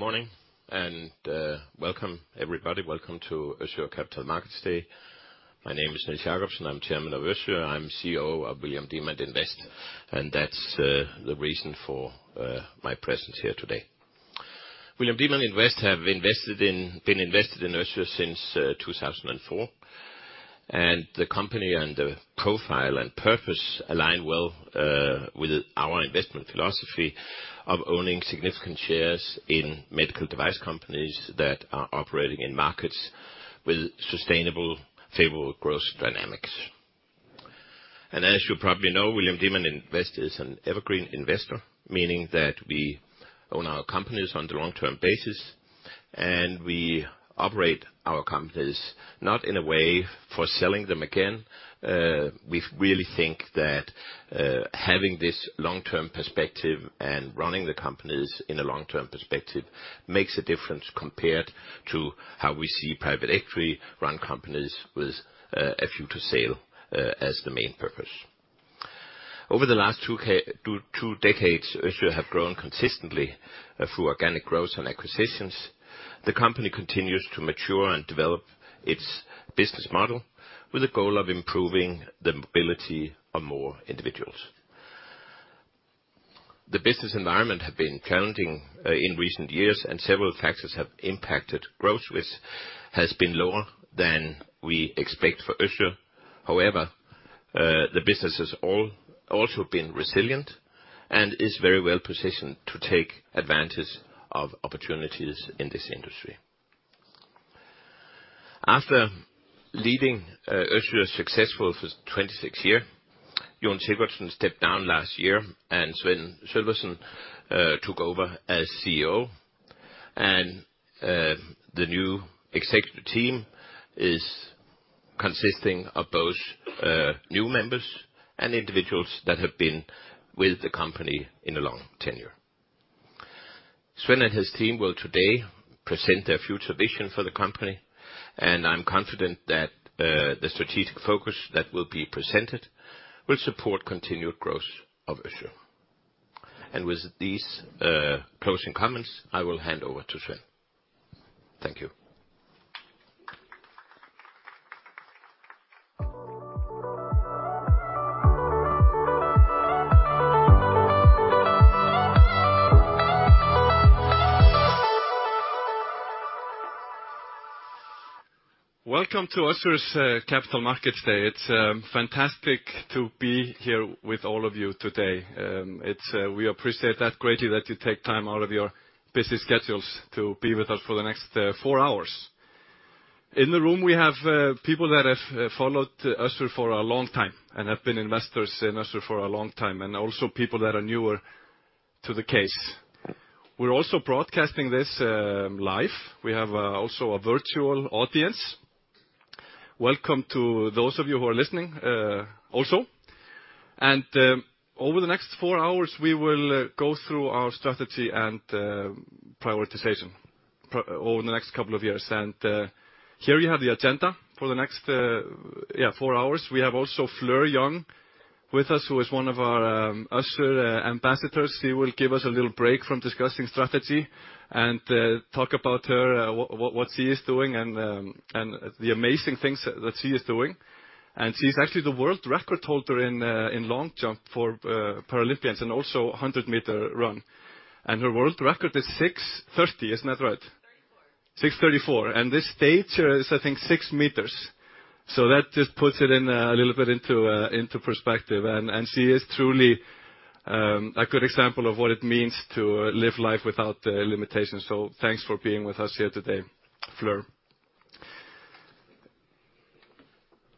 Good morning, welcome everybody. Welcome to Össur Capital Markets Day. My name is Niels Jacobsen, I'm Chairman of Össur, I'm CEO of William Demant Invest, that's the reason for my presence here today. William Demant Invest have been invested in Össur since 2004. The company and the profile and purpose align well with our investment philosophy of owning significant shares in medical device companies that are operating in markets with sustainable favorable growth dynamics. As you probably know, William Demant Invest is an evergreen investor, meaning that we own our companies on the long-term basis, and we operate our companies not in a way for selling them again. We really think that having this long-term perspective and running the companies in a long-term perspective makes a difference compared to how we see private equity run companies with a future sale as the main purpose. Over the last 2 decades, Össur have grown consistently through organic growth and acquisitions. The company continues to mature and develop its business model with a goal of improving the mobility of more individuals. The business environment have been challenging in recent years, several factors have impacted growth, which has been lower than we expect for Össur. However, the business has also been resilient and is very well positioned to take advantage of opportunities in this industry. After leading Össur successfully for 26 year, Jón Sigurðsson stepped down last year, and Sveinn Sölvason took over as CEO. The new executive team is consisting of both new members and individuals that have been with the company in a long tenure. Sveinn and his team will today present their future vision for the company, and I'm confident that the strategic focus that will be presented will support continued growth of Embla Medical. With these closing comments, I will hand over to Sveinn. Thank you. Welcome to Embla Medical Capital Markets Day. It's fantastic to be here with all of you today. We appreciate that greatly that you take time out of your busy schedules to be with us for the next 4 hours. In the room, we have people that have followed Embla Medical for a long time and have been investors in Embla Medical for a long time, and also people that are newer to the case. We're also broadcasting this live. We have also a virtual audience. Welcome to those of you who are listening also. Over the next 4 hours, we will go through our strategy and prioritization over the next couple of years. Here we have the agenda for the next, yeah, 4 hours. We have also Fleur Jong with us, who is one of our Össur ambassadors. She will give us a little break from discussing strategy and talk about her what she is doing and the amazing things that she is doing. She's actually the world record holder in long jump for Paralympians and also 100-meter run. Her world record is 6.30, isn't that right? 6:34. 634. This stage is, I think, 6 meters. That just puts it a little bit into perspective. She is truly a good example of what it means to live life without limitations. Thanks for being with us here today, Fleur.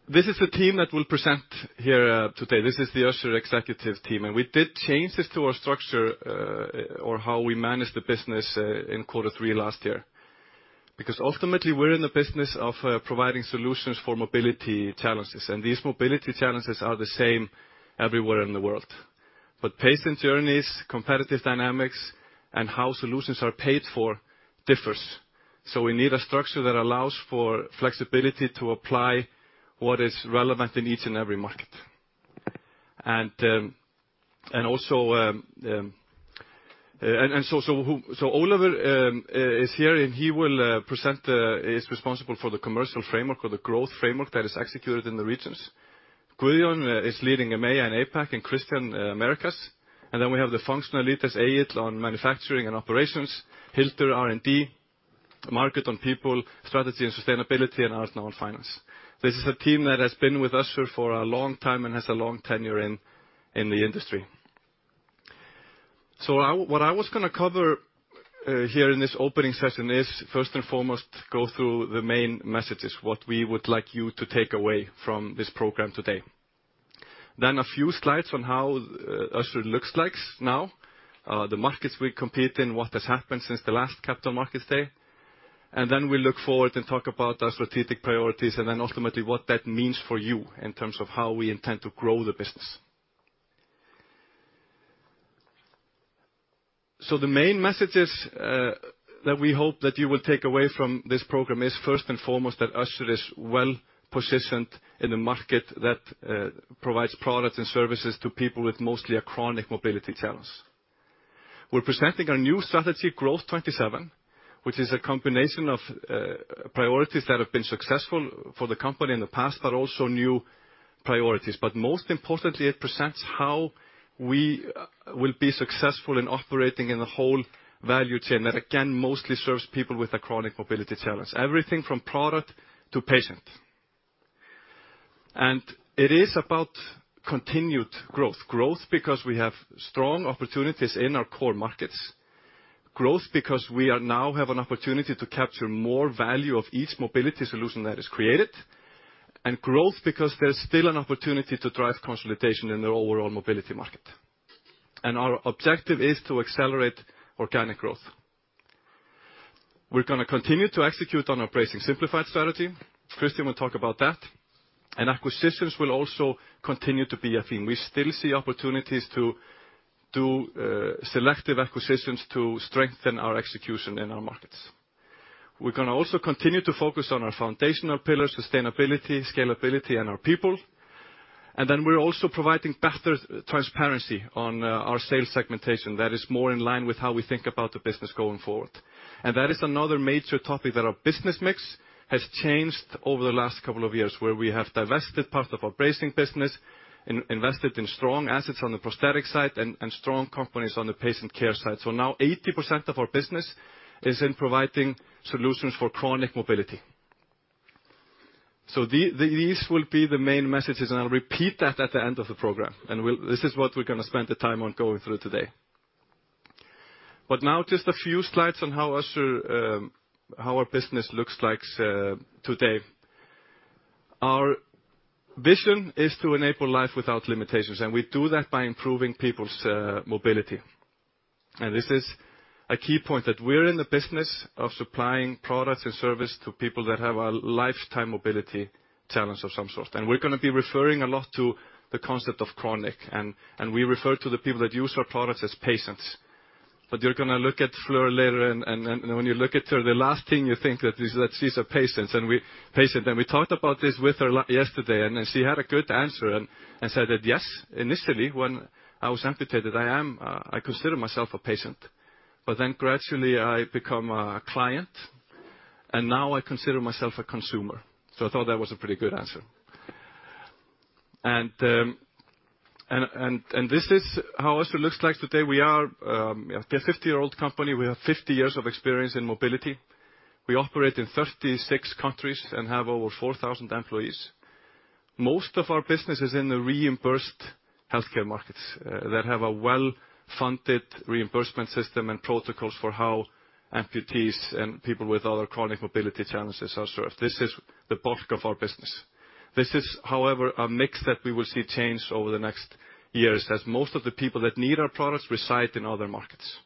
This is the team that will present here today. This is the Össur executive team. We did change this to our structure or how we manage the business in Q3 last year. Because ultimately, we're in the business of providing solutions for mobility challenges, and these mobility challenges are the same everywhere in the world. Patient journeys, competitive dynamics, and how solutions are paid for differs. We need a structure that allows for flexibility to apply what is relevant in each and every market. Also, Ólafur is here, and he will present, is responsible for the commercial framework or the growth framework that is executed in the regions. Guðjón is leading EMEA and APAC, and Christian, Americas. We have the functional leaders, Egill on manufacturing and operations, Hildur, R&D, Margrét on people, strategy, and sustainability, and Árni on finance. This is a team that has been with Össur for a long time and has a long tenure in the industry. I what I was gonna cover here in this opening session is, first and foremost, go through the main messages, what we would like you to take away from this program today. A few slides on how Össur looks like now, the markets we compete in, what has happened since the last Capital Markets Day. We look forward and talk about our strategic priorities and then ultimately what that means for you in terms of how we intend to grow the business. The main messages that we hope that you will take away from this program is, first and foremost, that Össur is well-positioned in a market that provides products and services to people with mostly a chronic mobility challenge. We're presenting our new strategy, Growth'27, which is a combination of priorities that have been successful for the company in the past, but also new priorities. Most importantly, it presents how we will be successful in operating in the whole value chain that, again, mostly serves people with a chronic mobility challenge, everything from product to patient. It is about continued growth. Growth because we have strong opportunities in our core markets, growth because we are now have an opportunity to capture more value of each mobility solution that is created. Growth because there's still an opportunity to drive consolidation in the overall mobility market. Our objective is to accelerate organic growth. We're gonna continue to execute on our Bracing Simplified strategy. Christian will talk about that. Acquisitions will also continue to be a theme. We still see opportunities to do selective acquisitions to strengthen our execution in our markets. We're gonna also continue to focus on our foundational pillars, sustainability, scalability, and our people. We're also providing better transparency on our sales segmentation that is more in line with how we think about the business going forward. That is another major topic that our business mix has changed over the last couple of years, where we have divested part of our bracing business, invested in strong assets on the prosthetic side, and strong companies on the patient care side. Now 80% of our business is in providing solutions for chronic mobility. These will be the main messages, and I'll repeat that at the end of the program. This is what we're gonna spend the time on going through today. Now just a few slides on how Össur how our business looks likes today. Our vision is to enable life without limitations, and we do that by improving people's mobility. This is a key point that we're in the business of supplying products and service to people that have a lifetime mobility challenge of some sort. We're going to be referring a lot to the concept of chronic, and we refer to the people that use our products as patients. You're going to look at Fleur later and then when you look at her, the last thing you think that is, that she's a patients, patient. We talked about this with her yesterday, and she had a good answer and said that, "Yes, initially, when I was amputated, I am, I consider myself a patient. Gradually I become a client, and now I consider myself a consumer." I thought that was a pretty good answer. And this is how Össur looks like today. We are a 50-year-old company. We have 50 years of experience in mobility. We operate in 36 countries and have over 4,000 employees. Most of our business is in the reimbursed healthcare markets that have a well-funded reimbursement system and protocols for how amputees and people with other chronic mobility challenges are served. This is the bulk of our business. This is, however, a mix that we will see change over the next years, as most of the people that need our products reside in other markets.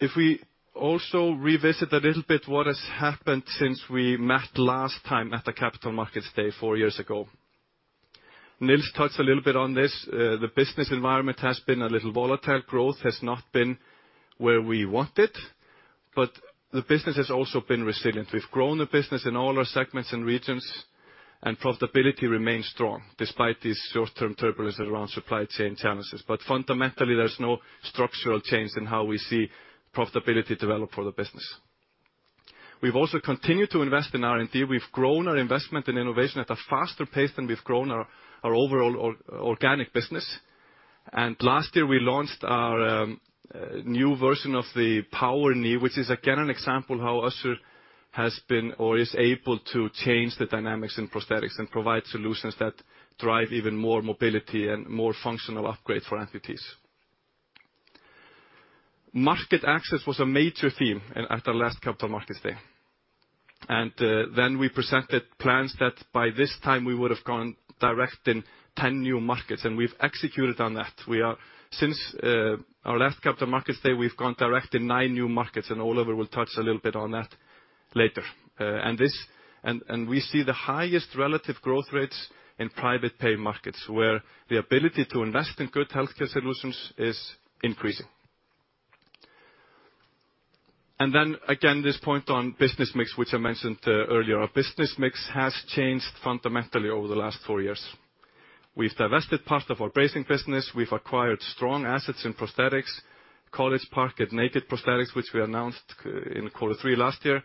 If we also revisit a little bit what has happened since we met last time at the Capital Markets Day four years ago. Niels touched a little bit on this. The business environment has been a little volatile. Growth has not been where we wanted, but the business has also been resilient. We've grown the business in all our segments and regions, and profitability remains strong despite this short-term turbulence around supply chain challenges. Fundamentally, there's no structural change in how we see profitability develop for the business. We've also continued to invest in R&D. We've grown our investment in innovation at a faster pace than we've grown our overall organic business. Last year, we launched our new version of the POWER KNEE, which is again, an example how Össur has been or is able to change the dynamics in prosthetics and provide solutions that drive even more mobility and more functional upgrade for amputees. Market access was a major theme at our last Capital Markets Day. Then we presented plans that by this time, we would have gone direct in 10 new markets, and we've executed on that. Since our last Capital Markets Day, we've gone direct in 9 new markets, Ólafur will touch a little bit on that later. We see the highest relative growth rates in private pay markets where the ability to invest in good healthcare solutions is increasing. Again, this point on business mix, which I mentioned earlier. Our business mix has changed fundamentally over the last 4 years. We've divested part of our bracing business. We've acquired strong assets in prosthetics, College Park and Naked Prosthetics, which we announced in quarter 3 last year.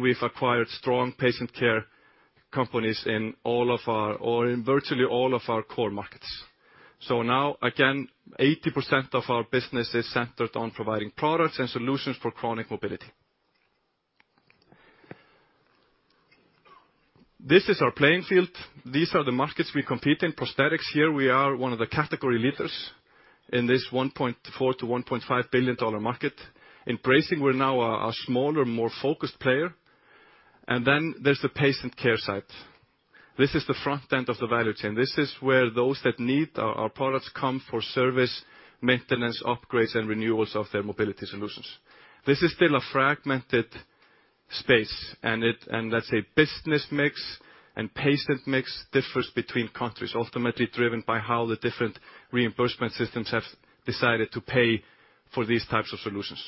We've acquired strong patient care companies in all of our, or in virtually all of our core markets. Now, again, 80% of our business is centered on providing products and solutions for chronic mobility. This is our playing field. These are the markets we compete in. Prosthetics here, we are one of the category leaders in this $1.4 billion-$1.5 billion market. In bracing, we're now a smaller, more focused player. Then there's the patient care side. This is the front end of the value chain. This is where those that need our products come for service, maintenance, upgrades, and renewals of their mobility solutions. This is still a fragmented space, and that's a business mix, and patient mix differs between countries, ultimately driven by how the different reimbursement systems have decided to pay for these types of solutions.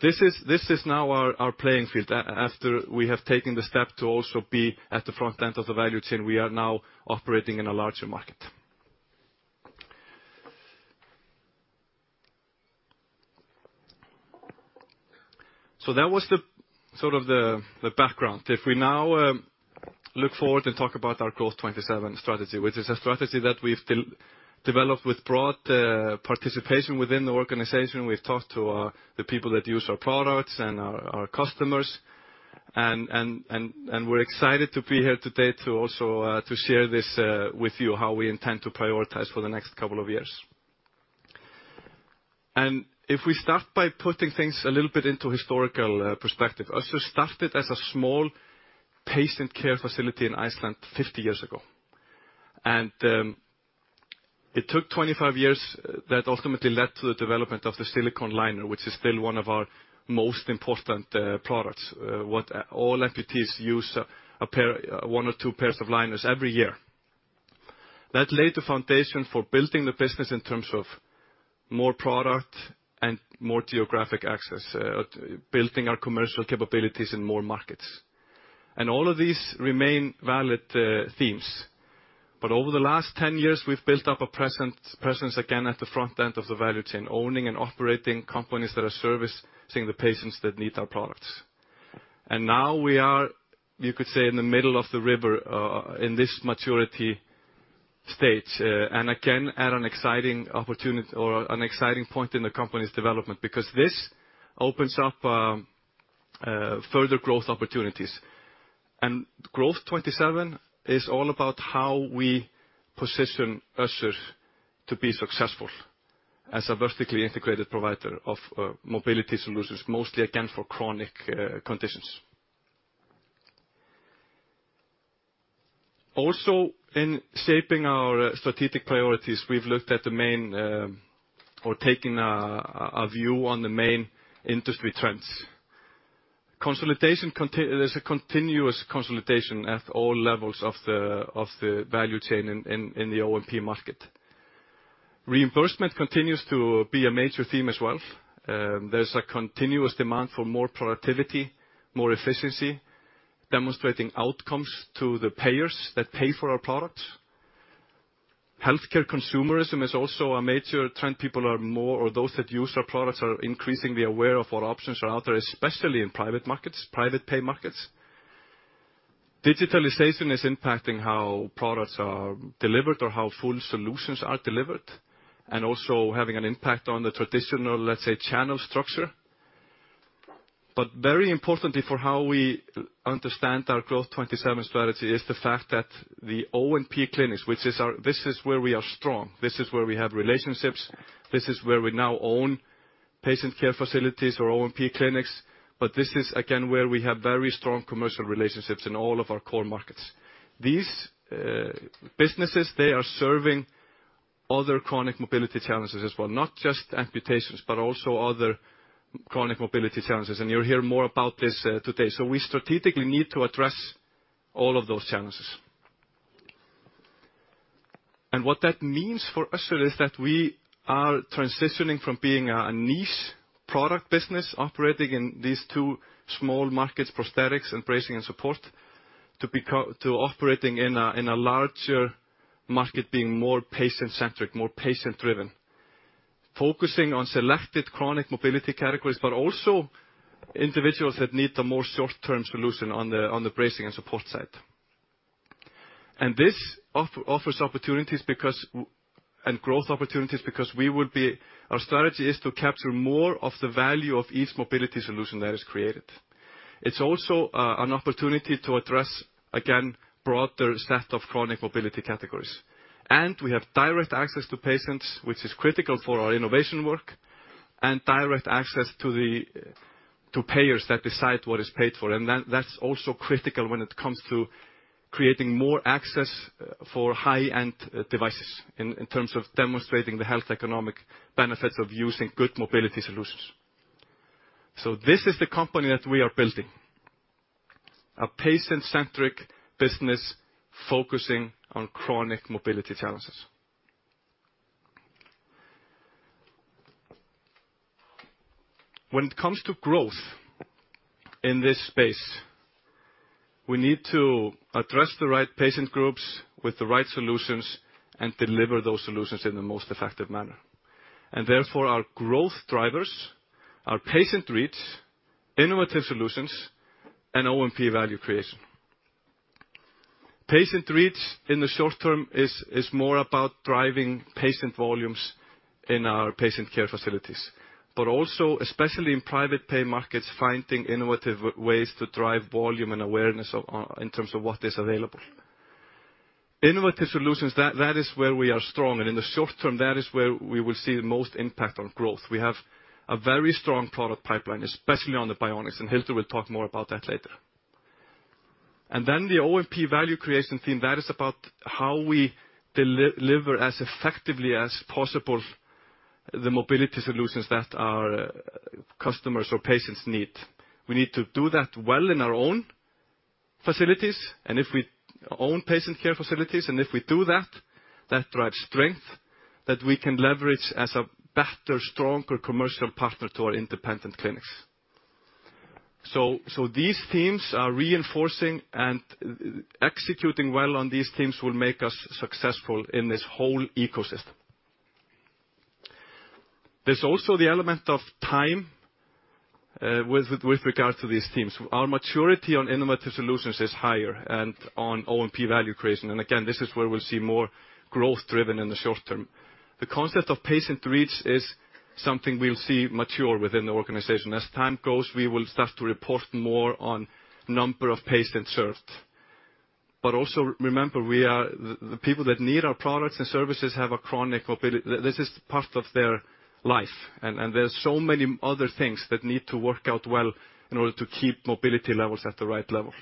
This is now our playing field. After we have taken the step to also be at the front end of the value chain, we are now operating in a larger market. That was the sort of the background. If we now look forward to talk about our Growth'27 strategy, which is a strategy that we've developed with broad participation within the organization. We've talked to the people that use our products and our customers. We're excited to be here today to also to share this with you, how we intend to prioritize for the next couple of years. If we start by putting things a little bit into historical perspective. Össur started as a small patient care facility in Iceland 50 years ago. It took 25 years that ultimately led to the development of the silicone liner, which is still one of our most important products, what all amputees use, One or two pairs of liners every year. That laid the foundation for building the business in terms of more product and more geographic access, building our commercial capabilities in more markets. All of these remain valid themes. Over the last 10 years, we've built up a presence again at the front end of the value chain, owning and operating companies that are servicing the patients that need our products. Now we are, you could say, in the middle of the river, in this maturity stage, and again, at an exciting opportunity or an exciting point in the company's development, because this opens up further growth opportunities. Growth 27 is all about how we position Össur to be successful as a vertically integrated provider of mobility solutions, mostly again for chronic conditions. In shaping our strategic priorities, we've looked at the main or taken a view on the main industry trends. There's a continuous consolidation at all levels of the value chain in the O&P market. Reimbursement continues to be a major theme as well. There's a continuous demand for more productivity, more efficiency, demonstrating outcomes to the payers that pay for our products. Healthcare consumerism is also a major trend. People are more, or those that use our products are increasingly aware of what options are out there, especially in private markets, private pay markets. Digitalization is impacting how products are delivered or how full solutions are delivered, and also having an impact on the traditional, let's say, channel structure. Very importantly for how we understand our Growth'27 strategy is the fact that the O&P clinics, which is our This is where we are strong, this is where we have relationships, this is where we now own patient care facilities or O&P clinics, but this is again, where we have very strong commercial relationships in all of our core markets. These businesses, they are serving other chronic mobility challenges as well, not just amputations, but also other chronic mobility challenges. You'll hear more about this today. We strategically need to address all of those challenges. What that means for Össur is that we are transitioning from being a niche product business operating in these two small markets, prosthetics and bracing and support, to operating in a larger market, being more patient-centric, more patient-driven. Focusing on selected chronic mobility categories, but also individuals that need the more short-term solution on the, on the bracing and support side. This offers opportunities. Our strategy is to capture more of the value of each mobility solution that is created. It's also an opportunity to address, again, broader set of chronic mobility categories. We have direct access to patients, which is critical for our innovation work, and direct access to the, to payers that decide what is paid for. That's also critical when it comes to creating more access for high-end devices in terms of demonstrating the health economic benefits of using good mobility solutions. This is the company that we are building, a patient-centric business focusing on chronic mobility challenges. When it comes to growth in this space, we need to address the right patient groups with the right solutions and deliver those solutions in the most effective manner. Therefore, our growth drivers are patient reach, innovative solutions, and O&P value creation. Patient reach in the short term is more about driving patient volumes in our patient care facilities. Also, especially in private pay markets, finding innovative ways to drive volume and awareness of in terms of what is available. Innovative solutions, that is where we are strong. In the short term, that is where we will see the most impact on growth. We have a very strong product pipeline, especially on the bionics, and Hildur will talk more about that later. The O&P value creation theme, that is about how we deliver as effectively as possible the mobility solutions that our customers or patients need. We need to do that well on our own facilities, and if we own patient care facilities, and if we do that drives strength that we can leverage as a better, stronger commercial partner to our independent clinics. These themes are reinforcing and executing well on these themes will make us successful in this whole ecosystem. There's also the element of time, with regard to these themes. Our maturity on innovative solutions is higher and on O&P value creation. Again, this is where we'll see more growth driven in the short term. The concept of patient reach is something we'll see mature within the organization. As time goes, we will start to report more on number of patients served. Also remember, the people that need our products and services have a chronic ability. This is part of their life. There are so many other things that need to work out well in order to keep mobility levels at the right level.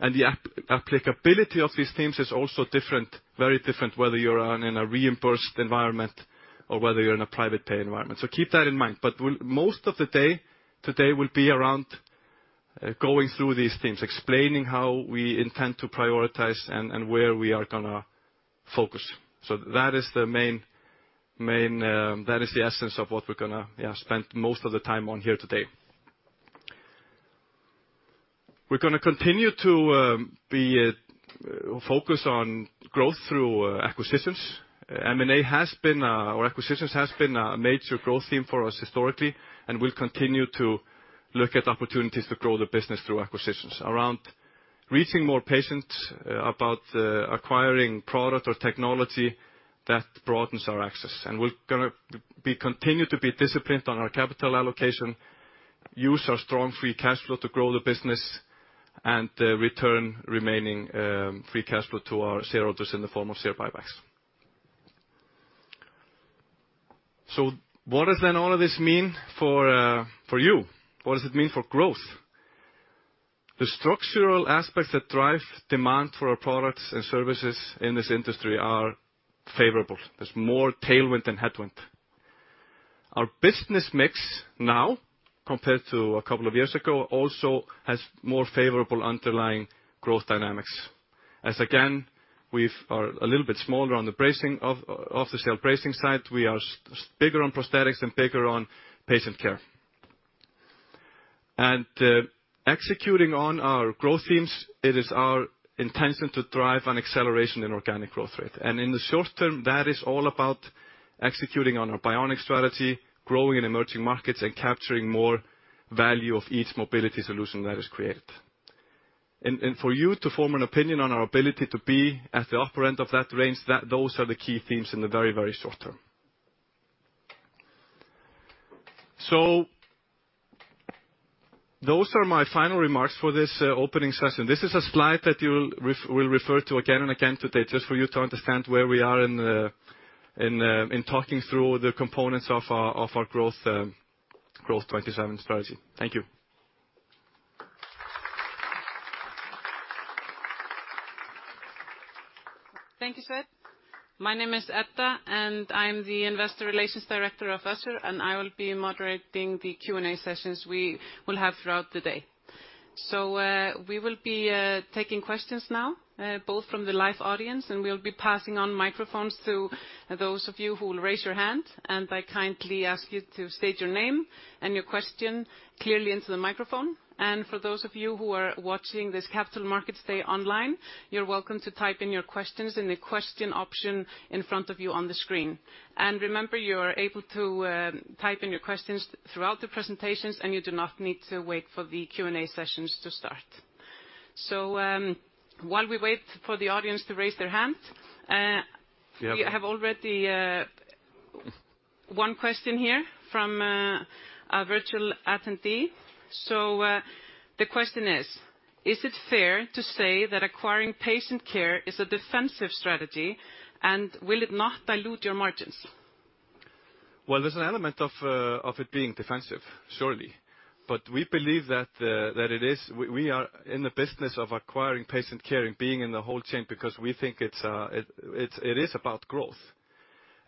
The applicability of these themes is also different, very different, whether you're in a reimbursed environment or whether you're in a private pay environment. Keep that in mind. Most of the day today will be around going through these themes, explaining how we intend to prioritize and where we are gonna focus. That is the essence of what we're gonna, yeah, spend most of the time on here today. We're gonna continue to be focus on growth through acquisitions. M&A has been or acquisitions has been a major growth theme for us historically, and we'll continue to look at opportunities to grow the business through acquisitions. Around reaching more patients, about acquiring product or technology that broadens our access. We're gonna be continue to be disciplined on our capital allocation, use our strong free cash flow to grow the business, and return remaining free cash flow to our shareholders in the form of share buybacks. What does then all of this mean for you? What does it mean for growth? The structural aspects that drive demand for our products and services in this industry are favorable. There's more tailwind than headwind. Our business mix now, compared to a couple of years ago, also has more favorable underlying growth dynamics. As again, we've are a little bit smaller on the bracing of the sale bracing side. We are bigger on prosthetics and bigger on patient care. Executing on our growth themes, it is our intention to drive an acceleration in organic growth rate. In the short term, that is all about executing on our bionic strategy, growing in emerging markets, and capturing more value of each mobility solution that is created. For you to form an opinion on our ability to be at the upper end of that range, that those are the key themes in the very, very short term. Those are my final remarks for this opening session. This is a slide that we'll refer to again and again today, just for you to understand where we are in the, in talking through the components of our, of our growth, Growth'27 strategy. Thank you. Thank you, Sveinn. My name is Edda, I'm the Investor Relations Director of Össur, I will be moderating the Q&A sessions we will have throughout the day. We will be taking questions now, both from the live audience, we'll be passing on microphones to those of you who will raise your hand. I kindly ask you to state your name and your question clearly into the microphone. For those of you who are watching this Capital Market Day online, you're welcome to type in your questions in the question option in front of you on the screen. Remember, you're able to type in your questions throughout the presentations, you do not need to wait for the Q&A sessions to start. While we wait for the audience to raise their hand, Yeah. We have already, 1 question here from a virtual attendee. The question is: Is it fair to say that acquiring patient care is a defensive strategy, and will it not dilute your margins? Well, there's an element of it being defensive, surely. But we believe that we are in the business of acquiring patient care and being in the whole chain because we think it's it is about growth.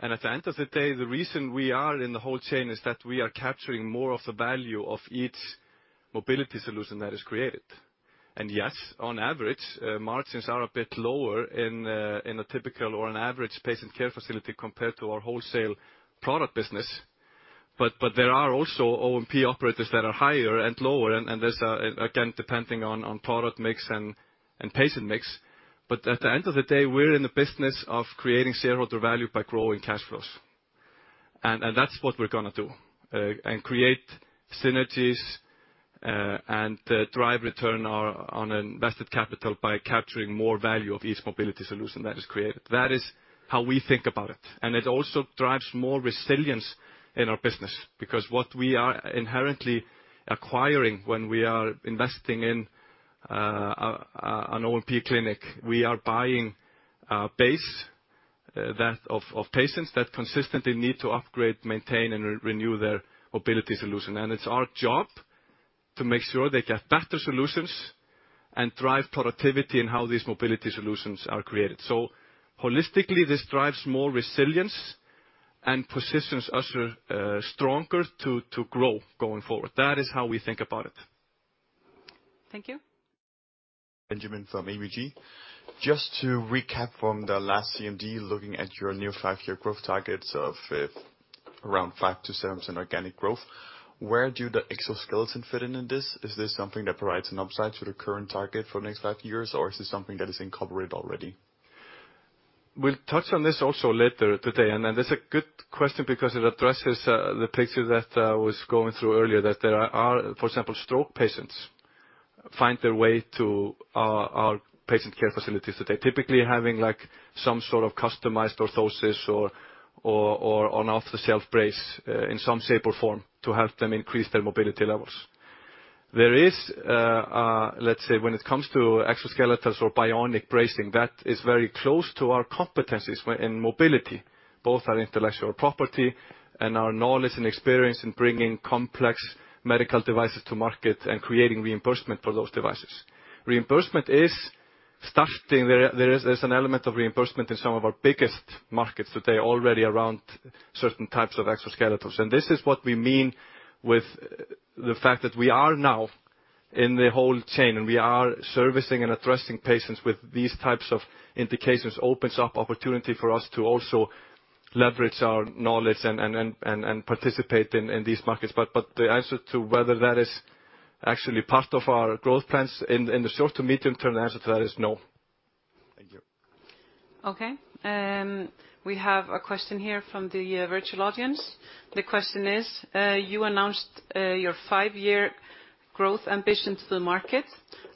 At the end of the day, the reason we are in the whole chain is that we are capturing more of the value of each mobility solution that is created. Yes, on average, margins are a bit lower in a typical or an average patient care facility compared to our wholesale product business. There are also O&P operators that are higher and lower, and there's again, depending on product mix and patient mix. At the end of the day, we're in the business of creating shareholder value by growing cash flows. That's what we're gonna do and create synergies and drive return on invested capital by capturing more value of each mobility solution that is created. That is how we think about it. It also drives more resilience in our business, because what we are inherently acquiring when we are investing in an O&P clinic, we are buying a base that of patients that consistently need to upgrade, maintain, and re-renew their mobility solution. It's our job to make sure they get better solutions and drive productivity in how these mobility solutions are created. Holistically, this drives more resilience and positions us stronger to grow going forward. That is how we think about it. Thank you. Benjamin from ABG. Just to recap from the last CMD, looking at your new 5-year growth targets of around 5%-7% organic growth, where do the exoskeleton fit in in this? Is this something that provides an upside to the current target for the next 5 years, or is this something that is incorporated already? We'll touch on this also later today. That's a good question because it addresses the picture that I was going through earlier, that for example, stroke patients find their way to our patient care facilities that they're typically having, like, some sort of customized orthosis or an off-the-shelf brace in some shape or form to help them increase their mobility levels. There is, let's say when it comes to exoskeletons or bionic bracing, that is very close to our competencies when in mobility, both our intellectual property and our knowledge and experience in bringing complex medical devices to market and creating reimbursement for those devices. Reimbursement is starting. There is an element of reimbursement in some of our biggest markets today, already around certain types of exoskeletons. This is what we mean with the fact that we are now in the whole chain and we are servicing and addressing patients with these types of indications, opens up opportunity for us to also leverage our knowledge and participate in these markets. The answer to whether that is actually part of our growth plans in the short to medium term, the answer to that is no. Thank you. Okay. We have a question here from the virtual audience. The question is, you announced your five-year growth ambition to the market.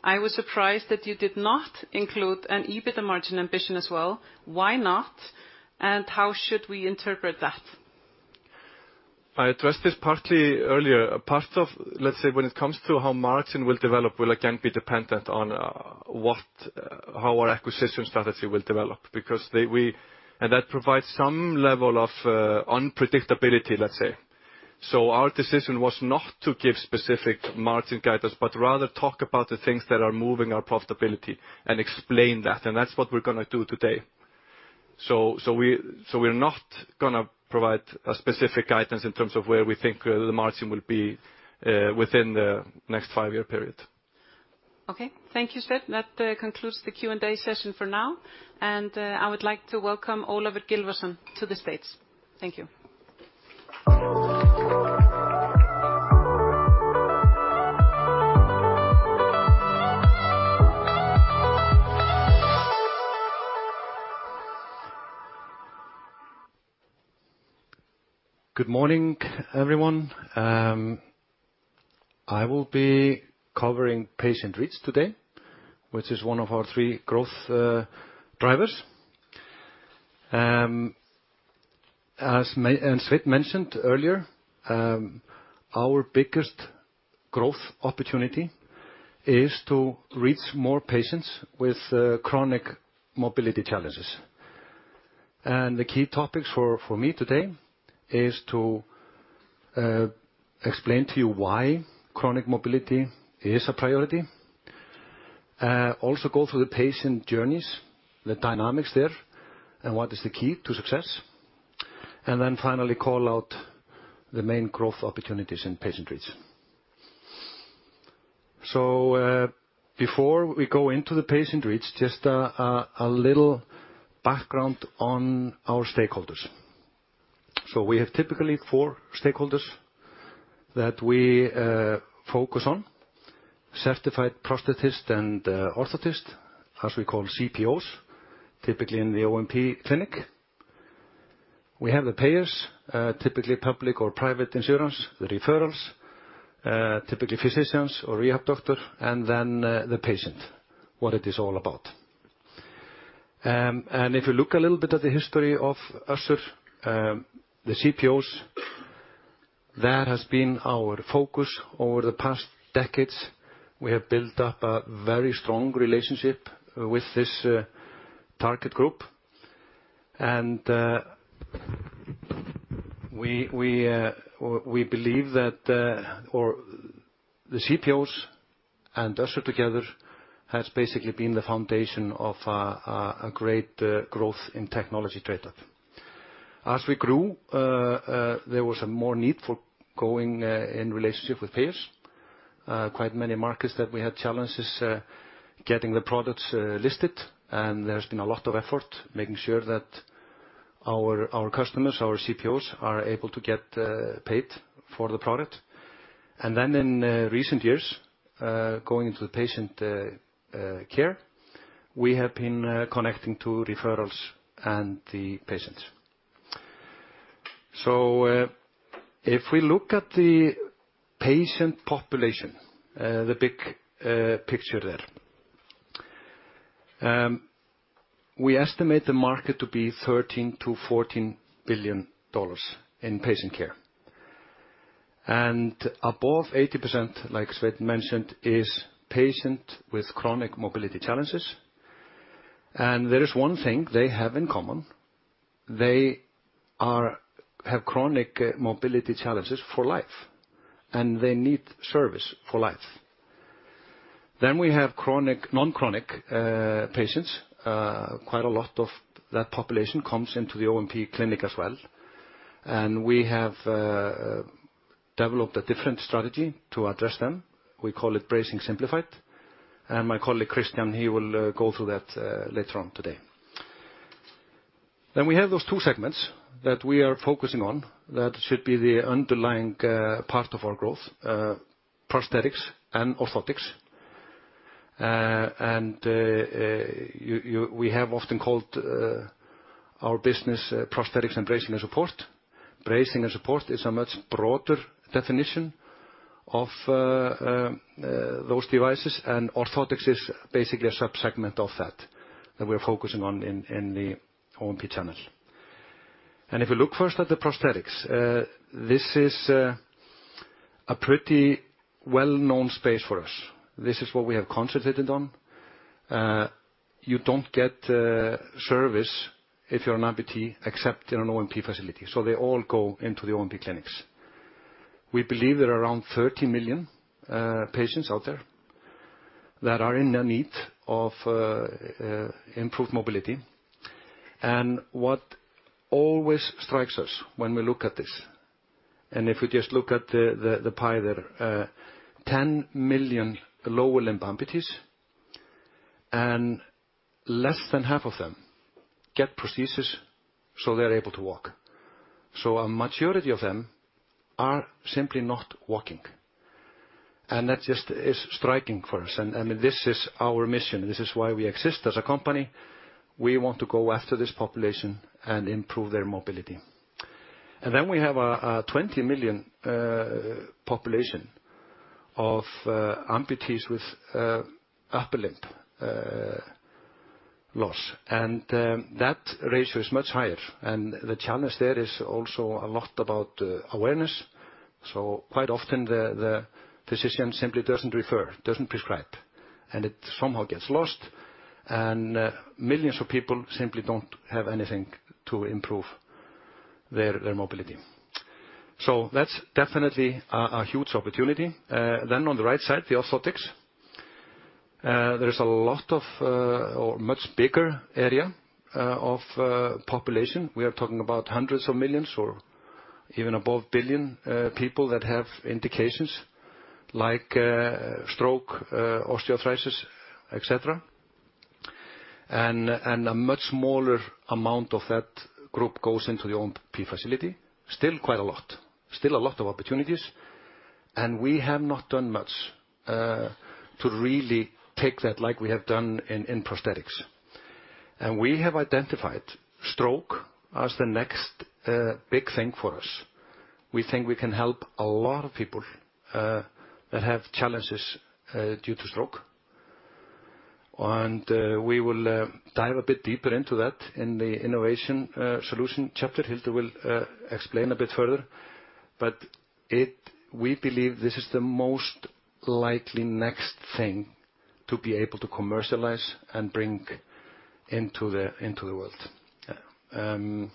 I was surprised that you did not include an EBITDA margin ambition as well. Why not? How should we interpret that? I addressed this partly earlier. Part of, let's say, when it comes to how margin will develop, will again be dependent on what, how our acquisition strategy will develop, because that provides some level of unpredictability, let's say. Our decision was not to give specific margin guidance, but rather talk about the things that are moving our profitability and explain that, and that's what we're gonna do today. We're not gonna provide a specific guidance in terms of where we think the margin will be within the next five year period. Okay. Thank you, Sveinn. That concludes the Q&A session for now. I would like to welcome Ólafur Gylfason to the stage. Thank you. Good morning, everyone. I will be covering patient reach today, which is one of our three growth drivers. As Margrét Lára and Sveinn mentioned earlier, our biggest growth opportunity is to reach more patients with chronic mobility challenges. The key topics for me today is to explain to you why chronic mobility is a priority. Also go through the patient journeys, the dynamics there, and what is the key to success. Finally, call out the main growth opportunities in patient reach. Before we go into the patient reach, just a little background on our stakeholders. We have typically four stakeholders that we focus on. Certified prosthetist and orthotist, as we call CPOs, typically in the O&P clinic. We have the payers, typically public or private insurance, the referrals, typically physicians or rehab doctor, and then, the patient, what it is all about. If you look a little bit at the history of Össur, the CPOs, that has been our focus over the past decades. We have built up a very strong relationship with this target group. We believe that the CPOs and Össur together has basically been the foundation of a great growth in technology trade-up. As we grew, there was a more need for going in relationship with payers. Quite many markets that we had challenges getting the products listed, there's been a lot of effort making sure that our customers, our CPOs, are able to get paid for the product. In recent years, going into the patient care, we have been connecting to referrals and the patients. If we look at the patient population, the big picture there, we estimate the market to be $13 billion-$14 billion in patient care. Above 80%, like Sveinn mentioned, is patient with chronic mobility challenges. There is one thing they have in common. They have chronic mobility challenges for life, and they need service for life. We have chronic, non-chronic patients. Quite a lot of that population comes into the O&P clinic as well, and we have developed a different strategy to address them. We call it Bracing Simplified. My colleague Christian, he will go through that later on today. We have those two segments that we are focusing on that should be the underlying part of our growth, prosthetics and orthotics. We have often called our business, prosthetics and bracing and support. Bracing and support is a much broader definition of those devices, and orthotics is basically a subsegment of that we're focusing on in the O&P channel. If you look first at the prosthetics, this is a pretty well-known space for us. This is what we have concentrated on. You don't get service if you're an amputee, except in an O&P facility. They all go into the O&P clinics. We believe there are around 30 million patients out there that are in a need of improved mobility. What always strikes us when we look at this, and if we just look at the pie there, 10 million lower limb amputees and less than half of them get prosthesis so they're able to walk. A majority of them are simply not walking, and that just is striking for us. I mean, this is our mission. This is why we exist as a company. We want to go after this population and improve their mobility. Then we have a 20 million population of amputees with upper limb loss. That ratio is much higher. The challenge there is also a lot about awareness. Quite often the physician simply doesn't refer, doesn't prescribe, and it somehow gets lost, and millions of people simply don't have anything to improve their mobility. That's definitely a huge opportunity. On the right side, the orthotics. There's a lot of or much bigger area of population. We are talking about hundreds of millions or even above 1 billion people that have indications like stroke, osteoarthritis, et cetera. A much smaller amount of that group goes into the O&P facility. Still quite a lot. Still a lot of opportunities. We have not done much to really take that like we have done in prosthetics. We have identified stroke as the next, big thing for us. We think we can help a lot of people, that have challenges, due to stroke. We will, dive a bit deeper into that in the innovation, solution chapter. Hildur will, explain a bit further. But we believe this is the most likely next thing to be able to commercialize and bring into the, into the world.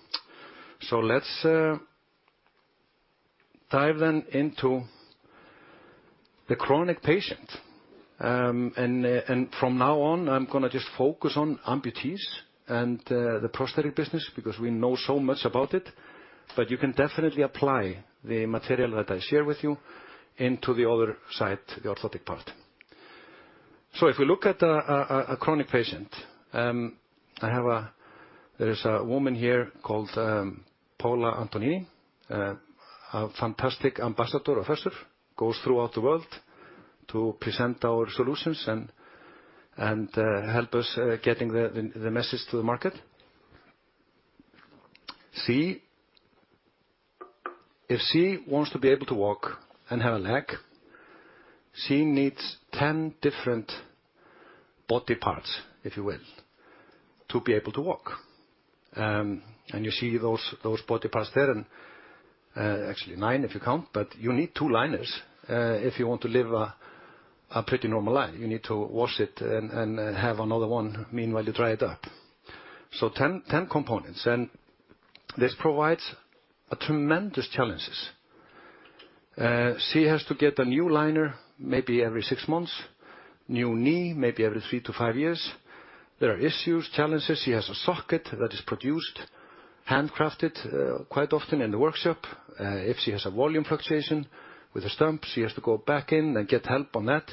Let's, dive then into the chronic patient. From now on, I'm going to just focus on amputees and the prosthetic business because we know so much about it. You can definitely apply the material that I share with you into the other side, the orthotic part. If we look at a, a chronic patient, I have a... There is a woman here called, Paola Antonini, a fantastic ambassador, professor, goes throughout the world to present our solutions and help us getting the message to the market. If she wants to be able to walk and have a leg, she needs 10 different body parts, if you will, to be able to walk. And you see those body parts there and actually 9, if you count. You need 2 liners, if you want to live a pretty normal life. You need to wash it and have another one meanwhile you dry it up. 10 components. This provides a tremendous challenges. She has to get a new liner maybe every 6 months, new knee maybe every 3-5 years. There are issues, challenges. She has a socket that is produced, handcrafted, quite often in the workshop. If she has a volume fluctuation with her stump, she has to go back in and get help on that.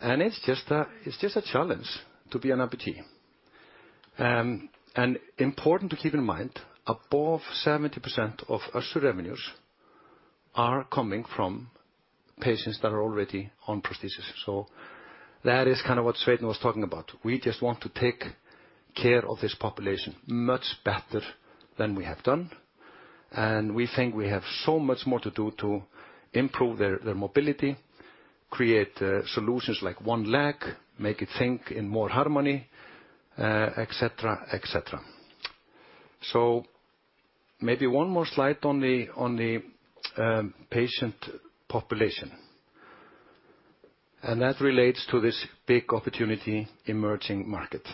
It's just a challenge to be an amputee. Important to keep in mind, above 70% of our revenues are coming from patients that are already on prosthesis. That is kind of what Svein was talking about. We just want to take care of this population much better than we have done. We think we have so much more to do to improve their mobility, create solutions like one leg, make it think in more harmony, et cetera, et cetera. Maybe one more slide on the patient population, and that relates to this big opportunity emerging market.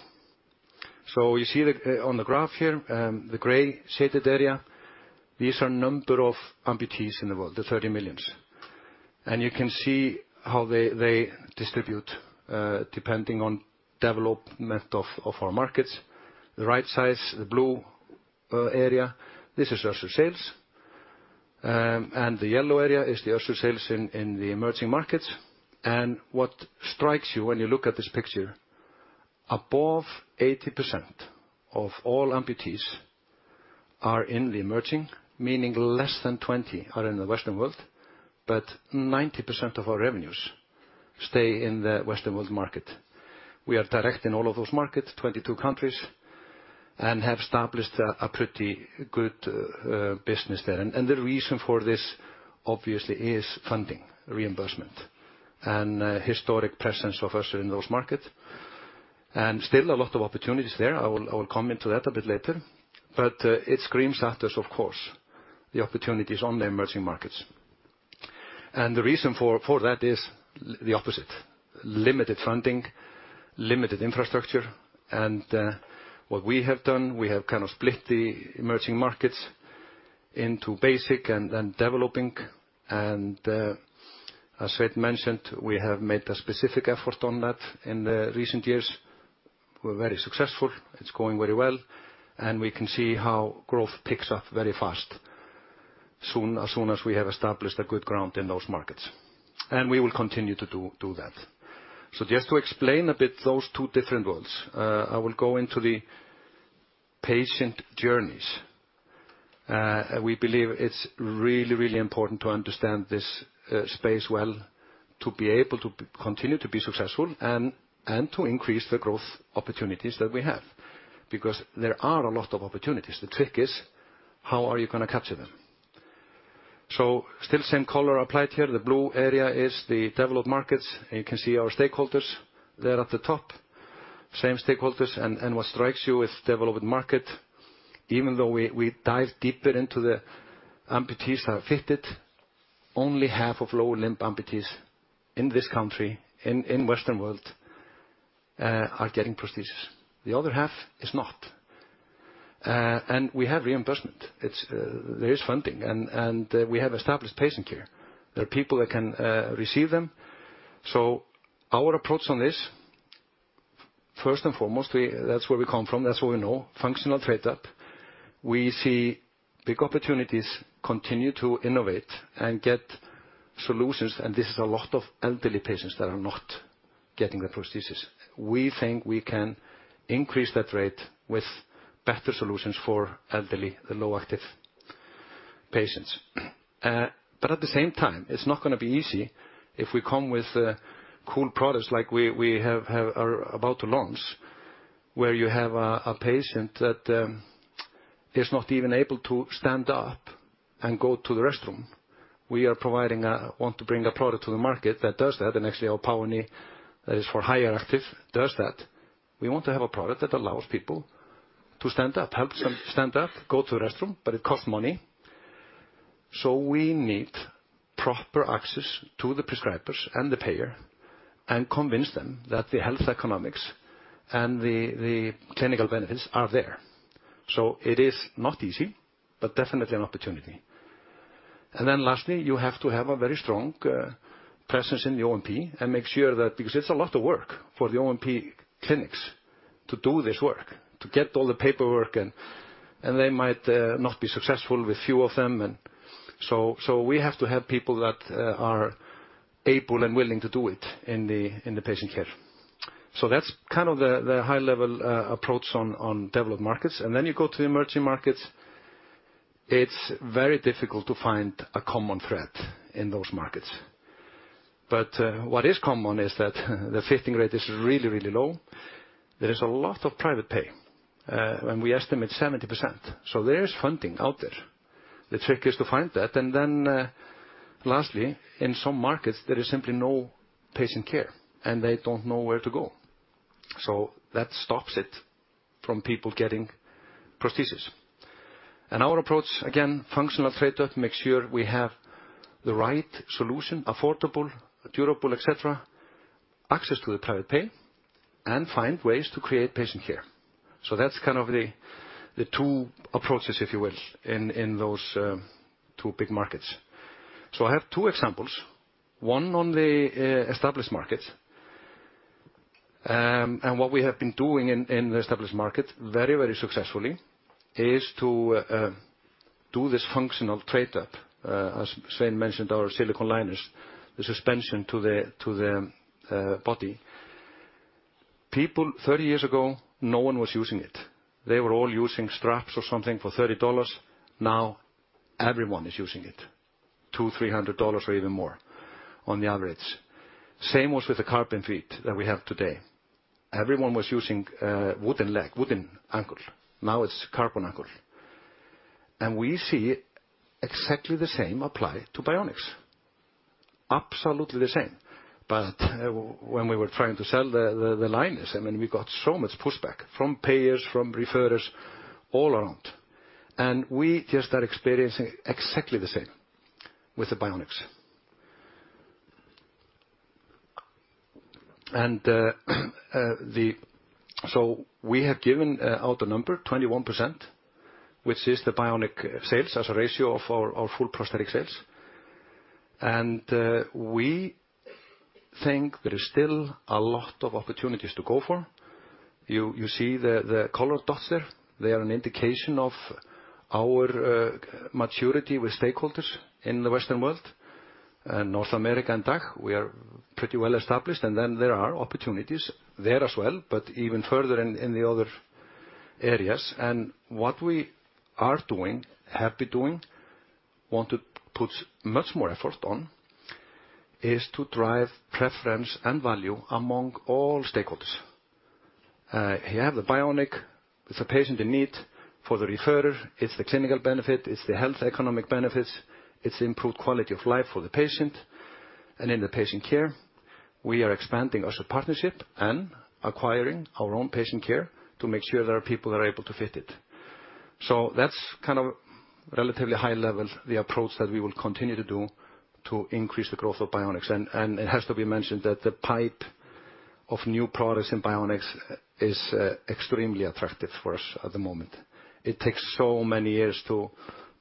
So you see the, on the graph here, the gray shaded area, these are number of amputees in the world, the 30 million. You can see how they distribute, depending on development of our markets. The right size, the blue area, this is Össur sales. The yellow area is the Össur sales in the emerging markets. What strikes you when you look at this picture, above 80% of all amputees are in the emerging, meaning less than 20 are in the Western world, but 90% of our revenues stay in the Western world market. We are direct in all of those markets, 22 countries, and have established a pretty good business there. The reason for this obviously is funding, reimbursement, and historic presence of us in those markets. Still a lot of opportunities there. I will come into that a bit later. It screams at us, of course, the opportunities on the emerging markets. The reason for that is the opposite: limited funding, limited infrastructure, and what we have done, we have kind of split the emerging markets into basic and developing. As Sveinn mentioned, we have made a specific effort on that in the recent years. We're very successful. It's going very well, and we can see how growth picks up very fast soon, as soon as we have established a good ground in those markets. We will continue to do that. Just to explain a bit those two different worlds, I will go into the patient journeys. We believe it's really, really important to understand this space well to be able to continue to be successful and to increase the growth opportunities that we have, because there are a lot of opportunities. The trick is, how are you going to capture them? Still same color applied here. The blue area is the developed markets, and you can see our stakeholders there at the top. Same stakeholders. What strikes you with developed market, even though we dive deeper into the amputees that are fitted, only half of lower limb amputees in this country, in Western world, are getting prosthesis. The other half is not. And we have reimbursement. It's, there is funding and, we have established patient care. There are people that can receive them. Our approach on this, first and foremost, we. That's where we come from, that's what we know, functional trade up. We see big opportunities continue to innovate and get solutions, and this is a lot of elderly patients that are not getting the prosthesis. But at the same time, it's not gonna be easy if we come with cool products like we have are about to launch, where you have a patient that is not even able to stand up and go to the restroom. We are providing, want to bring a product to the market that does that. Actually, our POWER KNEE that is for higher active does that. We want to have a product that allows people to stand up, help some stand up, go to the restroom, but it costs money. We need proper access to the prescribers and the payer and convince them that the health economics and the clinical benefits are there. It is not easy, but definitely an opportunity. Lastly, you have to have a very strong presence in the O&P and make sure that... Because it's a lot of work for the O&P clinics to do this work, to get all the paperwork and they might not be successful with few of them. So we have to have people that are able and willing to do it in the patient care. That's kind of the high level approach on developed markets. You go to emerging markets. It's very difficult to find a common thread in those markets. What is common is that the fitting rate is really, really low. There is a lot of private pay, and we estimate 70%. There is funding out there. The trick is to find that. Lastly, in some markets, there is simply no patient care, and they don't know where to go. That stops it from people getting prosthesis. Our approach, again, functional trade-up, make sure we have the right solution, affordable, durable, et cetera, access to the private pay, and find ways to create patient care. That's kind of the two approaches, if you will, in those two big markets. I have two examples. One on the established markets. What we have been doing in the established market very, very successfully is to do this functional trade up. As Sveinn mentioned, our silicone liners, the suspension to the body. People 30 years ago, no one was using it. They were all using straps or something for $30. Now everyone is using it, $200-$300 or even more on the average. Same was with the carbon feet that we have today. Everyone was using wooden leg, wooden ankle. Now it's carbon ankle. We see exactly the same apply to bionics. Absolutely the same. When we were trying to sell the liners, I mean, we got so much pushback from payers, from referrers, all around. We just are experiencing exactly the same with the bionics. And we have given out a number, 21%, which is the bionic sales as a ratio of our full prosthetic sales. We think there is still a lot of opportunities to go for. You, you see the colored dots there. They are an indication of our maturity with stakeholders in the Western world and North America. In DACH, we are pretty well established, and then there are opportunities there as well, but even further in the other areas. What we are doing, have been doing, want to put much more effort on, is to drive preference and value among all stakeholders. You have the bionic, it's a patient in need. For the referrer, it's the clinical benefit, it's the health economic benefits, it's improved quality of life for the patient. In the patient care, we are expanding as a partnership and acquiring our own patient care to make sure there are people that are able to fit it. That's kind of relatively high level, the approach that we will continue to do to increase the growth of bionics. It has to be mentioned that the pipe of new products in bionics is extremely attractive for us at the moment. It takes so many years to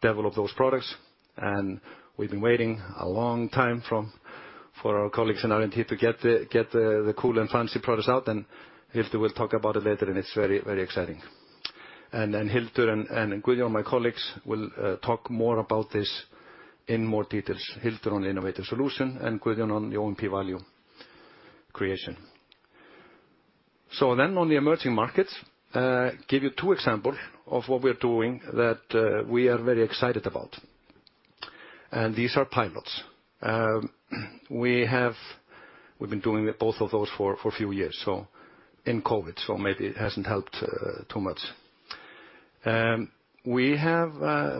develop those products, and we've been waiting a long time for our colleagues in R&D to get the cool and fancy products out. Hildur will talk about it later, and it's very exciting. and Guðjón, my colleagues, will talk more about this in more details. Hildur on innovative solution and Guðjón on the O&P value creation. On the emerging markets, give you two example of what we're doing that we are very excited about. These are pilots. We've been doing both of those for a few years, in COVID, maybe it hasn't helped too much. We have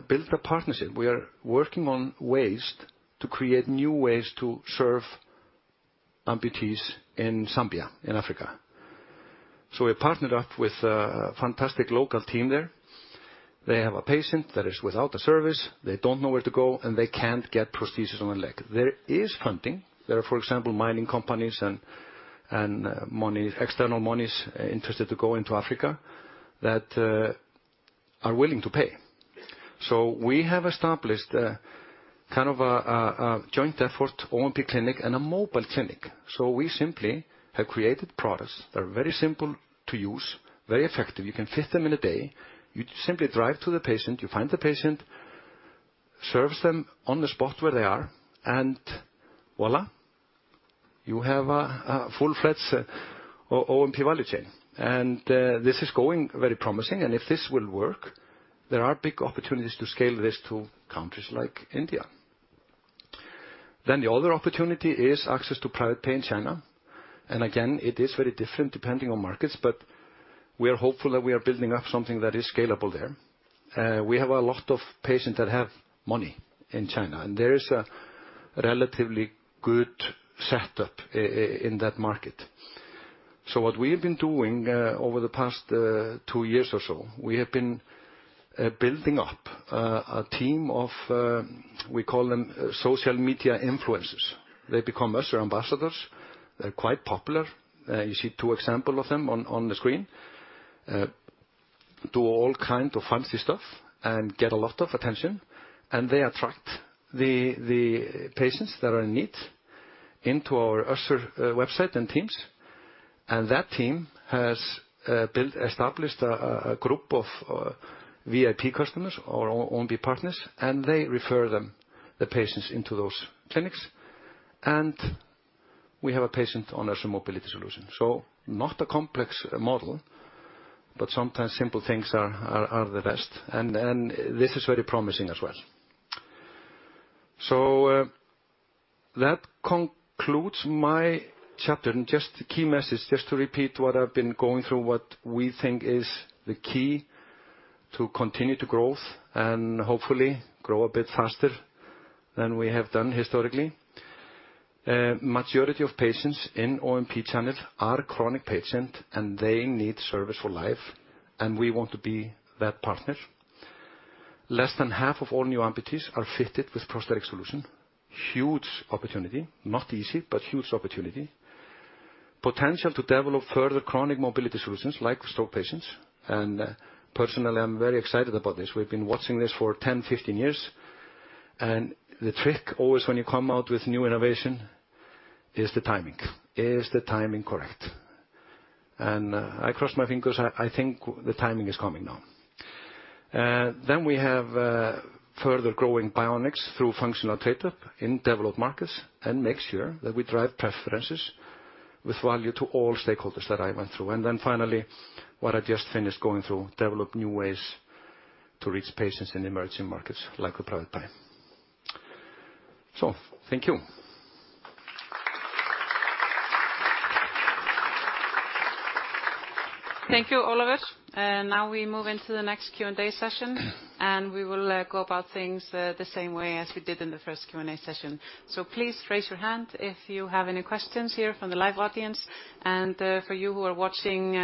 built a partnership. We are working on ways to create new ways to serve amputees in Zambia, in Africa. We partnered up with a fantastic local team there. They have a patient that is without a service, they don't know where to go, and they can't get prosthesis on their leg. There is funding. There are, for example, mining companies and money, external monies interested to go into Africa that are willing to pay. We have established a joint effort O&P clinic and a mobile clinic. We simply have created products that are very simple to use, very effective. You can fit them in a day. You simply drive to the patient, you find the patient, serves them on the spot where they are, voilà, you have a full-fledged O&P value chain. This is going very promising. If this will work, there are big opportunities to scale this to countries like India. The other opportunity is access to private pay in China. Again, it is very different depending on markets, but we are hopeful that we are building up something that is scalable there. We have a lot of patients that have money in China, and there is a relatively good setup in that market. What we have been doing over the past two years or so, we have been building up a team of we call them social media influencers. They become Össur ambassadors. They're quite popular. You see two example of them on the screen. Do all kind of fancy stuff and get a lot of attention, and they attract the patients that are in need into our Össur website and teams. That team has built, established a group of VIP customers or O&P partners, and they refer them, the patients, into those clinics. We have a patient on Össur mobility solution. Not a complex model, but sometimes simple things are the best. This is very promising as well. That concludes my chapter. Key message, to repeat what I've been going through, what we think is the key to continue to growth and hopefully grow a bit faster than we have done historically. Majority of patients in O&P channel are chronic patient, and they need service for life, and we want to be that partner. Less than half of all new amputees are fitted with prosthetic solution. Huge opportunity. Not easy, but huge opportunity. Potential to develop further chronic mobility solutions like stroke patients. Personally, I'm very excited about this. We've been watching this for 10, 15 years. The trick always when you come out with new innovation is the timing. Is the timing correct? I cross my fingers, I think the timing is coming now. Then we have further growing bionics through functional fit up in developed markets and make sure that we drive preferences with value to all stakeholders that I went through. Then finally, what I just finished going through, develop new ways to reach patients in emerging markets like with private pay. Thank you. Thank you, Ólafur. Now we move into the next Q&A session. We will go about things the same way as we did in the first Q&A session. Please raise your hand if you have any questions here from the live audience. For you who are watching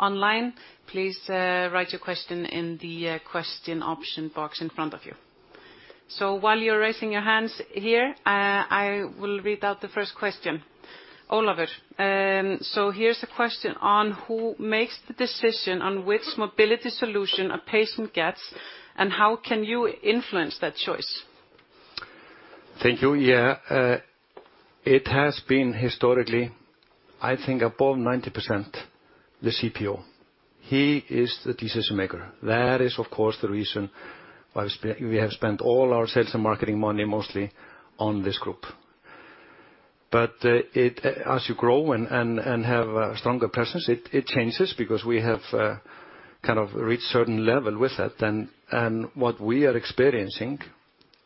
online, please write your question in the question option box in front of you. So while you're raising your hands here, I will read out the first question. Ólafur here's a question on who makes the decision on which mobility solution a patient gets, and how can you influence that choice? Thank you. Yeah. It has been historically, I think above 90% the CPO. He is the decision maker. That is, of course, the reason why we have spent all our sales and marketing money mostly on this group. As you grow and have stronger presence, it changes because we have kind of reached a certain level with it. What we are experiencing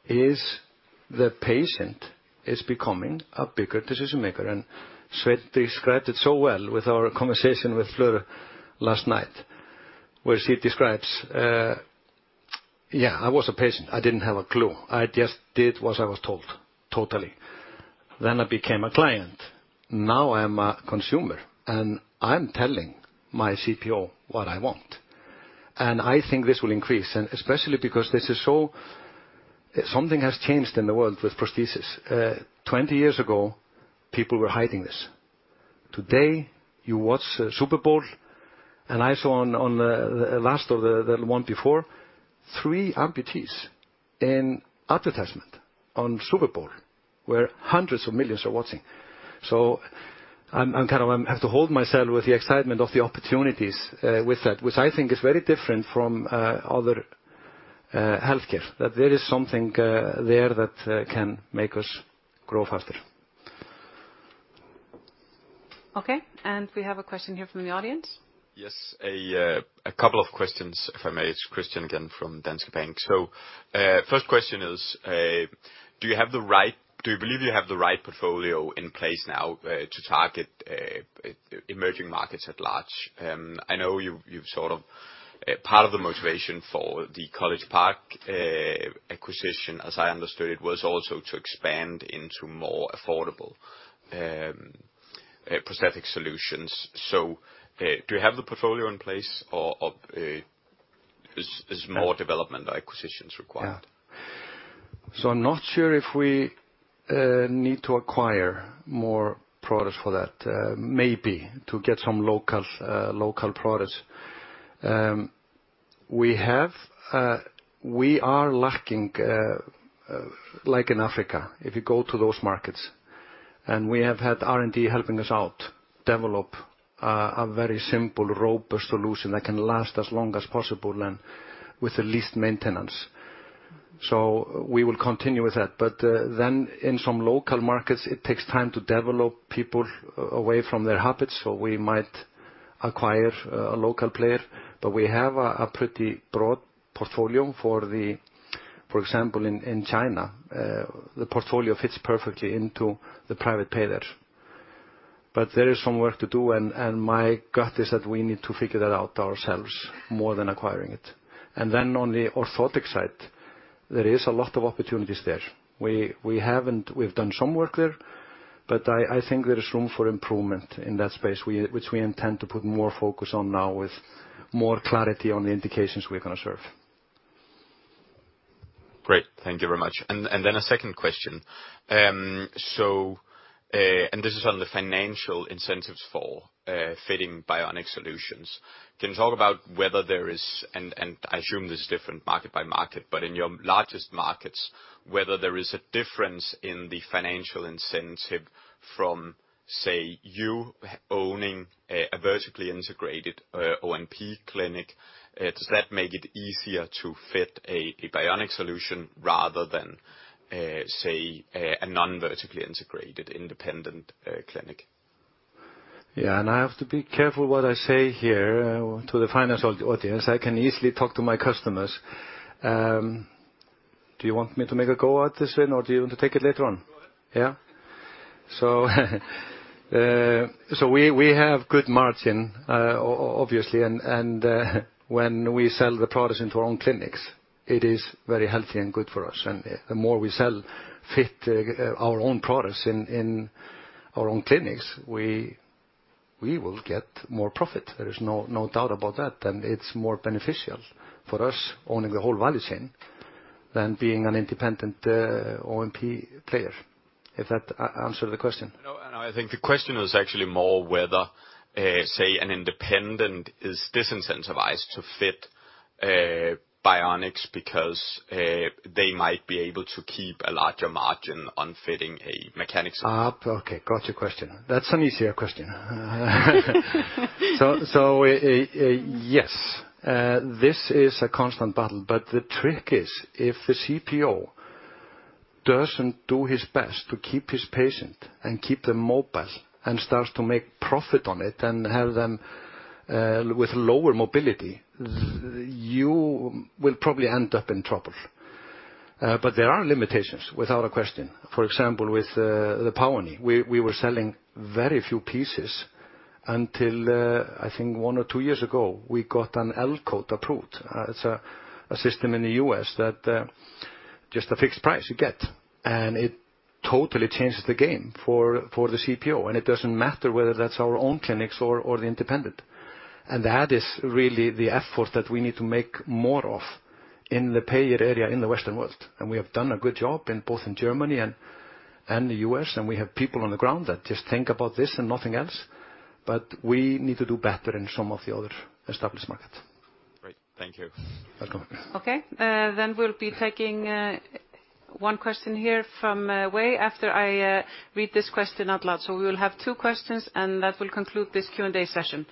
is the patient is becoming a bigger decision maker. Sven described it so well with our conversation with Fleur last night, where she describes, "Yeah, I was a patient, I didn't have a clue. I just did what I was told, totally. Then I became a client. Now I'm a consumer, and I'm telling my CPO what I want." I think this will increase, and especially because this is so. Something has changed in the world with prosthesis. 20 years ago, people were hiding this. Today, you watch Super Bowl, and I saw on the last of the one before, 3 amputees in advertisement on Super Bowl, where hundreds of millions are watching. I'm kind of have to hold myself with the excitement of the opportunities with that, which I think is very different from other healthcare. That there is something there that can make us grow faster. Okay. We have a question here from the audience. Yes. A couple of questions, if I may. It's Christian again from Danske Bank. First question is, do you believe you have the right portfolio in place now to target emerging markets at large? I know you've sort of. Part of the motivation for the College Park acquisition, as I understood, it was also to expand into more affordable prosthetic solutions. Do you have the portfolio in place or is more development or acquisitions required? Yeah. I'm not sure if we need to acquire more products for that. Maybe to get some local local products. We have. We are lacking like in Africa, if you go to those markets, and we have had R&D helping us out develop a very simple, robust solution that can last as long as possible and with the least maintenance. We will continue with that. In some local markets, it takes time to develop people away from their habits, so we might acquire a local player. We have a pretty broad portfolio. For example, in China, the portfolio fits perfectly into the private payer. There is some work to do, and my gut is that we need to figure that out ourselves more than acquiring it. On the orthotic side, there is a lot of opportunities there. We've done some work there, but I think there is room for improvement in that space, which we intend to put more focus on now with more clarity on the indications we're going to serve. Great. Thank you very much. Then a second question. This is on the financial incentives for fitting bionic solutions. Can you talk about whether there is, I assume this is different market by market, but in your largest markets, whether there is a difference in the financial incentive from, say, you owning a vertically integrated O&P clinic, does that make it easier to fit a bionic solution rather than, say, a non-vertically integrated independent clinic? Yeah, I have to be careful what I say here to the financial audience. I can easily talk to my customers. Do you want me to make a go at this one, or do you want to take it later on? Go ahead. Yeah. So we have good margin, obviously. When we sell the products into our own clinics, it is very healthy and good for us. The more we sell, fit, our own products in our own clinics, we will get more profit. There is no doubt about that. It's more beneficial for us owning the whole value chain than being an independent O&P player, if that answers the question. No, no, I think the question is actually more whether, say, an independent is disincentivized to fit, bionics because, they might be able to keep a larger margin on fitting a mechanic solution. Okay. Got your question. That's an easier question. Yes, this is a constant battle, but the trick is, if the CPO doesn't do his best to keep his patient and keep them mobile and starts to make profit on it and have them with lower mobility, you will probably end up in trouble. There are limitations without a question. For example, with the POWER KNEE, we were selling very few pieces until I think one or two years ago, we got an L-Code approved. It's a system in the U.S. that just a fixed price you get, and it totally changes the game for the CPO, and it doesn't matter whether that's our own clinics or the independent. That is really the effort that we need to make more of in the payer area in the Western world. We have done a good job in both in Germany and the U.S., and we have people on the ground that just think about this and nothing else. We need to do better in some of the other established markets. Great. Thank you. Welcome. Okay. We'll be taking 1 question here from Wei after I read this question out loud. We will have 2 questions, and that will conclude this Q&A session.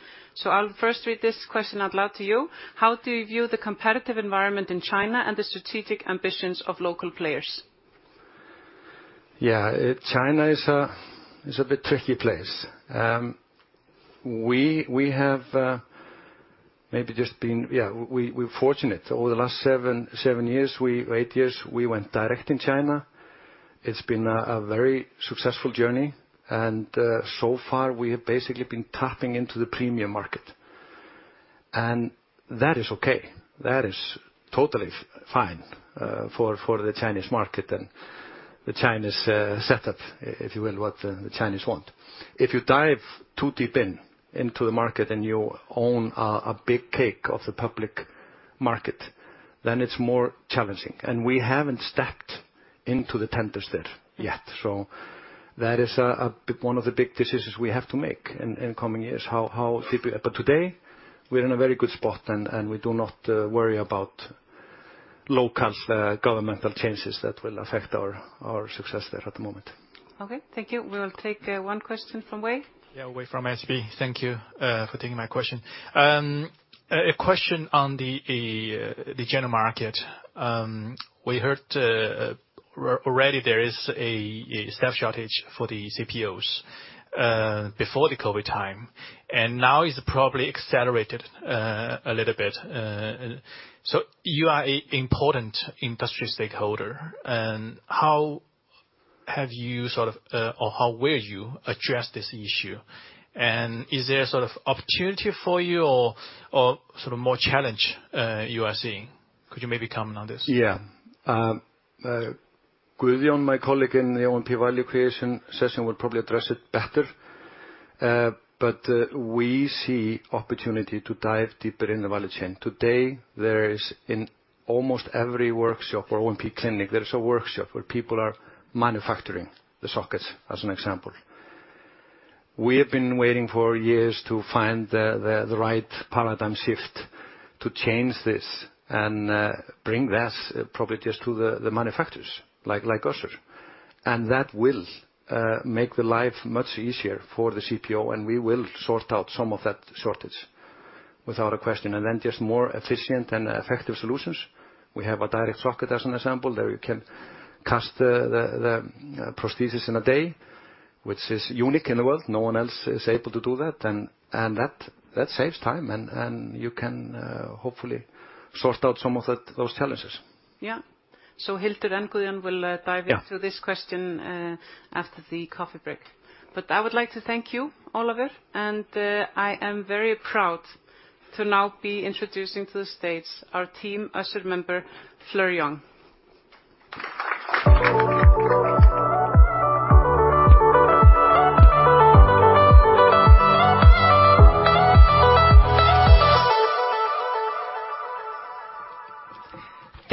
I'll first read this question out loud to you. How do you view the competitive environment in China and the strategic ambitions of local players? Yeah. China is a bit tricky place. We have maybe just been. Yeah, we're fortunate. Over the last 7 years, 8 years, we went direct in China. It's been a very successful journey, so far we have basically been tapping into the premium market. That is okay. That is totally fine for the Chinese market and the Chinese setup, if you will, what the Chinese want. If you dive too deep into the market and you own a big cake of the public market, then it's more challenging. We haven't stepped into the tenders there yet. That is one of the big decisions we have to make in coming years, how deep we are. Today, we're in a very good spot and we do not worry about local governmental changes that will affect our success there at the moment. Okay. Thank you. We'll take 1 question from Wei. Yeah, Wei from SEB. Thank you, for taking my question. A question on the general market. We heard already there is a staff shortage for the CPOs before the COVID time, and now it's probably accelerated a little bit. You are an important industry stakeholder. How have you sort of, or how will you address this issue? Is there sort of opportunity for you or sort of more challenge you are seeing? Could you maybe comment on this? Yeah. Guðjón, my colleague in the O&P value creation session, will probably address it better. We see opportunity to dive deeper in the value chain. Today, there is in almost every workshop or O&P clinic, there is a workshop where people are manufacturing the sockets, as an example. We have been waiting for years to find the right paradigm shift to change this and bring this probably just to the manufacturers like Össur. That will make the life much easier for the CPO, and we will sort out some of that shortage, without a question. Then just more efficient and effective solutions. We have a Direct Socket, as an example, where you can cast the prosthesis in a day, which is unique in the world. No one else is able to do that. That saves time. You can hopefully sort out those challenges. Hildur and Guðjón will dive into this question after the coffee break. I would like to thank you, Ólafur, and, I am very proud to now be introducing to the stage our team Össur member, Fleur Jong.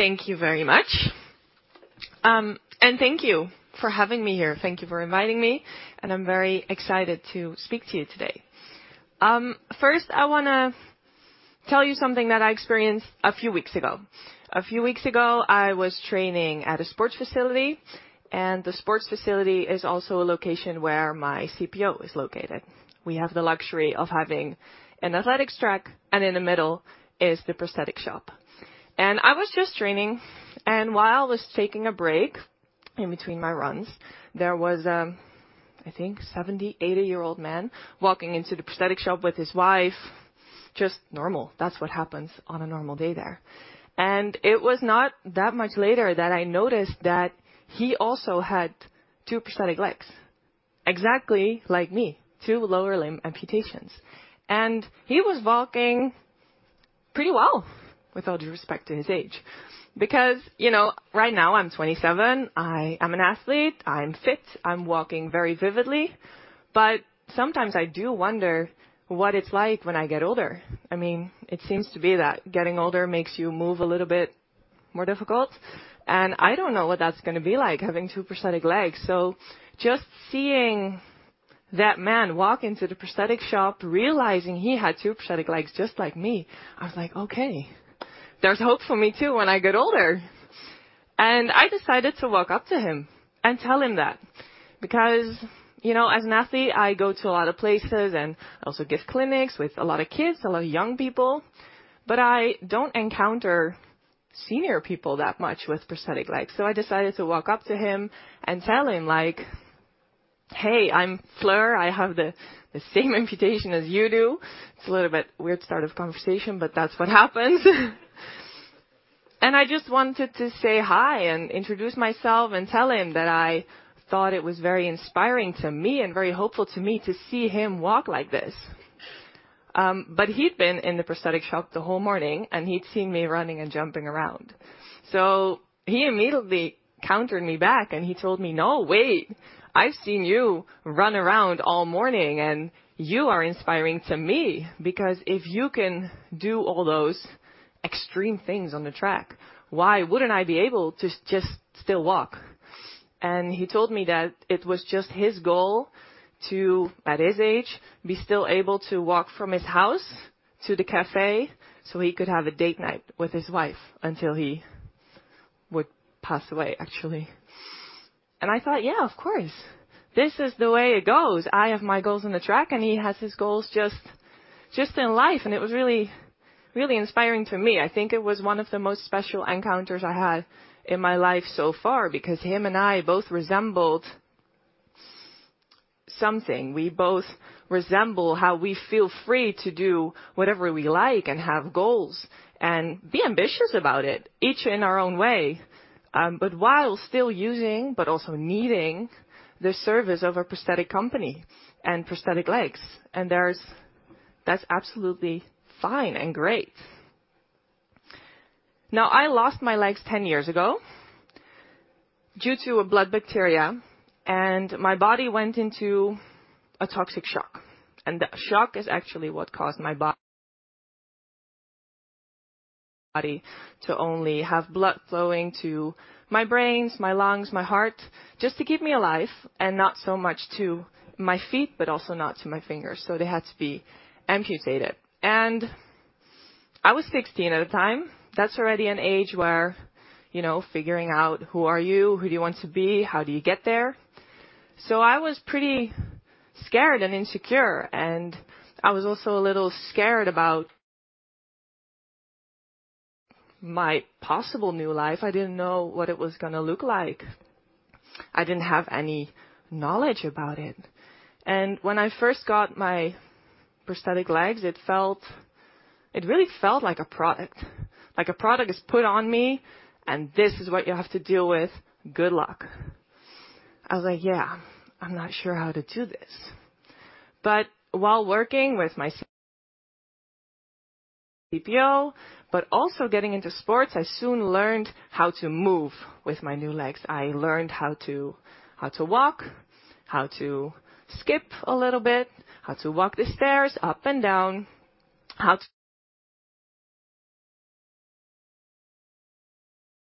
Thank you very much. Thank you for having me here. Thank you for inviting me, and I wanna tell you something that I experienced a few weeks ago. A few weeks ago, I was training at a sports facility. The sports facility is also a location where my CPO is located. We have the luxury of having an athletics track. In the middle is the prosthetic shop. I was just training. While I was taking a break in between my runs, there was, I think 70, 80-year-old man walking into the prosthetic shop with his wife, just normal. That's what happens on a normal day there. It was not that much later that I noticed that he also had 2 prosthetic legs, exactly like me, 2 lower limb amputations. He was walking pretty well, with all due respect to his age. You know, right now I'm 27, I am an athlete, I'm fit, I'm walking very vividly, but sometimes I do wonder what it's like when I get older. I mean, it seems to be that getting older makes you move a little bit more difficult. I don't know what that's gonna be like, having two prosthetic legs. Just seeing that man walk into the prosthetic shop, realizing he had two prosthetic legs just like me, I was like, "Okay, there's hope for me too when I get older." I decided to walk up to him and tell him that. You know, as an athlete, I go to a lot of places, and I also give clinics with a lot of kids, a lot of young people, but I don't encounter senior people that much with prosthetic legs. I decided to walk up to him and tell him, like, "Hey, I'm Fleur. I have the same amputation as you do." It's a little bit weird start of conversation, but that's what happened. I just wanted to say hi and introduce myself and tell him that I thought it was very inspiring to me and very hopeful to me to see him walk like this. But he'd been in the prosthetic shop the whole morning, and he'd seen me running and jumping around. He immediately countered me back, and he told me, "No, wait. I've seen you run around all morning, and you are inspiring to me because if you can do all those extreme things on the track, why wouldn't I be able to just still walk?" He told me that it was just his goal to, at his age, be still able to walk from his house to the café, so he could have a date night with his wife until he would pass away, actually. I thought, "Yeah, of course. This is the way it goes." I have my goals on the track, and he has his goals just in life. It was really, really inspiring to me. I think it was one of the most special encounters I had in my life so far because him and I both resembled something. We both resemble how we feel free to do whatever we like and have goals and be ambitious about it, each in our own way, while still using but also needing the service of a prosthetic company and prosthetic legs. That's absolutely fine and great. Now, I lost my legs 10 years ago due to a blood bacteria, my body went into a toxic shock, that shock is actually what caused my body to only have blood flowing to my brains, my lungs, my heart, just to keep me alive and not so much to my feet but also not to my fingers. They had to be amputated. I was 16 at the time. That's already an age where, you know, figuring out who are you, who do you want to be, how do you get there. I was pretty scared and insecure, and I was also a little scared about my possible new life. I didn't know what it was gonna look like. I didn't have any knowledge about it. When I first got my prosthetic legs, it really felt like a product. Like a product is put on me, and this is what you have to deal with. Good luck. I was like, "Yeah, I'm not sure how to do this." While working with my CPO, but also getting into sports, I soon learned how to move with my new legs. I learned how to walk, how to skip a little bit, how to walk the stairs up and down, how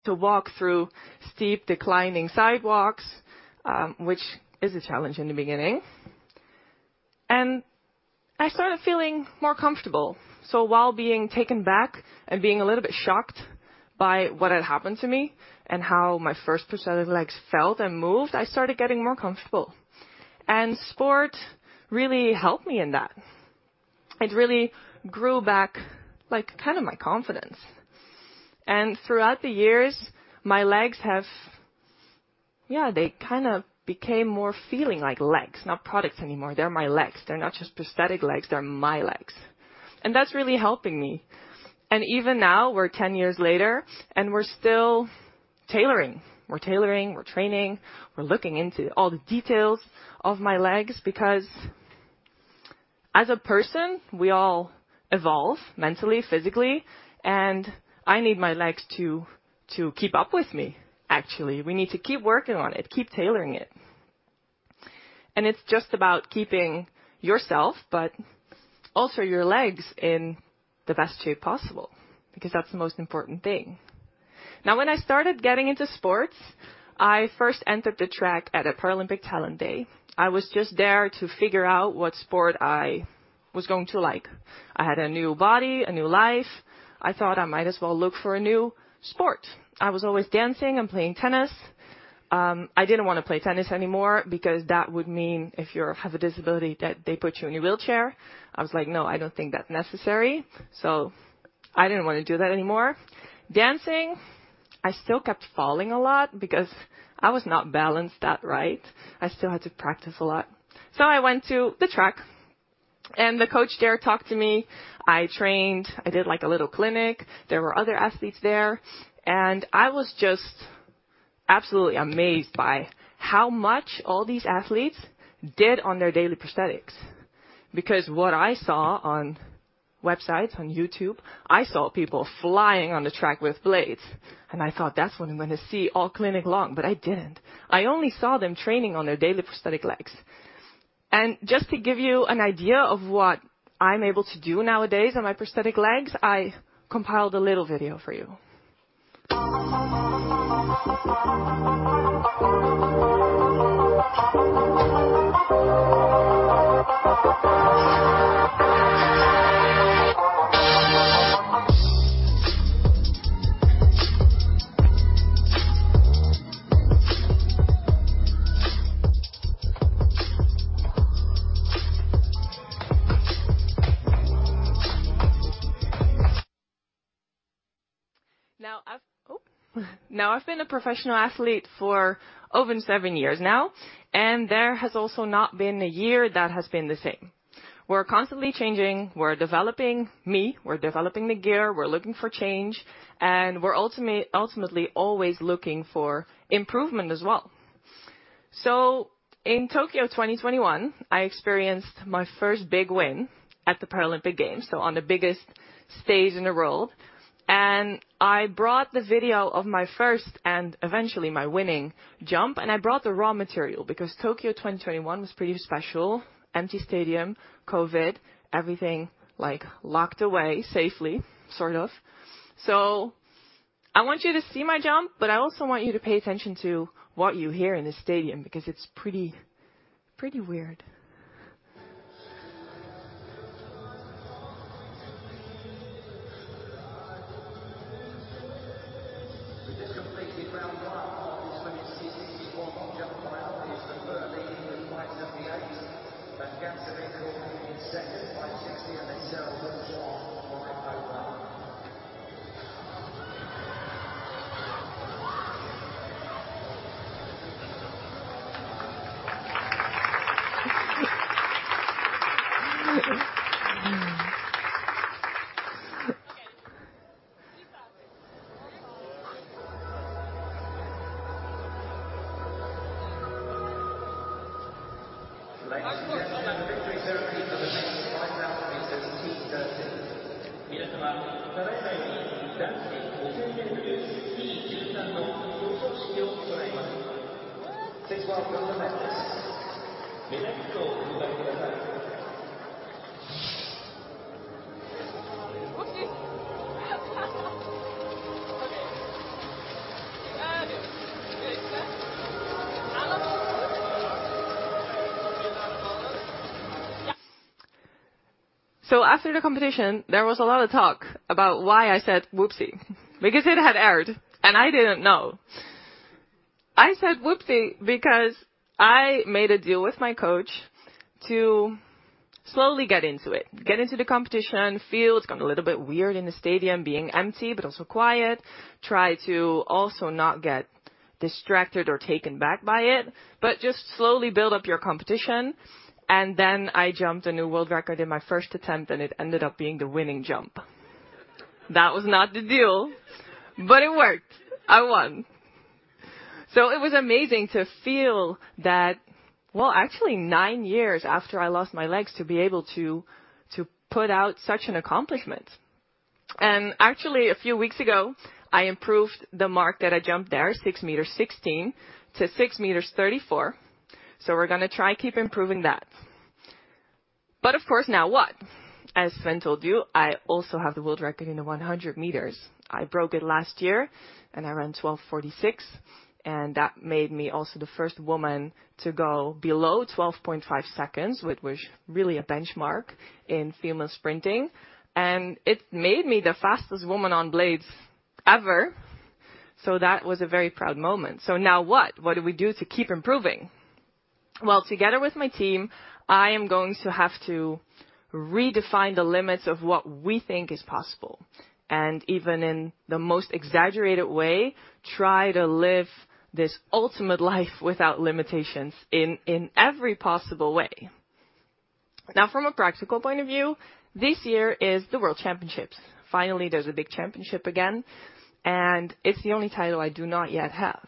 to walk through steep declining sidewalks, which is a challenge in the beginning. I started feeling more comfortable. While being taken back and being a little bit shocked by what had happened to me and how my first prosthetic legs felt and moved, I started getting more comfortable. Sport really helped me in that. It really grew back, like, kind of my confidence. Throughout the years, my legs have... Yeah, they kinda became more feeling like legs, not products anymore. They're my legs. They're not just prosthetic legs. They're my legs. That's really helping me. Even now, we're 10 years later, and we're still tailoring. We're tailoring, we're training, we're looking into all the details of my legs because as a person, we all evolve mentally, physically, and I need my legs to keep up with me, actually. We need to keep working on it, keep tailoring it. It's just about keeping yourself but also your legs in the best shape possible because that's the most important thing. Now, when I started getting into sports, I first entered the track at a Paralympic talent day. I was just there to figure out what sport I was going to like. I had a new body, a new life. I thought I might as well look for a new sport. I was always dancing and playing tennis. I didn't wanna play tennis anymore because that would mean if you have a disability that they put you in a wheelchair. I was like, "No, I don't think that's necessary." I didn't wanna do that anymore. Dancing, I still kept falling a lot because I was not balanced that right. I still had to practice a lot. I went to the track, and the coach there talked to me. I trained. I did, like, a little clinic. There were other athletes there. I was just absolutely amazed by how much all these athletes did on their daily prosthetics. Because what I saw on websites, on YouTube, I saw people flying on the track with blades, and I thought, "That's what I'm gonna see all clinic long," but I didn't. I only saw them training on their daily prosthetic legs. Just to give you an idea of what I'm able to do nowadays on my prosthetic legs, I compiled a little video for you. Now, I've been a professional athlete for over 7 years now, and there has also not been a year that has been the same. We're constantly changing. We're developing me. We're developing the gear. We're looking for change, we're ultimately always looking for improvement as well. In Tokyo 2021, I experienced my first big win at the Paralympic Games, so on the biggest stage in the world. I brought the video of my first and eventually my winning jump, I brought the raw material because Tokyo 2021 was pretty special. Empty stadium, COVID, everything, like, locked away safely, sort of. I want you to see my jump, but I also want you to pay attention to what you hear in the stadium because it's pretty weird. We've just completed round one of the women's T64 long jump qualifiers, with Blatchford leading with 5.78. Ganseving coming in second, 5.60. Sara Banzhaf for Ottobock. Whoopsie. Okay. After the competition, there was a lot of talk about why I said, "Whoopsie," because it had aired, and I didn't know. I said whoopsie because I made a deal with my coach to slowly get into it, get into the competition, feel it's gone a little bit weird in the stadium, being empty but also quiet. Try to also not get distracted or taken back by it, but just slowly build up your competition. I jumped a new world record in my first attempt, and it ended up being the winning jump. That was not the deal, but it worked. I won. It was amazing to feel that, well, actually nine years after I lost my legs, to be able to put out such an accomplishment. Actually, a few weeks ago, I improved the mark that I jumped there, 6 meters 16 to 6 meters 34. We're going to try keep improving that. Of course, now what? As Sveinn told you, I also have the world record in the 100 meters. I broke it last year, and I ran 12.46, and that made me also the first woman to go below 12.5 seconds, which was really a benchmark in female sprinting. It made me the fastest woman on blades ever. That was a very proud moment. Now what? What do we do to keep improving? Well, together with my team, I am going to have to redefine the limits of what we think is possible, and even in the most exaggerated way, try to live this ultimate life without limitations in every possible way. From a practical point of view, this year is the World Championships. Finally, there's a big championship again, and it's the only title I do not yet have.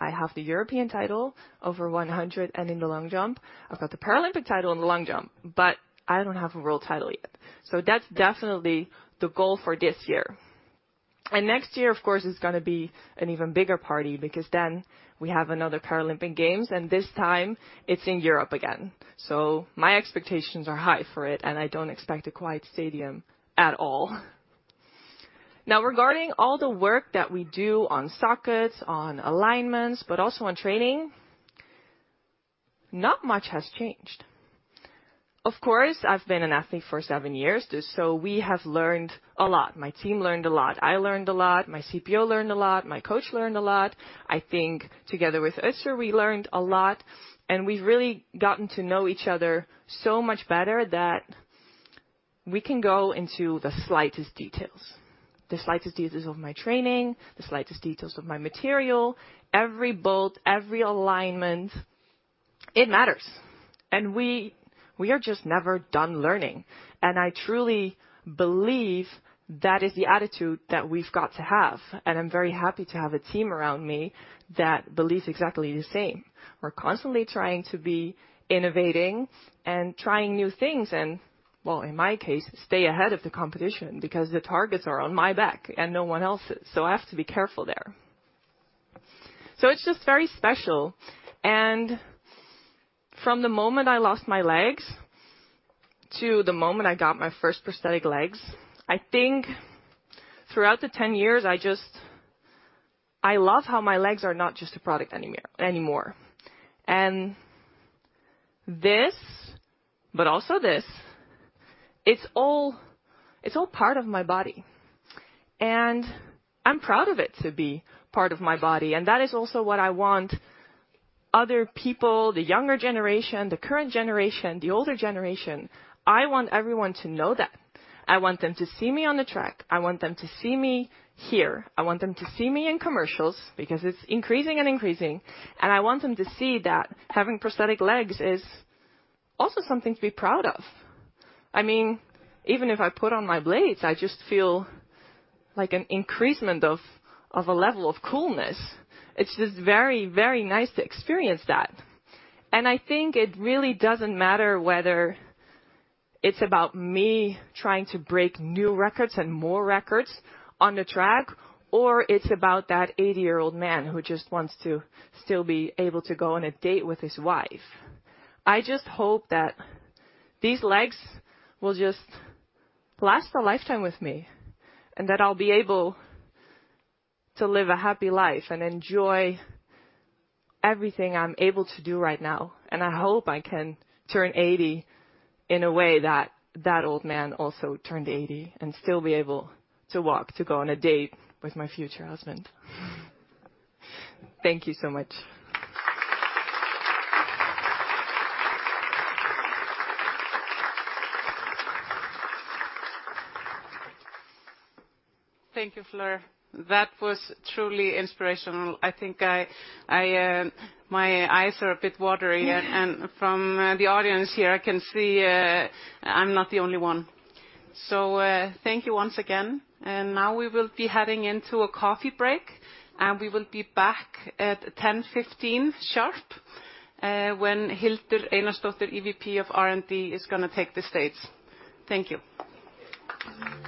I have the European title over 100 and in the long jump. I've got the Paralympic title in the long jump, but I don't have a World title yet. That's definitely the goal for this year. Next year, of course, is gonna be an even bigger party because then we have another Paralympic Games, and this time it's in Europe again. My expectations are high for it, and I don't expect a quiet stadium at all. Regarding all the work that we do on sockets, on alignments, but also on training, not much has changed. Of course, I've been an athlete for 7 years, so we have learned a lot. My team learned a lot. I learned a lot. My CPO learned a lot. My coach learned a lot. I think together with Össur, we learned a lot, and we've really gotten to know each other so much better that we can go into the slightest details. The slightest details of my training, the slightest details of my material, every bolt, every alignment, it matters. We are just never done learning. I truly believe that is the attitude that we've got to have. I'm very happy to have a team around me that believes exactly the same. We're constantly trying to be innovating and trying new things and, well, in my case, stay ahead of the competition because the targets are on my back and no one else's. I have to be careful there. It's just very special. From the moment I lost my legs to the moment I got my first prosthetic legs, I think throughout the 10 years, I just I love how my legs are not just a product anymore. This, but also this, it's all part of my body, and I'm proud of it to be part of my body. That is also what I want other people, the younger generation, the current generation, the older generation, I want everyone to know that. I want them to see me on the track. I want them to see me here. I want them to see me in commercials because it's increasing, and I want them to see that having prosthetic legs is also something to be proud of. I mean, even if I put on my blades, I just feel like an increasement of a level of coolness. It's just very, very nice to experience that. I think it really doesn't matter whether it's about me trying to break new records and more records on the track, or it's about that 80-year-old man who just wants to still be able to go on a date with his wife. I just hope that these legs will just last a lifetime with me, and that I'll be able to live a happy life and enjoy everything I'm able to do right now. I hope I can turn 80 in a way that that old man also turned 80 and still be able to walk to go on a date with my future husband. Thank you so much. Thank you, Fleur. That was truly inspirational. I think I, my eyes are a bit watery and from the audience here, I can see, I'm not the only one. Thank you once again. Now we will be heading into a coffee break, and we will be back at 10:15 A.M. sharp, when Hildur Einarsdóttir, EVP of R&D, is gonna take the stage. Thank you. All right. Welcome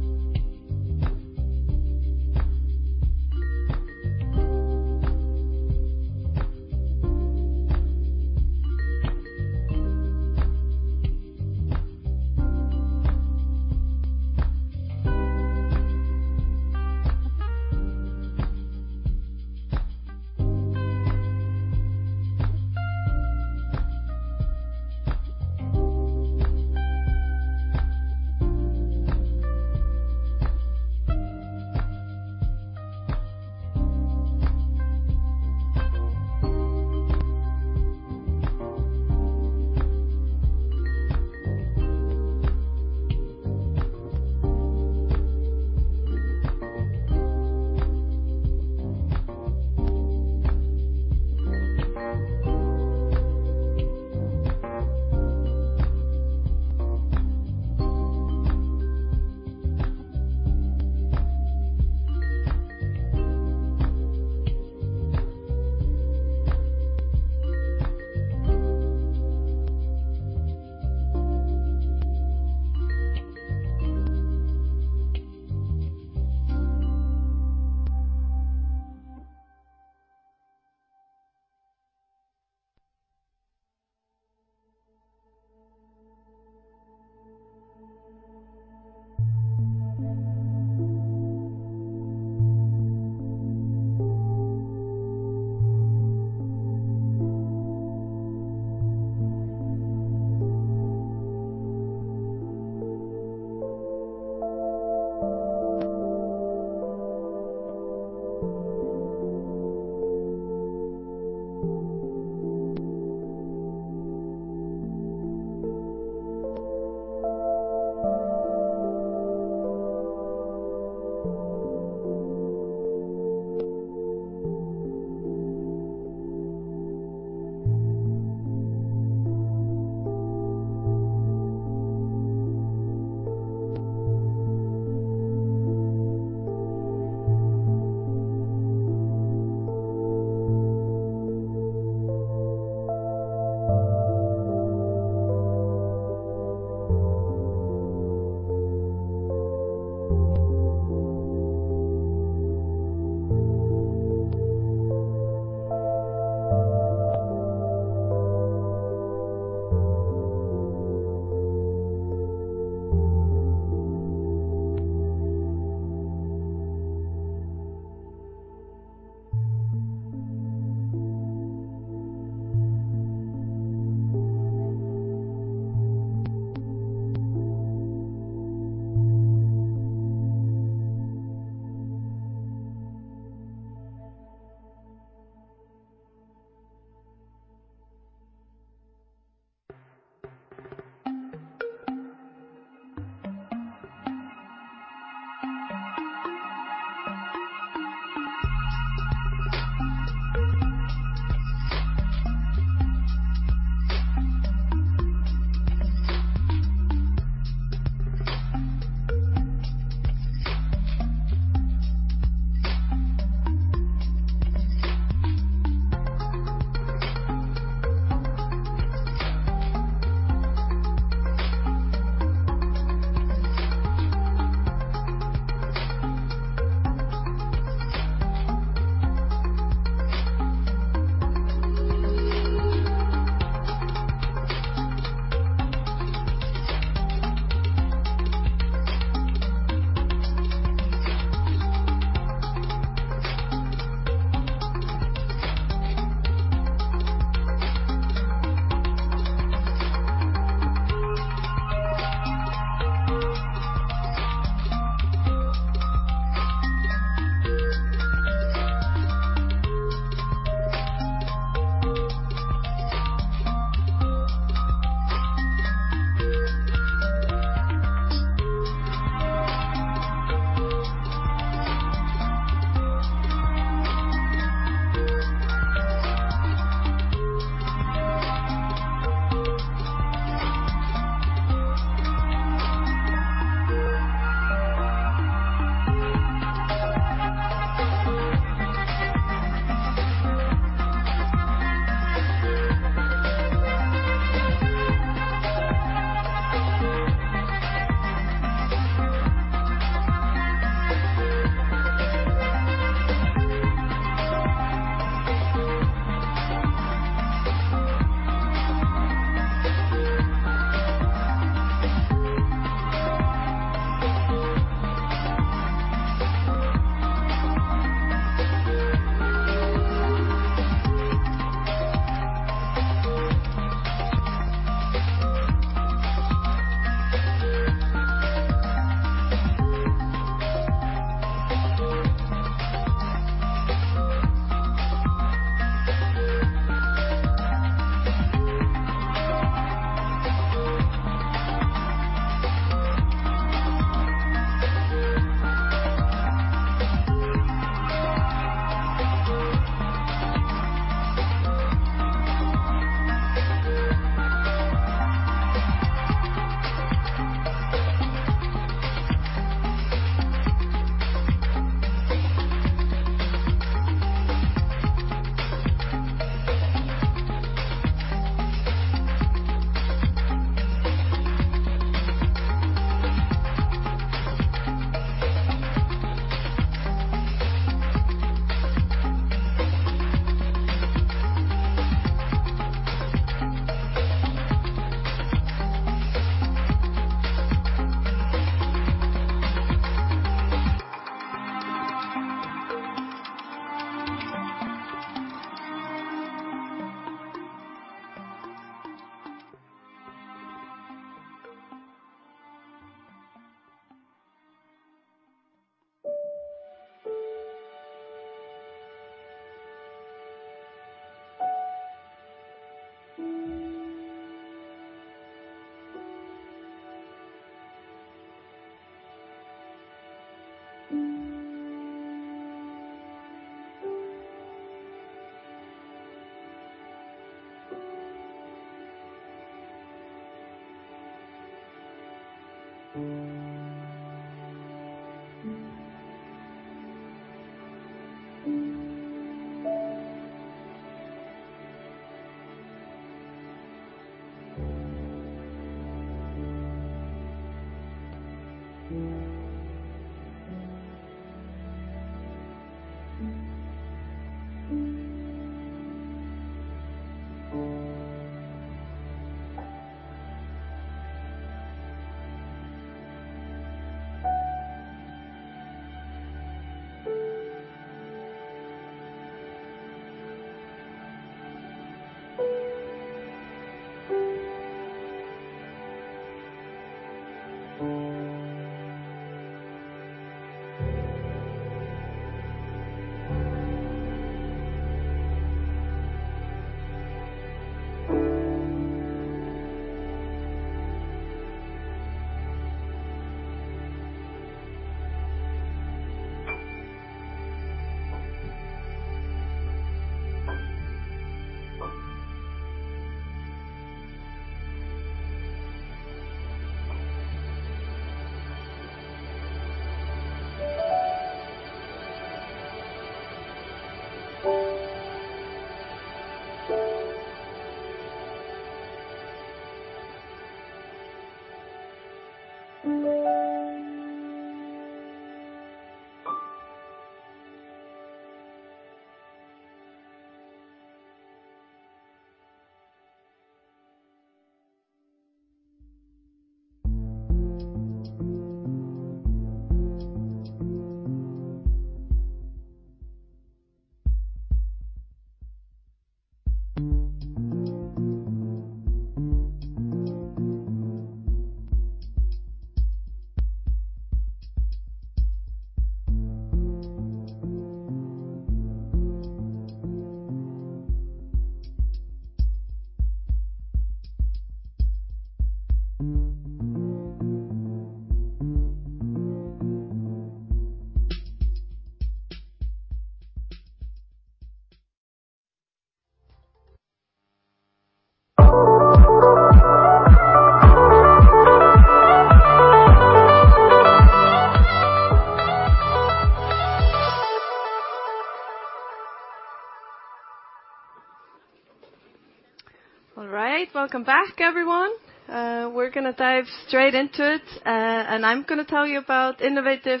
back, everyone. We're gonna dive straight into it. I'm gonna tell you about innovative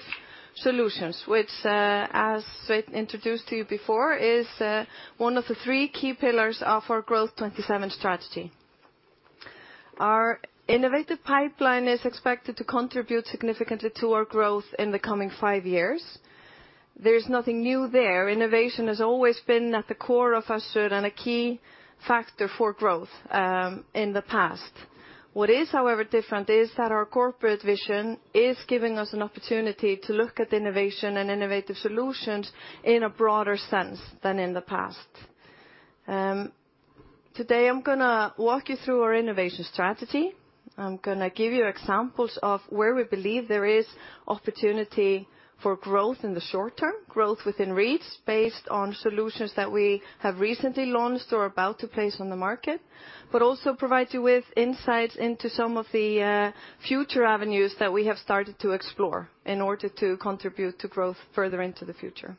solutions, which, as Svein introduced to you before, is one of the three key pillars of our Growth '27 strategy. Our innovative pipeline is expected to contribute significantly to our growth in the coming five years. There's nothing new there. Innovation has always been at the core of Össur and a key factor for growth in the past. What is, however, different is that our corporate vision is giving us an opportunity to look at innovation and innovative solutions in a broader sense than in the past. Today I'm gonna walk you through our innovation strategy. I'm gonna give you examples of where we believe there is opportunity for growth in the short term, growth within reach, based on solutions that we have recently launched or are about to place on the market. Also provide you with insights into some of the future avenues that we have started to explore in order to contribute to growth further into the future.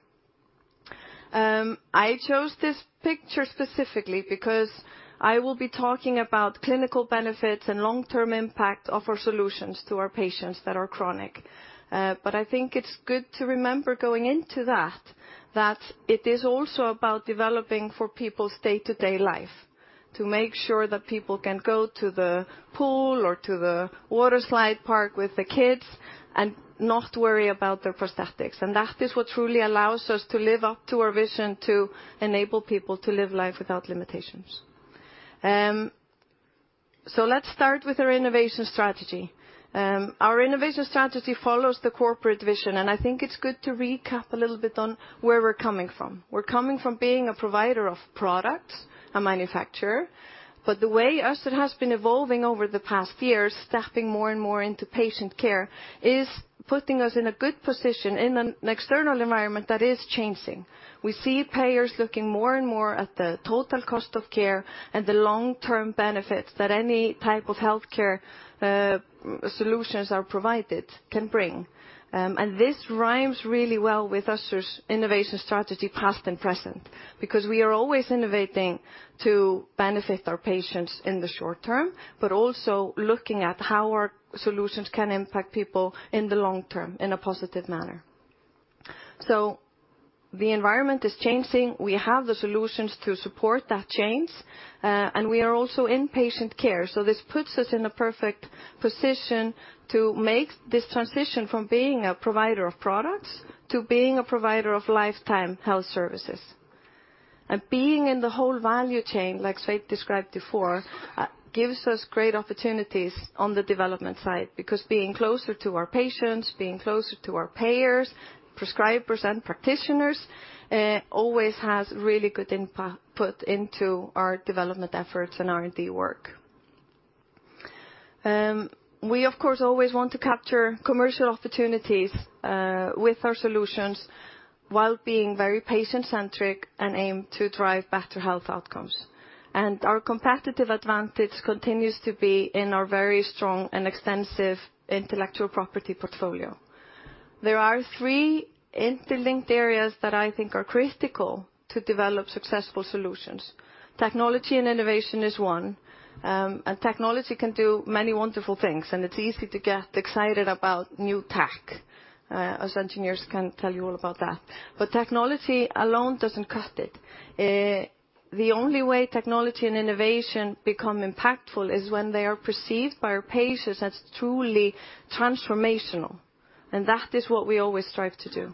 I chose this picture specifically because I will be talking about clinical benefits and long-term impact of our solutions to our patients that are chronic. I think it's good to remember going into that it is also about developing for people's day-to-day life, to make sure that people can go to the pool or to the water slide park with the kids and not worry about their prosthetics. That is what truly allows us to live up to our vision to enable people to live life without limitations. So let's start with our innovation strategy. Our innovation strategy follows the corporate vision, and I think it's good to recap a little bit on where we're coming from. We're coming from being a provider of products, a manufacturer. The way Össur has been evolving over the past years, stepping more and more into patient care, is putting us in a good position in an external environment that is changing. We see payers looking more and more at the total cost of care and the long-term benefits that any type of healthcare solutions are provided can bring. This rhymes really well with Össur's innovation strategy, past and present, because we are always innovating to benefit our patients in the short term, but also looking at how our solutions can impact people in the long term in a positive manner. The environment is changing. We have the solutions to support that change. We are also in patient care. This puts us in a perfect position to make this transition from being a provider of products to being a provider of lifetime health services. Being in the whole value chain, like Sveinn described before, gives us great opportunities on the development side. Being closer to our patients, being closer to our payers, prescribers, and practitioners, always has really good input into our development efforts and R&D work. We of course always want to capture commercial opportunities with our solutions while being very patient-centric and aim to drive better health outcomes. Our competitive advantage continues to be in our very strong and extensive intellectual property portfolio. There are three interlinked areas that I think are critical to develop successful solutions. Technology and innovation is one, and technology can do many wonderful things, and it's easy to get excited about new tech, us engineers can tell you all about that. Technology alone doesn't cut it. The only way technology and innovation become impactful is when they are perceived by our patients as truly transformational, and that is what we always strive to do.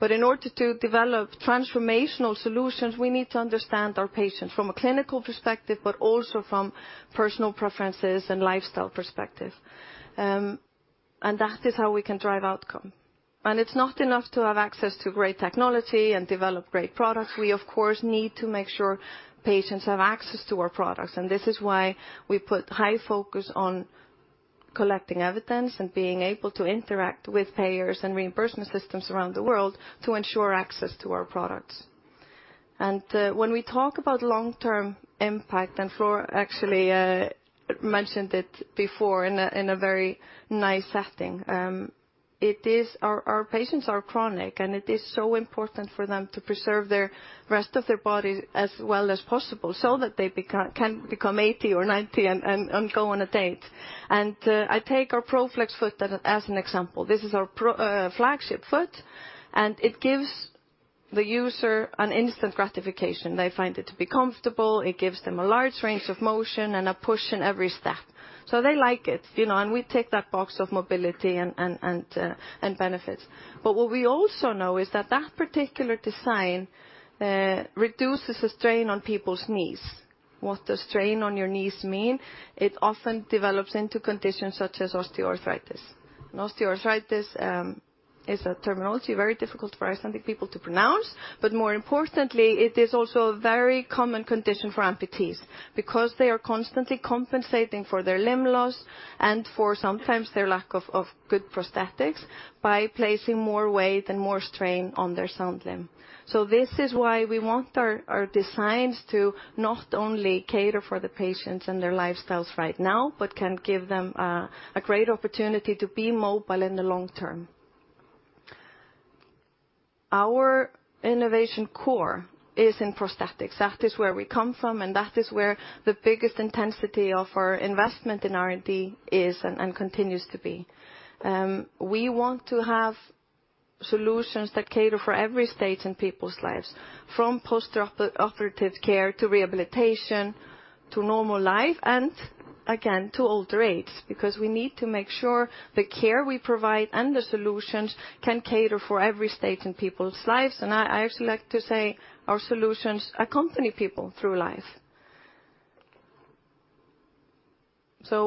In order to develop transformational solutions, we need to understand our patients from a clinical perspective, but also from personal preferences and lifestyle perspective. That is how we can drive outcome. It's not enough to have access to great technology and develop great products. We, of course, need to make sure patients have access to our products. This is why we put high focus on collecting evidence and being able to interact with payers and reimbursement systems around the world to ensure access to our products. When we talk about long-term impact, Fleur actually mentioned it before in a very nice setting. It is our patients are chronic, and it is so important for them to preserve their rest of their body as well as possible so that they can become 80 or 90 and go on a date. I take our Pro-Flex foot as an example. This is our pro flagship foot. It gives the user an instant gratification. They find it to be comfortable, it gives them a large range of motion and a push in every step. They like it, you know, and we tick that box of mobility and benefits. What we also know is that that particular design reduces the strain on people's knees. What the strain on your knees mean, it often develops into conditions such as osteoarthritis. Osteoarthritis is a terminology very difficult for Icelandic people to pronounce, but more importantly, it is also a very common condition for amputees because they are constantly compensating for their limb loss and for sometimes their lack of good prosthetics by placing more weight and more strain on their sound limb. This is why we want our designs to not only cater for the patients and their lifestyles right now, but can give them a great opportunity to be mobile in the long term. Our innovation core is in prosthetics. That is where we come from, and that is where the biggest intensity of our investment in R&D is and continues to be. We want to have solutions that cater for every stage in people's lives, from postoperative care to rehabilitation to normal life and again, to older age, because we need to make sure the care we provide and the solutions can cater for every stage in people's lives. I actually like to say our solutions accompany people through life.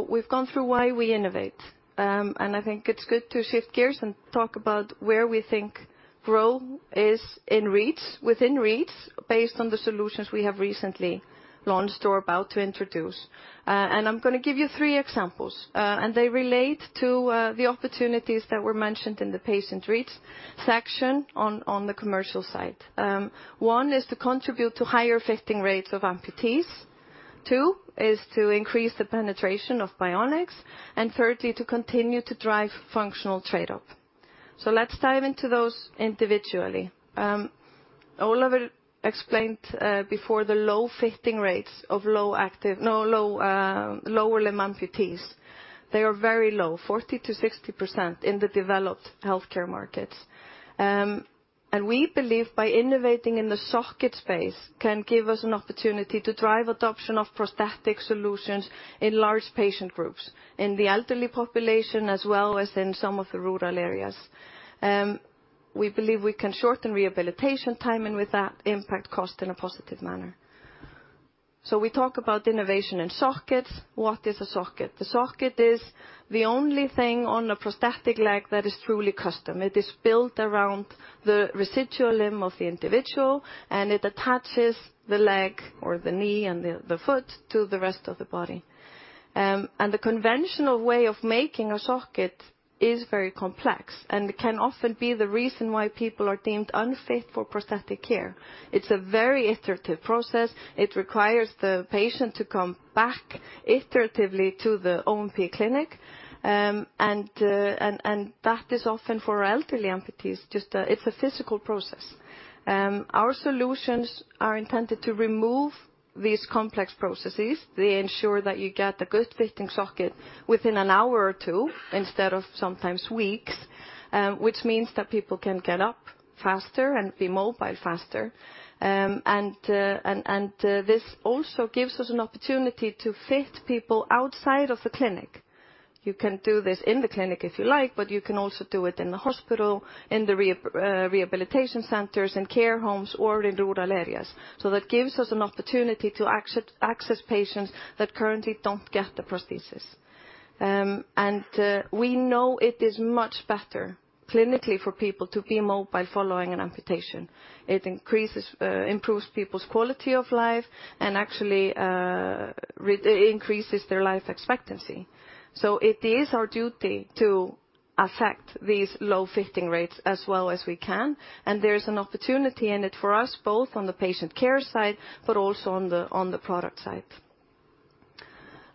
We've gone through why we innovate. I think it's good to shift gears and talk about where we think growth is in reach, within reach based on the solutions we have recently launched or about to introduce. I'm gonna give you three examples, and they relate to the opportunities that were mentioned in the patient reach section on the commercial side. One is to contribute to higher fitting rates of amputees. Two is to increase the penetration of bionics, and thirdly, to continue to drive functional trade-up. Let's dive into those individually. Ólafur explained before the no low, lower limb amputees. They are very low, 40%-60% in the developed healthcare markets. We believe by innovating in the socket space can give us an opportunity to drive adoption of prosthetic solutions in large patient groups, in the elderly population, as well as in some of the rural areas. We believe we can shorten rehabilitation time and with that impact cost in a positive manner. We talk about innovation in sockets. What is a socket? The socket is the only thing on a prosthetic leg that is truly custom. It is built around the residual limb of the individual, and it attaches the leg or the knee and the foot to the rest of the body. The conventional way of making a socket is very complex and can often be the reason why people are deemed unsafe for prosthetic care. It's a very iterative process. It requires the patient to come back iteratively to the O&P clinic, and that is often for elderly amputees, just it's a physical process. Our solutions are intended to remove these complex processes. They ensure that you get a good fitting socket within an hour or two instead of sometimes weeks, which means that people can get up faster and be mobile faster. This also gives us an opportunity to fit people outside of the clinic. You can do this in the clinic if you like, but you can also do it in the hospital, in the rehabilitation centers, in care homes, or in rural areas. That gives us an opportunity to access patients that currently don't get the prosthesis. We know it is much better clinically for people to be mobile following an amputation. It increases, improves people's quality of life and actually increases their life expectancy. It is our duty to Affect these low fitting rates as well as we can, and there is an opportunity in it for us both on the patient care side, but also on the product side.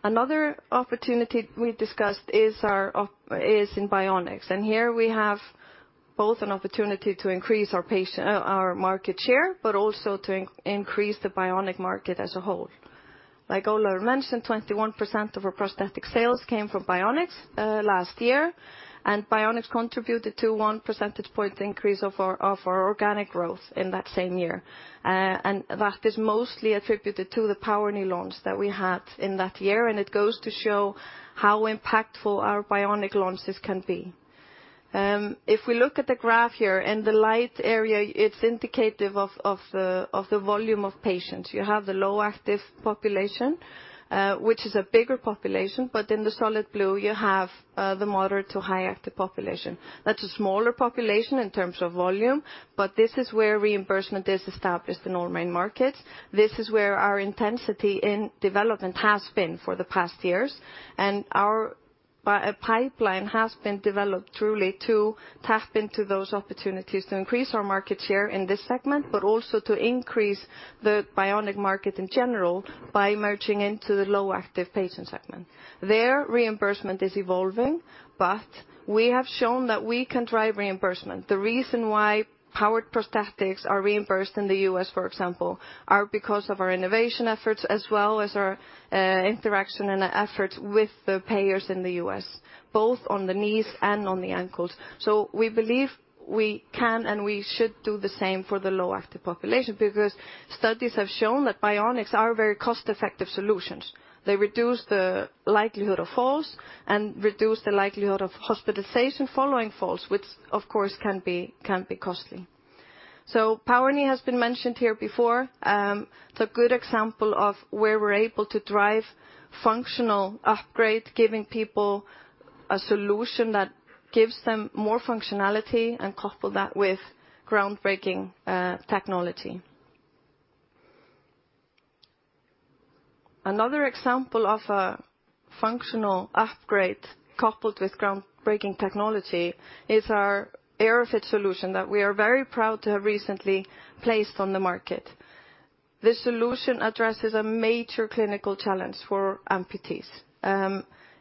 Another opportunity we discussed is in bionics, and here we have both an opportunity to increase our market share, but also to increase the bionic market as a whole. Like Ola mentioned, 21% of our prosthetic sales came from bionics last year, and bionics contributed to 1 percentage point increase of our organic growth in that same year. That is mostly attributed to the POWER KNEE launch that we had in that year, and it goes to show how impactful our bionic launches can be. If we look at the graph here, in the light area, it's indicative of the volume of patients. You have the low active population, which is a bigger population, but in the solid blue, you have the moderate to high active population. That's a smaller population in terms of volume, but this is where reimbursement is established in all main markets. This is where our intensity in development has been for the past years, our pipeline has been developed truly to tap into those opportunities to increase our market share in this segment, but also to increase the bionic market in general by merging into the low active patient segment. Their reimbursement is evolving. We have shown that we can drive reimbursement. The reason why powered prosthetics are reimbursed in the U.S., for example, are because of our innovation efforts as well as our interaction and efforts with the payers in the U.S., both on the knees and on the ankles. We believe we can and we should do the same for the low active population because studies have shown that bionics are very cost-effective solutions. They reduce the likelihood of falls and reduce the likelihood of hospitalization following falls, which of course can be costly. POWER KNEE has been mentioned here before. It's a good example of where we're able to drive functional upgrade, giving people a solution that gives them more functionality and couple that with groundbreaking technology. Another example of a functional upgrade coupled with groundbreaking technology is our AeroFit solution that we are very proud to have recently placed on the market. This solution addresses a major clinical challenge for amputees.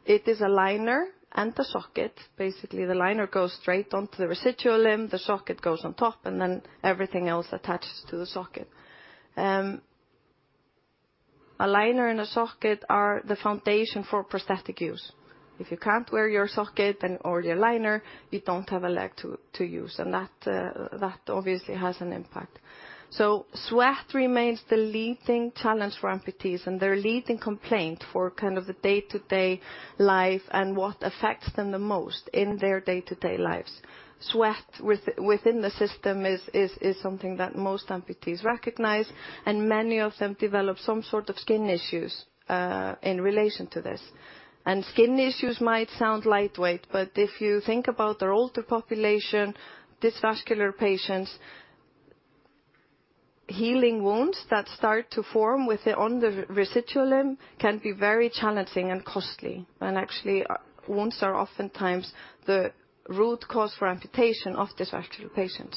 It is a liner and a socket. Basically, the liner goes straight onto the residual limb, the socket goes on top, and then everything else attaches to the socket. A liner and a socket are the foundation for prosthetic use. If you can't wear your socket or your liner, you don't have a leg to use, and that obviously has an impact. Sweat remains the leading challenge for amputees and their leading complaint for kind of the day-to-day life and what affects them the most in their day-to-day lives. Sweat within the system is something that most amputees recognize, and many of them develop some sort of skin issues in relation to this. Skin issues might sound lightweight, but if you think about our older population, this vascular patients, healing wounds that start to form on the residual limb can be very challenging and costly. Actually, wounds are oftentimes the root cause for amputation of this actual patient.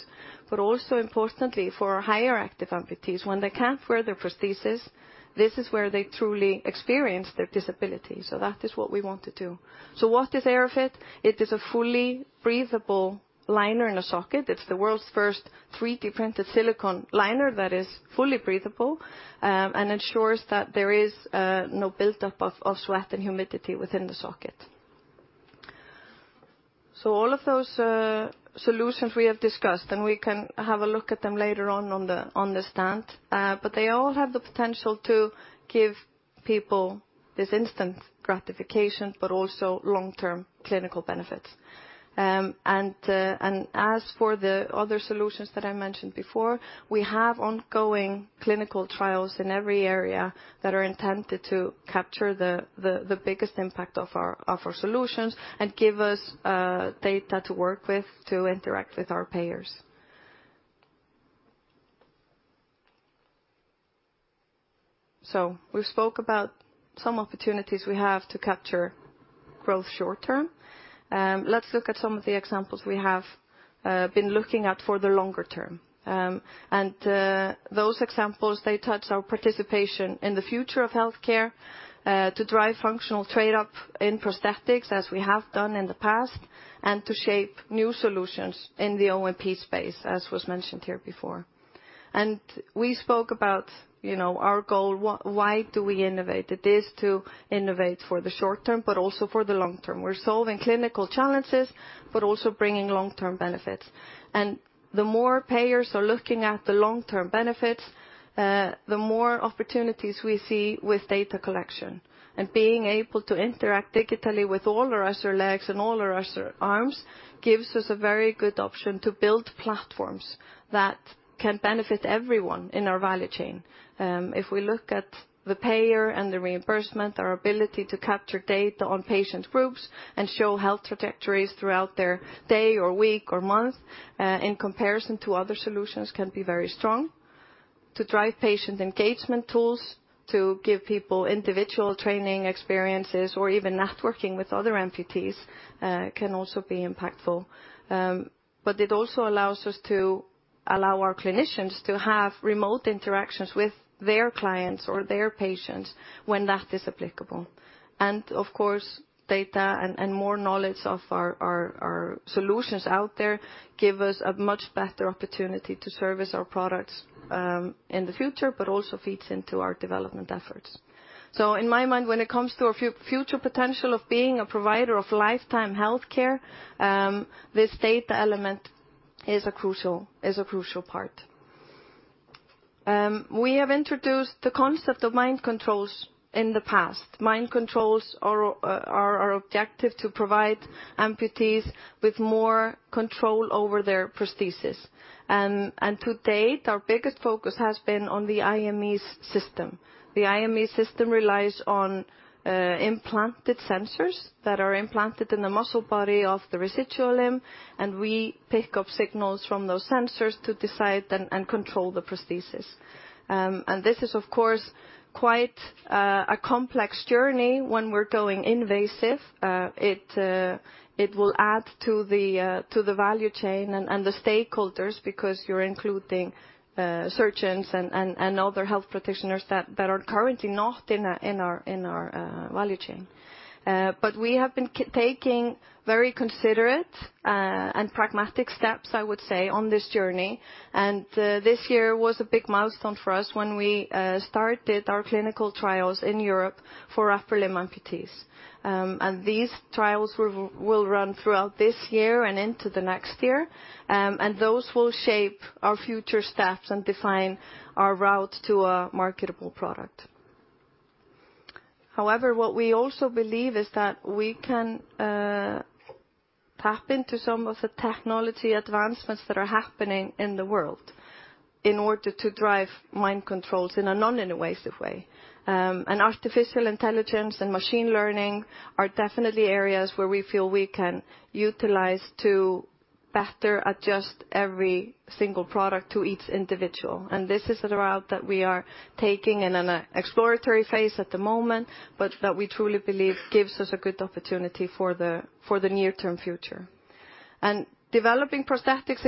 Also importantly, for our higher active amputees, when they can't wear their prosthesis, this is where they truly experience their disability. That is what we want to do. What is AeroFit? It is a fully breathable liner and a socket. It's the world's first 3D printed silicone liner that is fully breathable, and ensures that there is no buildup of sweat and humidity within the socket. All of those solutions we have discussed, and we can have a look at them later on the stand, but they all have the potential to give people this instant gratification, but also long-term clinical benefits. As for the other solutions that I mentioned before, we have ongoing clinical trials in every area that are intended to capture the biggest impact of our solutions and give us data to work with to interact with our payers. We spoke about some opportunities we have to capture growth short-term. Let's look at some of the examples we have been looking at for the longer term. Those examples, they touch our participation in the future of healthcare, to drive functional trade-up in prosthetics as we have done in the past, and to shape new solutions in the O&P space, as was mentioned here before. We spoke about, you know, our goal, why do we innovate? It is to innovate for the short term, but also for the long term. We're solving clinical challenges, but also bringing long-term benefits. The more payers are looking at the long-term benefits, the more opportunities we see with data collection. Being able to interact digitally with all our other legs and all our other arms gives us a very good option to build platforms that can benefit everyone in our value chain. If we look at the payer and the reimbursement, our ability to capture data on patient groups and show health trajectories throughout their day or week or month, in comparison to other solutions can be very strong. To drive patient engagement tools, to give people individual training experiences or even networking with other amputees, can also be impactful. It also allows us to allow our clinicians to have remote interactions with their clients or their patients when that is applicable. Of course, data and more knowledge of our solutions out there give us a much better opportunity to service our products in the future, but also feeds into our development efforts. In my mind, when it comes to our future potential of being a provider of lifetime healthcare, this data element is a crucial part. We have introduced the concept of mind controls in the past. Mind controls are our objective to provide amputees with more control over their prosthesis. To date, our biggest focus has been on the IMES system. The IMES system relies on implanted sensors that are implanted in the muscle body of the residual limb, and we pick up signals from those sensors to decide and control the prosthesis. This is of course quite a complex journey when we're going invasive. It will add to the value chain and the stakeholders because you're including surgeons and other health practitioners that are currently not in our value chain. We have been taking very considerate and pragmatic steps, I would say, on this journey. This year was a big milestone for us when we started our clinical trials in Europe for upper limb amputees. These trials will run throughout this year and into the next year. Those will shape our future steps and define our route to a marketable product. However, what we also believe is that we can tap into some of the technology advancements that are happening in the world in order to drive mind controls in a non-invasive way. Artificial intelligence and machine learning are definitely areas where we feel we can utilize to better adjust every single product to each individual. This is the route that we are taking in an exploratory phase at the moment, but that we truly believe gives us a good opportunity for the near-term future. Developing prosthetics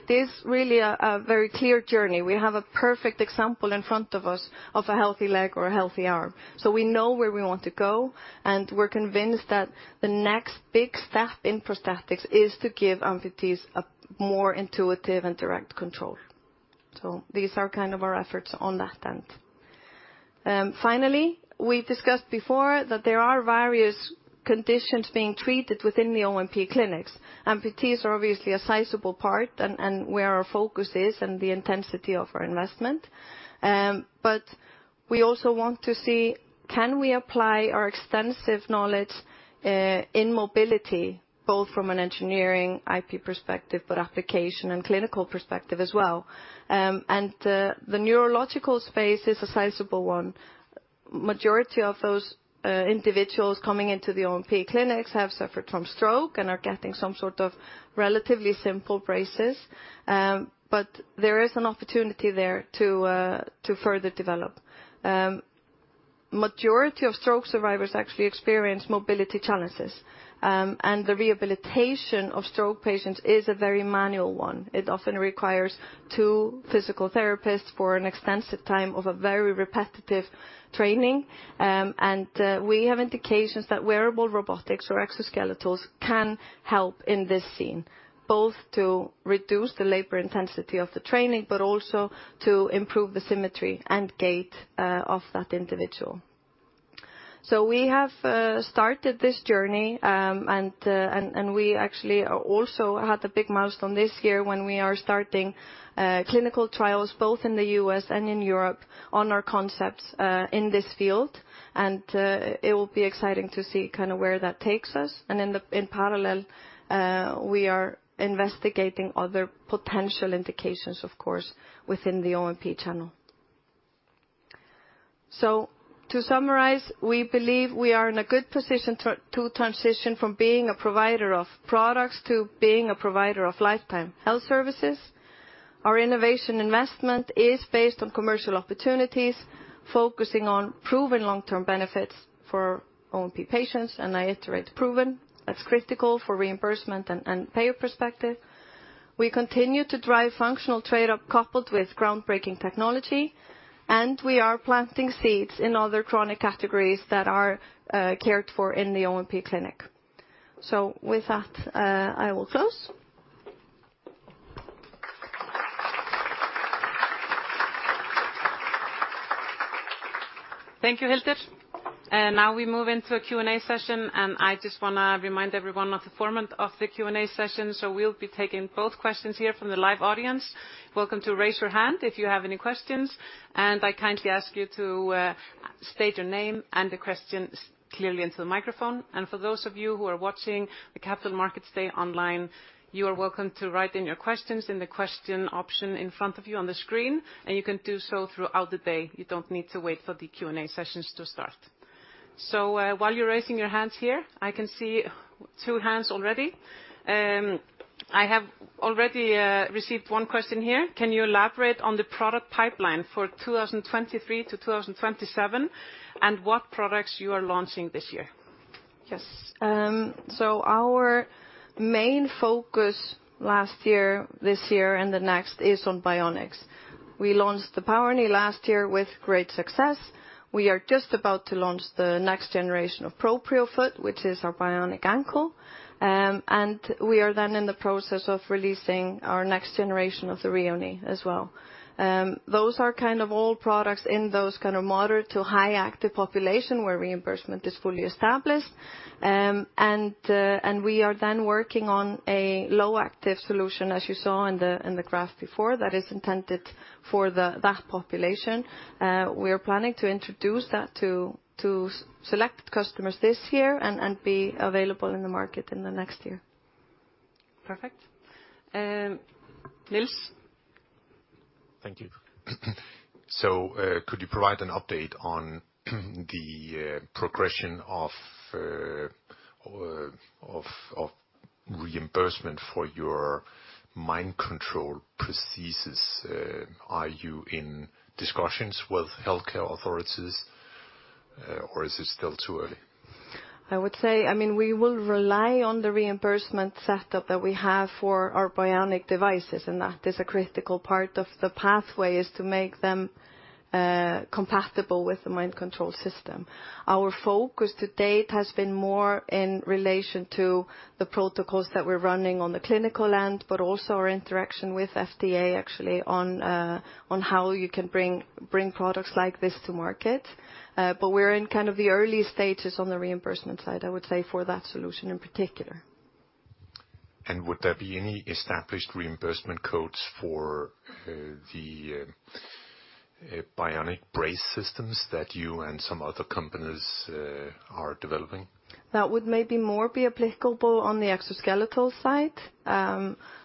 is really a very clear journey. We have a perfect example in front of us of a healthy leg or a healthy arm. We know where we want to go, and we're convinced that the next big step in prosthetics is to give amputees a more intuitive and direct control. These are kind of our efforts on that end. Finally, we discussed before that there are various conditions being treated within the O&P clinics. Amputees are obviously a sizable part and where our focus is and the intensity of our investment. We also want to see can we apply our extensive knowledge in mobility, both from an engineering IP perspective, but application and clinical perspective as well. The neurological space is a sizable one. Majority of those individuals coming into the O&P clinics have suffered from stroke and are getting some sort of relatively simple braces. There is an opportunity there to further develop. Majority of stroke survivors actually experience mobility challenges. The rehabilitation of stroke patients is a very manual one. It often requires two physical therapists for an extensive time of a very repetitive training. We have indications that wearable robotics or exoskeletons can help in this scene, both to reduce the labor intensity of the training, but also to improve the symmetry and gait of that individual. We have started this journey, and we actually also had a big milestone this year when we are starting clinical trials both in the U.S. and in Europe on our concepts in this field. It will be exciting to see kind of where that takes us. In the, in parallel, we are investigating other potential indications, of course, within the O&P channel. To summarize, we believe we are in a good position to transition from being a provider of products to being a provider of lifetime health services. Our innovation investment is based on commercial opportunities, focusing on proven long-term benefits for O&P patients, and I iterate proven. That's critical for reimbursement and payer perspective. We continue to drive functional trade-up coupled with groundbreaking technology, and we are planting seeds in other chronic categories that are cared for in the O&P clinic. With that, I will close. Thank you, Hildur. Now we move into a Q&A session. I just wanna remind everyone of the format of the Q&A session. We'll be taking both questions here from the live audience. Welcome to raise your hand if you have any questions. I kindly ask you to state your name and the questions clearly into the microphone. For those of you who are watching the Capital Markets Day online, you are welcome to write in your questions in the question option in front of you on the screen, and you can do so throughout the day. You don't need to wait for the Q&A sessions to start. While you're raising your 2 hands here, I can see 2 hands already. I have already received 1 question here. Can you elaborate on the product pipeline for 2023-2027, and what products you are launching this year? Yes. Our main focus last year, this year and the next is on bionics. We launched the POWER KNEE last year with great success. We are just about to launch the next generation of Proprio Foot, which is our bionic ankle. We are in the process of releasing our next generation of the RHEO KNEE as well. Those are kind of all products in those kind of moderate to high active population where reimbursement is fully established. We are working on a low active solution, as you saw in the graph before, that is intended for that population. We are planning to introduce that to select customers this year and be available in the market in the next year. Perfect. Nils? Thank you. Could you provide an update on the progression of reimbursement for your mind control prosthesis? Are you in discussions with healthcare authorities, or is it still too early? I would say, I mean, we will rely on the reimbursement setup that we have for our bionic devices, and that is a critical part of the pathway is to make them compatible with the mind control system. Our focus to date has been more in relation to the protocols that we're running on the clinical end, but also our interaction with FDA actually on how you can bring products like this to market. We're in kind of the early stages on the reimbursement side, I would say for that solution in particular. Would there be any established reimbursement codes for the bionic brace systems that you and some other companies are developing? That would maybe more be applicable on the exoskeletal side.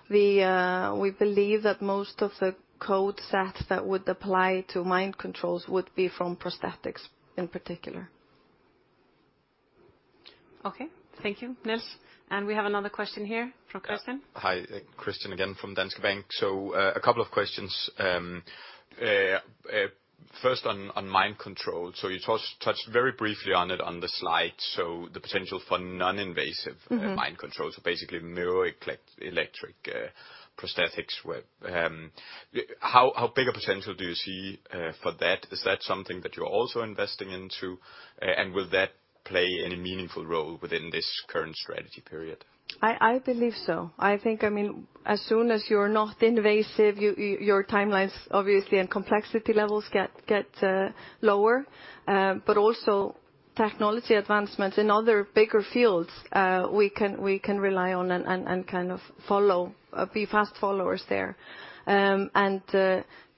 We believe that most of the code sets that would apply to mind controls would be from prosthetics in particular. Okay. Thank you, Nils. We have another question here from Christian. Hi. Christian again from Danske Bank. A couple of questions. First on mind control. You touched very briefly on it on the slide, so the potential for non-invasive… Mm-hmm. mind control, so basically neuro electric prosthetics. How big a potential do you see for that? Is that something that you're also investing into? Will that play any meaningful role within this current strategy period? I believe so. I think, I mean, as soon as you're not invasive, your timelines obviously and complexity levels get lower. Also technology advancements in other bigger fields, we can rely on and kind of Be fast followers there.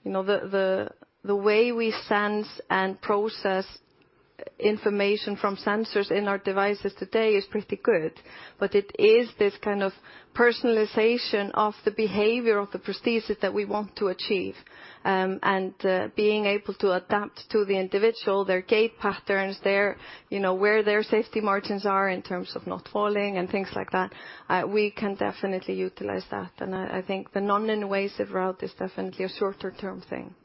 You know, the way we sense and process information from sensors in our devices today is pretty good. It is this kind of personalization of the behavior of the prosthesis that we want to achieve. Being able to adapt to the individual, their gait patterns, their, you know, where their safety margins are in terms of not falling and things like that, we can definitely utilize that. I think the non-invasive route is definitely a shorter term thing.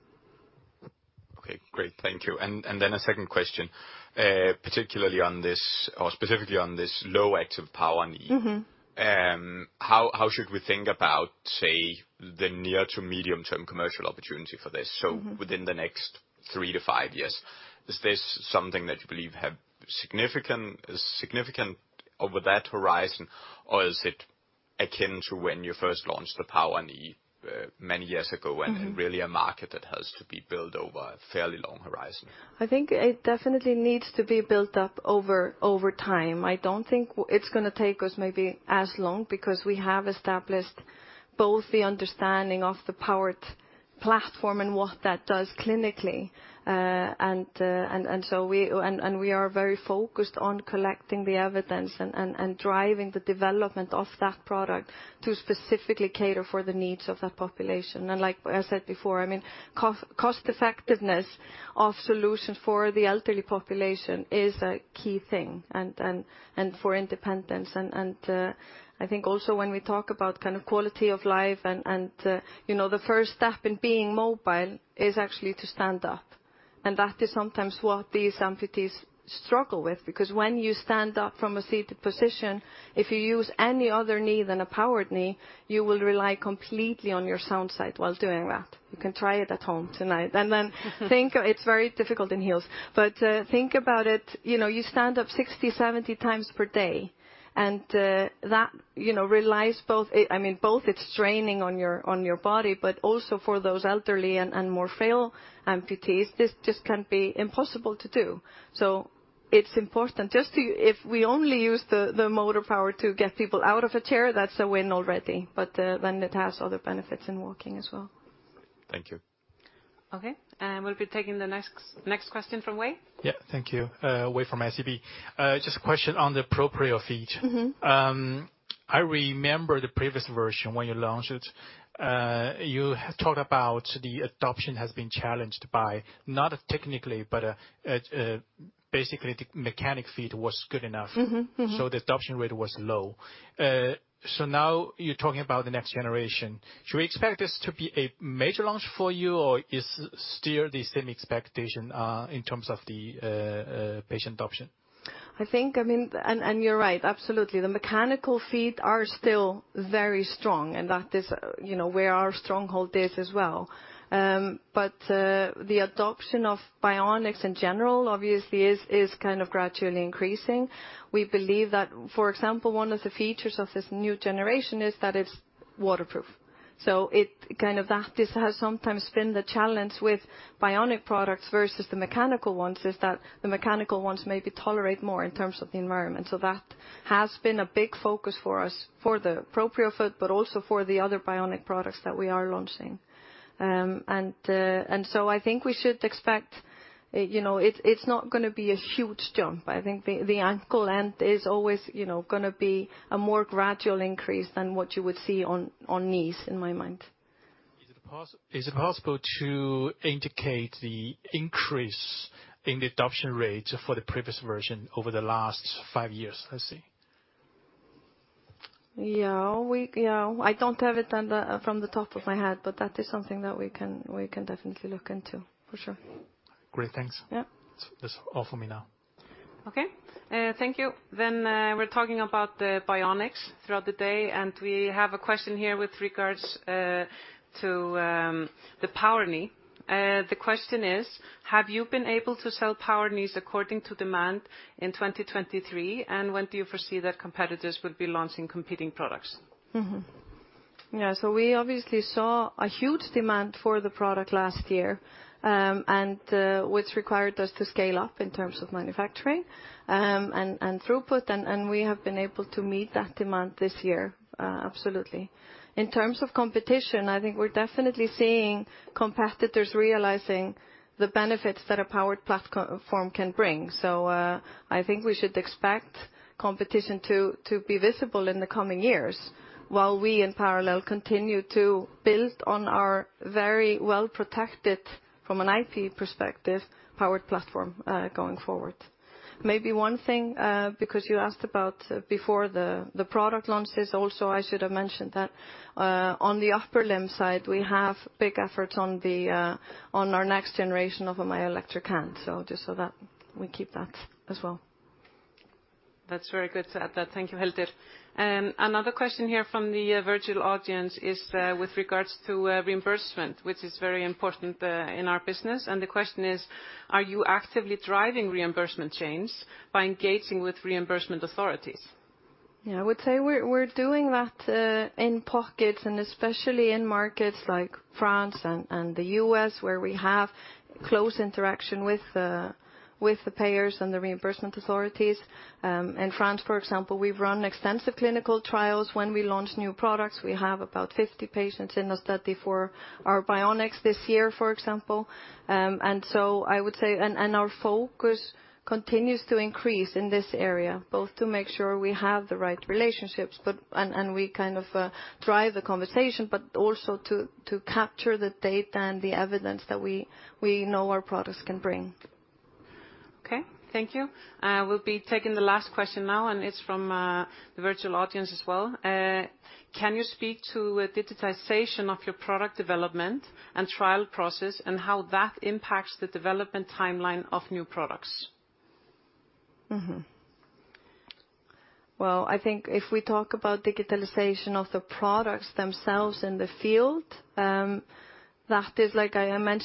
Okay, great. Thank you. Then a second question, particularly on this or specifically on this low active POWER KNEE. Mm-hmm. How, how should we think about, say, the near to medium term commercial opportunity for this? Mm-hmm. Within the next 3 to 5 years, is this something that you believe have significant over that horizon? Or is it akin to when you first launched the POWER KNEE many years ago... Mm-hmm. Really a market that has to be built over a fairly long horizon? I think it definitely needs to be built up over time. I don't think it's gonna take us maybe as long because we have established both the understanding of the powered platform and what that does clinically. We are very focused on collecting the evidence and driving the development of that product to specifically cater for the needs of that population. Like I said before, I mean, cost effectiveness of solution for the elderly population is a key thing and for independence. I think also when we talk about kind of quality of life and, you know, the first step in being mobile is actually to stand up. That is sometimes what these amputees struggle with, because when you stand up from a seated position, if you use any other knee than a POWER KNEE, you will rely completely on your sound side while doing that. You can try it at home tonight. It's very difficult in heels. Think about it, you know, you stand up 60, 70 times per day, that, you know, relies both I mean, it's straining on your body, but also for those elderly and more frail amputees, this just can be impossible to do. It's important if we only use the motor power to get people out of a chair, that's a win already. It has other benefits in walking as well. Thank you. Okay. We'll be taking the next question from Wei. Yeah. Thank you. Wei from SEB. Just a question on the Proprio Feet. Mm-hmm. I remember the previous version when you launched it, you had talked about the adoption has been challenged by, not technically, but, basically the mechanic fit was good enough. Mm-hmm. Mm-hmm. The adoption rate was low. Now you're talking about the next generation. Should we expect this to be a major launch for you, or is still the same expectation in terms of the patient adoption? I think, I mean, you're right, absolutely. The mechanical fit are still very strong, and that is, you know, where our stronghold is as well. The adoption of bionics in general, obviously is kind of gradually increasing. We believe that, for example, one of the features of this new generation is that it's waterproof. Kind of that is, has sometimes been the challenge with bionic products versus the mechanical ones, is that the mechanical ones maybe tolerate more in terms of the environment. That has been a big focus for us, for the Proprio Foot, but also for the other bionic products that we are launching. I think we should expect, you know, it's not gonna be a huge jump. I think the ankle and is always, you know, gonna be a more gradual increase than what you would see on knees, in my mind. Is it possible to indicate the increase in the adoption rate for the previous version over the last five years, let's say? Yeah. Yeah. I don't have it on the, from the top of my head, but that is something that we can definitely look into, for sure. Great. Thanks. Yeah. That's all for me now. Okay. Thank you. We're talking about the bionics throughout the day, and we have a question here with regards to the POWER KNEE. The question is, have you been able to sell POWER KNEEs according to demand in 2023, and when do you foresee that competitors would be launching competing products? Yeah. We obviously saw a huge demand for the product last year, and which required us to scale up in terms of manufacturing, and throughput. We have been able to meet that demand this year, absolutely. In terms of competition, I think we're definitely seeing competitors realizing the benefits that a powered platform can bring. I think we should expect competition to be visible in the coming years, while we in parallel continue to build on our very well-protected, from an IP perspective, powered platform, going forward. Maybe one thing, because you asked about before the product launches also, I should have mentioned that on the upper limb side, we have big efforts on our next generation of a myoelectric hand. Just so that we keep that as well. That's very good to add that. Thank you, Hildur. Another question here from the virtual audience is with regards to reimbursement, which is very important in our business. The question is, are you actively driving reimbursement change by engaging with reimbursement authorities? Yeah. I would say we're doing that in pockets, and especially in markets like France and the U.S., where we have close interaction with the payers and the reimbursement authorities. In France, for example, we've run extensive clinical trials when we launch new products. We have about 50 patients in a study for our bionics this year, for example. I would say. Our focus continues to increase in this area, both to make sure we have the right relationships, but we kind of drive the conversation, but also to capture the data and the evidence that we know our products can bring. Okay, thank you. We'll be taking the last question now, and it's from the virtual audience as well. Can you speak to digitization of your product development and trial process, and how that impacts the development timeline of new products? Well, I think if we talk about digitalization of the products themselves in the field, that is, like I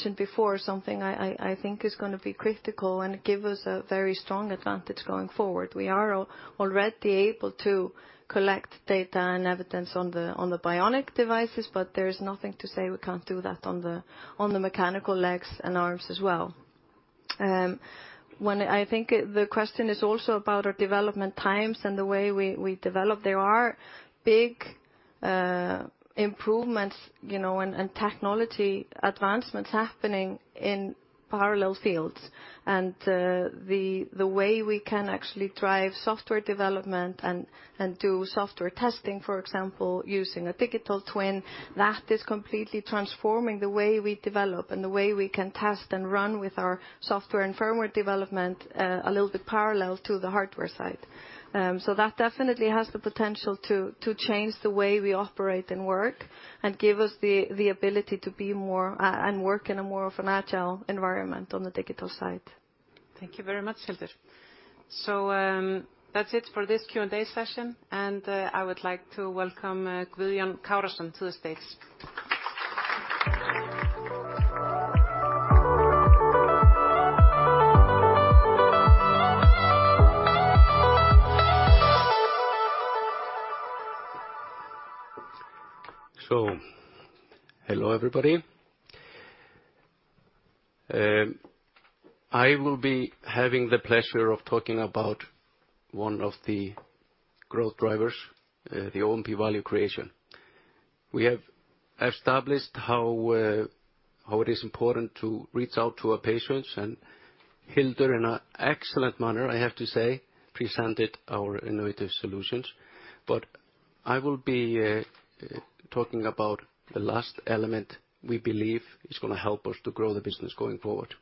think is gonna be critical and give us a very strong advantage going forward. We are already able to collect data and evidence on the, on the bionic devices, but there's nothing to say we can't do that on the, on the mechanical legs and arms as well. I think the question is also about our development times and the way we develop. There are big improvements, you know, and technology advancements happening in parallel fields, and the way we can actually drive software development and do software testing, for example, using a digital twin, that is completely transforming the way we develop and the way we can test and run with our software and firmware development a little bit parallel to the hardware side. That definitely has the potential to change the way we operate and work and give us the ability to be more and work in a more of an agile environment on the digital side. Thank you very much, Hildur. That's it for this Q&A session, and I would like to welcome Guðjón Karason to the stage. Hello, everybody. I will be having the pleasure of talking about one of the growth drivers, the O&P Value Creation. We have established how it is important to reach out to our patients, and Hildur in an excellent manner, I have to say, presented our innovative solutions. I will be talking about the last element we believe is going to help us to grow the business going forward.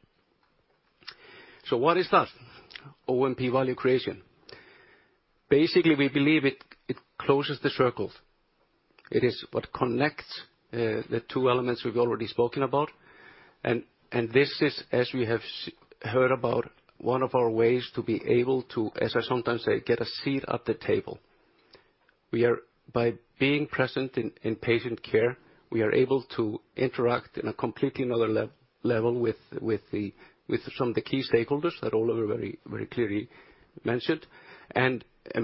What is that? O&P value creation. Basically, we believe it closes the circles. It is what connects the two elements we've already spoken about. This is, as we have heard about, one of our ways to be able to, as I sometimes say, get a seat at the table. We are... By being present in patient care, we are able to interact in a completely 'nother level with the, with some of the key stakeholders that Ólafur very clearly mentioned.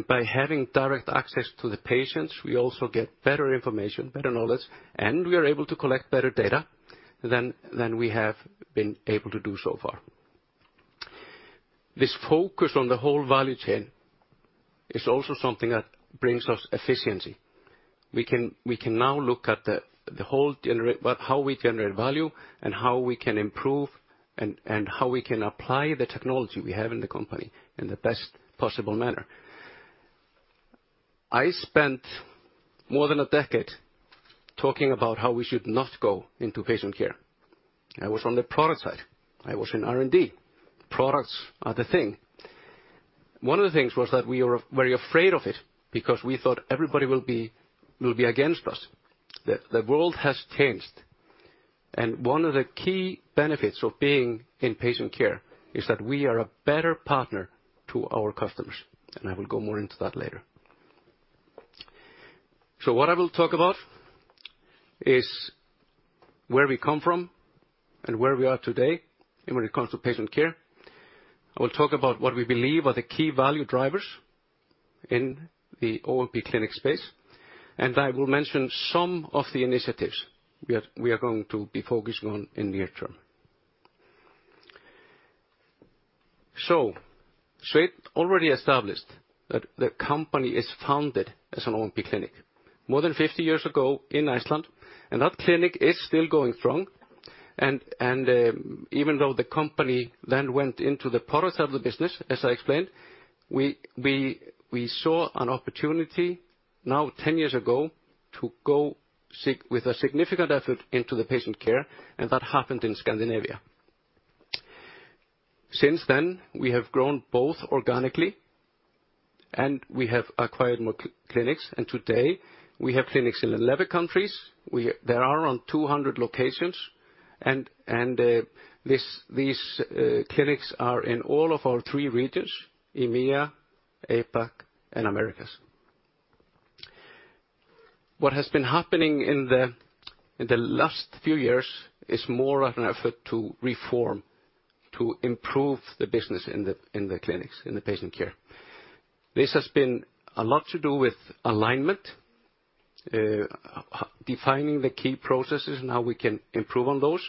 By having direct access to the patients, we also get better information, better knowledge, and we are able to collect better data than we have been able to do so far. This focus on the whole value chain is also something that brings us efficiency. We can now look at the whole how we generate value and how we can improve and how we can apply the technology we have in the company in the best possible manner. I spent more than a decade talking about how we should not go into patient care. I was on the product side. I was in R&D. Products are the thing. One of the things was that we were very afraid of it because we thought everybody will be, will be against us. The world has changed. One of the key benefits of being in patient care is that we are a better partner to our customers. I will go more into that later. What I will talk about is where we come from and where we are today when it comes to patient care. I will talk about what we believe are the key value drivers in the O&P clinic space. I will mention some of the initiatives we are going to be focusing on in the near term. Sveinn already established that the company is founded as an O&P clinic more than 50 years ago in Iceland. That clinic is still going strong. Even though the company then went into the product side of the business, as I explained, we saw an opportunity now 10 years ago to go with a significant effort into the patient care, and that happened in Scandinavia. We have grown both organically and we have acquired more clinics, and today we have clinics in 11 countries. There are around 200 locations, and these clinics are in all of our three regions, EMEA, APAC and Americas. What has been happening in the last few years is more of an effort to reform, to improve the business in the clinics, in the patient care. This has been a lot to do with alignment, defining the key processes and how we can improve on those.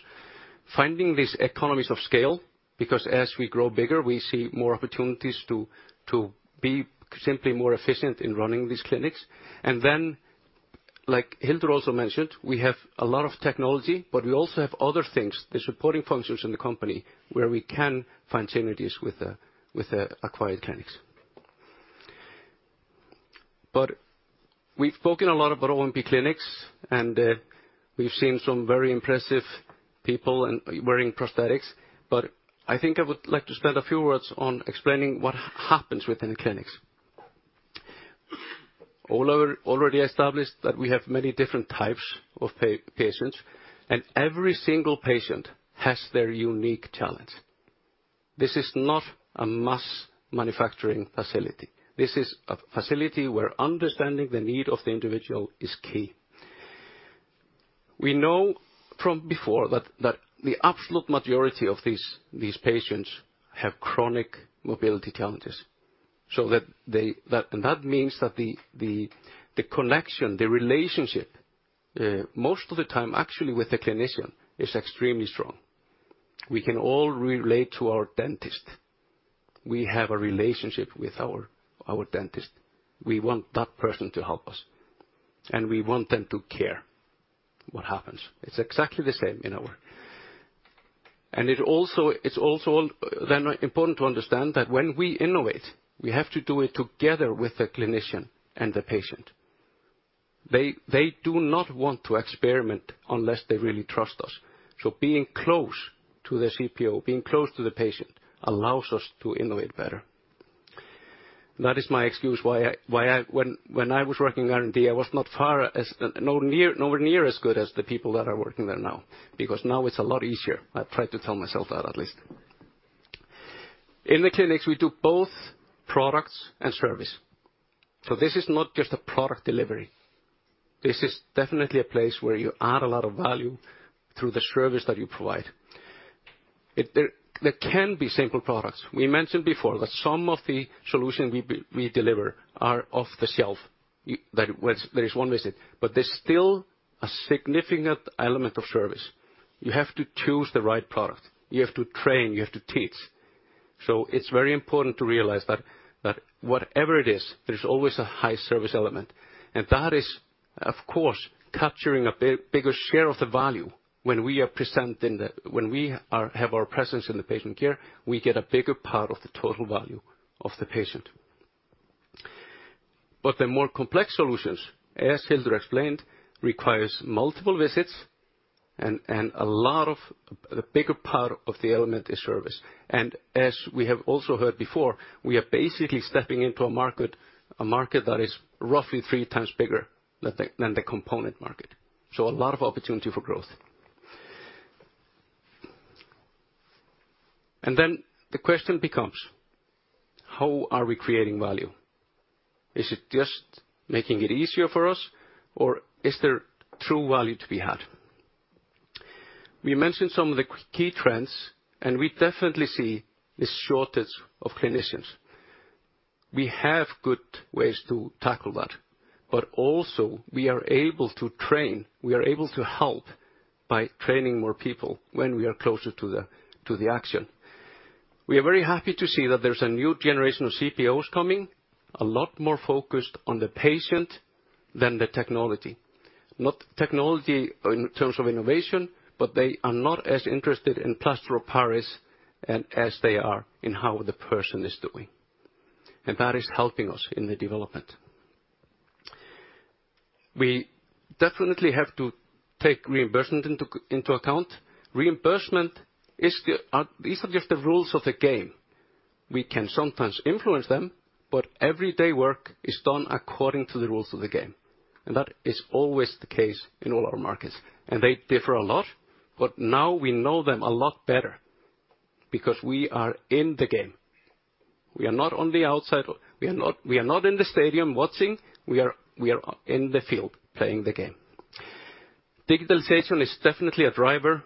Finding these economies of scale, because as we grow bigger, we see more opportunities to be simply more efficient in running these clinics. Then, like Hildur also mentioned, we have a lot of technology, but we also have other things, the supporting functions in the company where we can find synergies with the acquired clinics. We've spoken a lot about O&P clinics, and we've seen some very impressive people and wearing prosthetics. I think I would like to spend a few words on explaining what happens within the clinics. Ólafur already established that we have many different types of patients, and every single patient has their unique challenge. This is not a mass manufacturing facility. This is a facility where understanding the need of the individual is key. We know from before that the absolute majority of these patients have chronic mobility challenges. That means that the connection, the relationship, most of the time, actually, with the clinician is extremely strong. We can all relate to our dentist. We have a relationship with our dentist. We want that person to help us, and we want them to care what happens. It's exactly the same. It's also then important to understand that when we innovate, we have to do it together with the clinician and the patient. They do not want to experiment unless they really trust us. Being close to the CPO, being close to the patient allows us to innovate better. That is my excuse why I. When I was working in R&D, I was nowhere near as good as the people that are working there now, because now it's a lot easier. I try to tell myself that at least. In the clinics, we do both products and service. This is not just a product delivery. This is definitely a place where you add a lot of value through the service that you provide. There can be simple products. We mentioned before that some of the solutions we deliver are off-the-shelf. Where there is one visit. There's still a significant element of service. You have to choose the right product. You have to train, you have to teach. It's very important to realize that whatever it is, there's always a high service element. That is, of course, capturing a bigger share of the value when we have our presence in the patient care, we get a bigger part of the total value of the patient. The more complex solutions, as Hildur explained, requires multiple visits and a lot of the bigger part of the element is service. As we have also heard before, we are basically stepping into a market, a market that is roughly 3 times bigger than the component market. A lot of opportunity for growth. The question becomes: how are we creating value? Is it just making it easier for us, or is there true value to be had? We mentioned some of the key trends, we definitely see this shortage of clinicians. We have good ways to tackle that, but also we are able to train, we are able to help by training more people when we are closer to the, to the action. We are very happy to see that there's a new generation of CPOs coming, a lot more focused on the patient than the technology. Not technology in terms of innovation, but they are not as interested in plaster of Paris as they are in how the person is doing. That is helping us in the development. We definitely have to take reimbursement into account. These are just the rules of the game. We can sometimes influence them, but everyday work is done according to the rules of the game. That is always the case in all our markets. They differ a lot, but now we know them a lot better because we are in the game. We are not on the outside. We are not in the stadium watching. We are in the field playing the game. Digitalization is definitely a driver,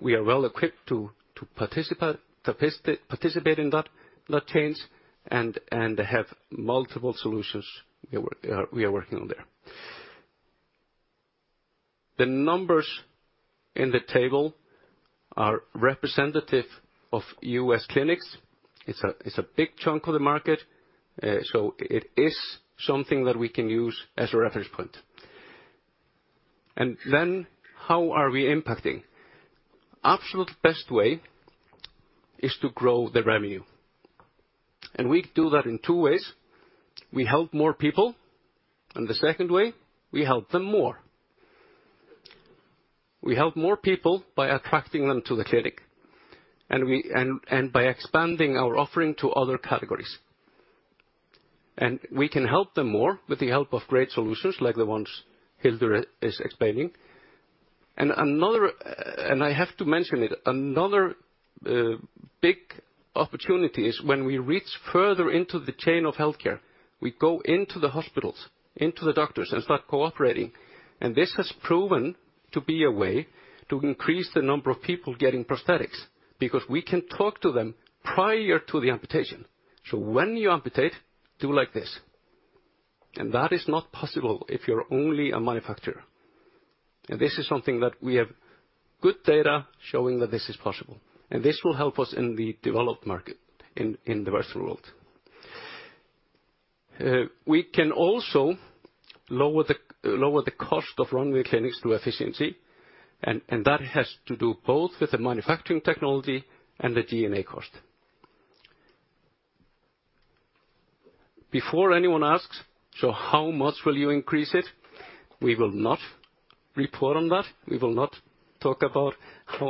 we are well equipped to participate in that change and have multiple solutions we are working on there. The numbers in the table are representative of U.S. clinics. It's a big chunk of the market, so it is something that we can use as a reference point. How are we impacting? Absolute best way is to grow the revenue. We do that in two ways. We help more people, and the second way, we help them more. We help more people by attracting them to the clinic, and we, and by expanding our offering to other categories. We can help them more with the help of great solutions like the ones Hildur is explaining. Another, I have to mention it, another big opportunity is when we reach further into the chain of healthcare. We go into the hospitals, into the doctors, and start cooperating. This has proven to be a way to increase the number of people getting prosthetics because we can talk to them prior to the amputation. When you amputate, do like this. That is not possible if you're only a manufacturer. This is something that we have good data showing that this is possible. This will help us in the developed market in the virtual world. We can also lower the cost of running the clinics through efficiency, and that has to do both with the manufacturing technology and the G&A cost. Before anyone asks, "How much will you increase it?" We will not report on that. We will not talk about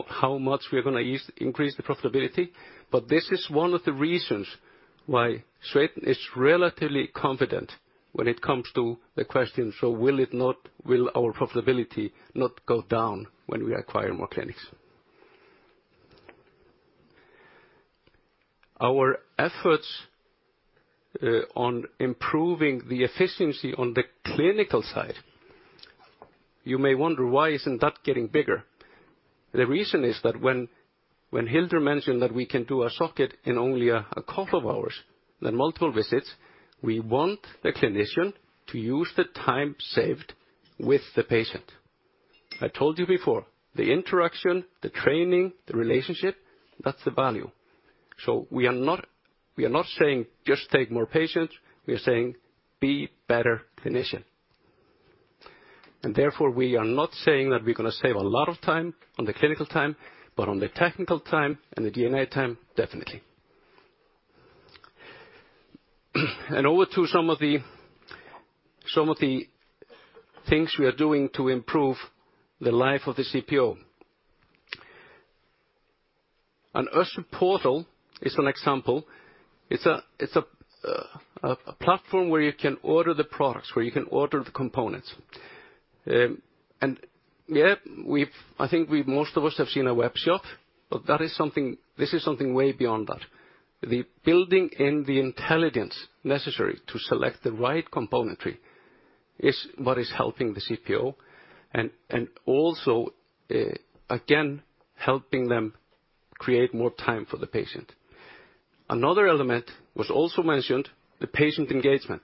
how much we're gonna increase the profitability, but this is one of the reasons why Sveinn is relatively confident when it comes to the question, will our profitability not go down when we acquire more clinics. Our efforts on improving the efficiency on the clinical side, you may wonder, why isn't that getting bigger? The reason is that when Hildur mentioned that we can do a socket in only a couple of hours than multiple visits, we want the clinician to use the time saved with the patient. I told you before, the interaction, the training, the relationship, that's the value. We are not saying just take more patients, we are saying be better clinician. Therefore, we are not saying that we're gonna save a lot of time on the clinical time, but on the technical time and the DNA time, definitely. Over to some of the things we are doing to improve the life of the CPO. An Össur Portal is an example. It's a platform where you can order the products, where you can order the components. Yeah, I think we've, most of us have seen a webshop, but this is something way beyond that. The building in the intelligence necessary to select the right componentry is what is helping the CPO and also, again, helping them create more time for the patient. Another element was also mentioned, the patient engagement.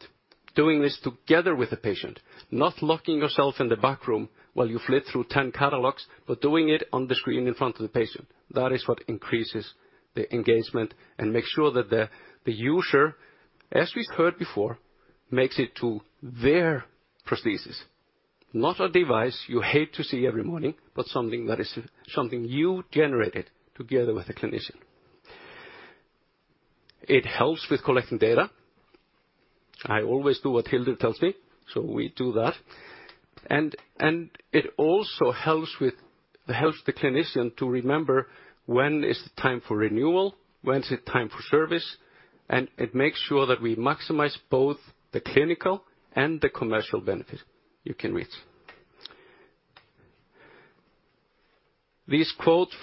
Doing this together with the patient, not locking yourself in the back room while you flip through 10 catalogs, but doing it on the screen in front of the patient. That is what increases the engagement and makes sure that the user, as we've heard before, makes it to their prosthesis. Not a device you hate to see every morning, but something that is something you generated together with a clinician. It helps with collecting data. I always do what Hildur tells me, we do that. It also helps with... It helps the clinician to remember when is the time for renewal, when is it time for service. It makes sure that we maximize both the clinical and the commercial benefit you can reach. These quotes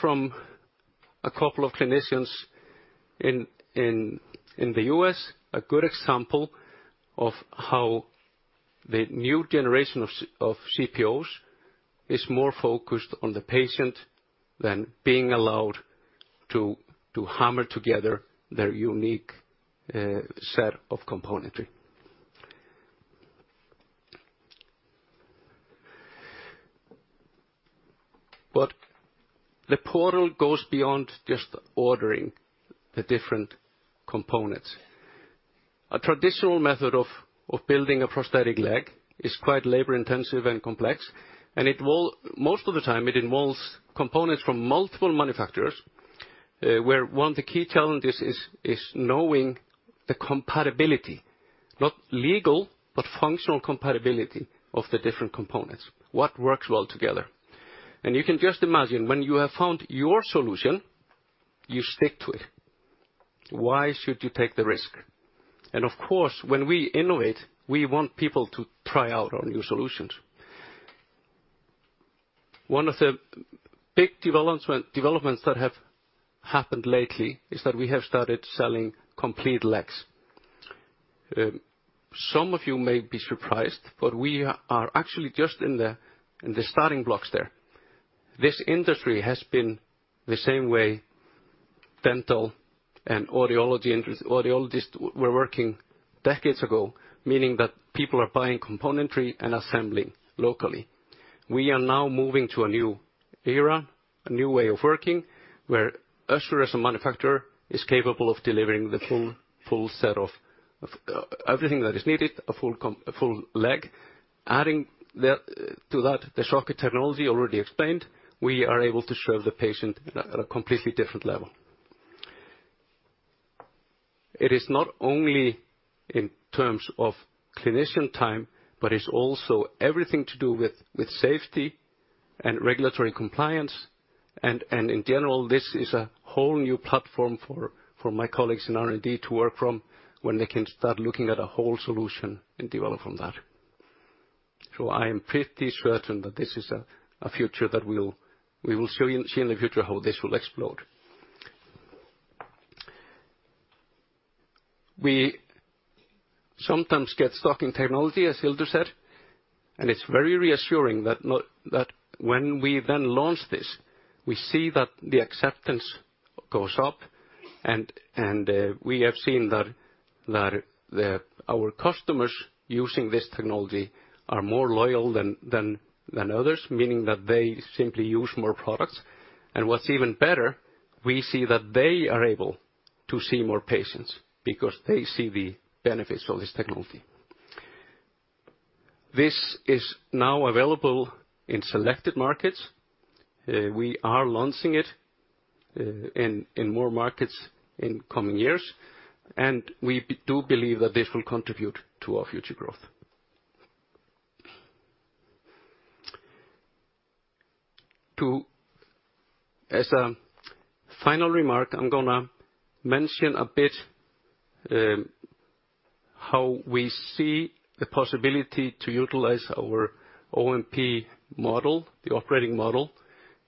from a couple of clinicians in the US, a good example of how the new generation of CPOs is more focused on the patient than being allowed to hammer together their unique set of componentry. The Össur Portal goes beyond just ordering the different components. A traditional method of building a prosthetic leg is quite labor-intensive and complex, and most of the time, it involves components from multiple manufacturers, where one of the key challenges is knowing the compatibility, not legal, but functional compatibility of the different components. What works well together. You can just imagine when you have found your solution, you stick to it. Why should you take the risk? Of course, when we innovate, we want people to try out our new solutions. One of the big developments that have happened lately is that we have started selling complete Össur Legs. Some of you may be surprised, but we are actually just in the starting blocks there. This industry has been the same way dental and audiology industry audiologists were working decades ago, meaning that people are buying componentry and assembling locally. We are now moving to a new era, a new way of working, where Össur as a manufacturer is capable of delivering the full set of everything that is needed, a full Össur Leg. Adding to that, the socket technology already explained, we are able to serve the patient at a completely different level. It is not only in terms of clinician time, but it's also everything to do with safety and regulatory compliance. In general, this is a whole new platform for my colleagues in R&D to work from when they can start looking at a whole solution and develop from that. I am pretty certain that this is a future that we'll see in the future how this will explode. We sometimes get stuck in technology, as Hildur said. It's very reassuring that when we then launch this, we see that the acceptance goes up. We have seen that the... Our customers using this technology are more loyal than others, meaning that they simply use more products. What's even better, we see that they are able to see more patients because they see the benefits of this technology. This is now available in selected markets. We are launching it in more markets in coming years, and we do believe that this will contribute to our future growth. As a final remark, I'm gonna mention a bit how we see the possibility to utilize our O&P model, the operating model,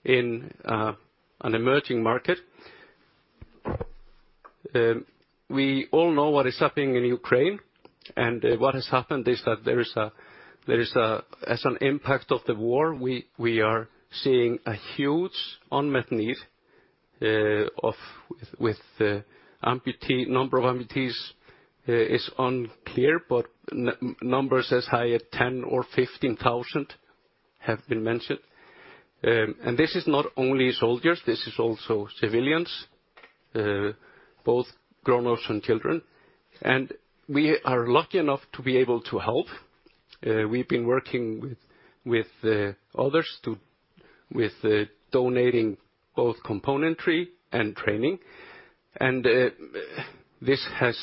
in an emerging market. We all know what is happening in Ukraine, and what has happened is that there is a... As an impact of the war, we are seeing a huge unmet need of... With amputee, number of amputees is unclear, but numbers as high as 10 or 15,000 have been mentioned. This is not only soldiers, this is also civilians, both grown-ups and children. We are lucky enough to be able to help. We've been working with others to donating both componentry and training. This has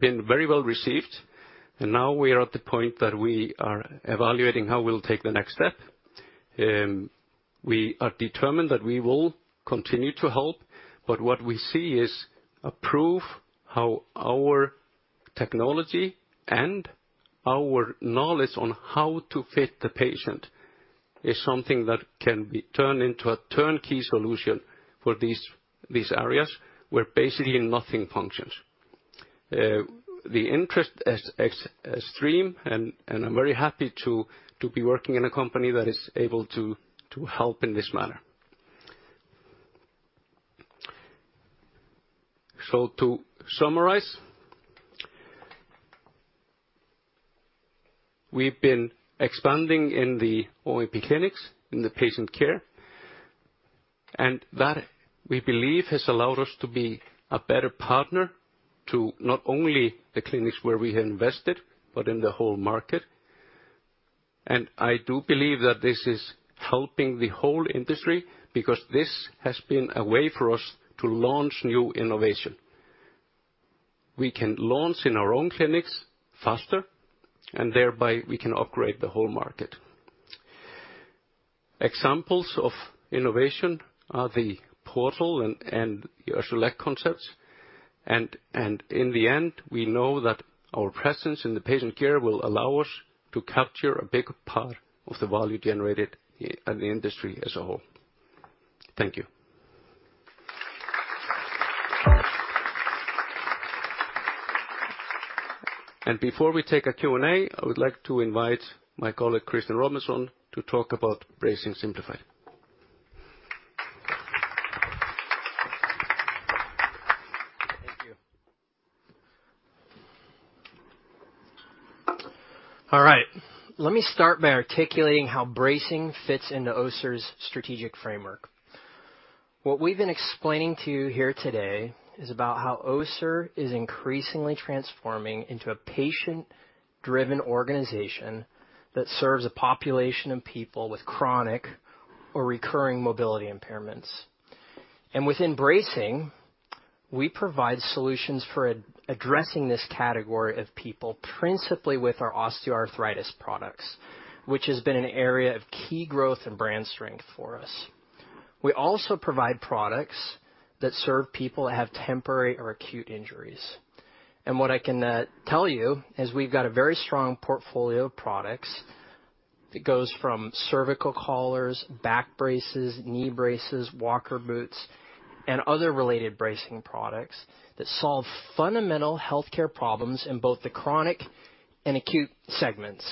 been very well received. Now we are at the point that we are evaluating how we'll take the next step. We are determined that we will continue to help, but what we see is a proof how our technology and our knowledge on how to fit the patient is something that can be turned into a turnkey solution for these areas where basically nothing functions. The interest is extreme, and I'm very happy to be working in a company that is able to help in this manner. To summarize, we've been expanding in the O&P clinics, in the patient care, and that we believe has allowed us to be a better partner to not only the clinics where we have invested, but in the whole market. I do believe that this is helping the whole industry, because this has been a way for us to launch new innovation. We can launch in our own clinics faster, and thereby we can upgrade the whole market. Examples of innovation are the Össur Portal and Select concepts. In the end, we know that our presence in the patient care will allow us to capture a bigger part of the value generated in the industry as a whole. Thank you. Before we take a Q&A, I would like to invite my colleague, Christian Robinson, to talk about Bracing Simplified. Thank you. All right, let me start by articulating how bracing fits into Embla Medical's strategic framework. What we've been explaining to you here today is about how Embla Medical is increasingly transforming into a patient-driven organization that serves a population of people with chronic or recurring mobility impairments. Within bracing, we provide solutions for addressing this category of people, principally with our osteoarthritis products, which has been an area of key growth and brand strength for us. We also provide products that serve people that have temporary or acute injuries. What I can tell you is we've got a very strong portfolio of products that goes from cervical collars, back braces, knee braces, walker boots, and other related bracing products that solve fundamental healthcare problems in both the chronic and acute segments.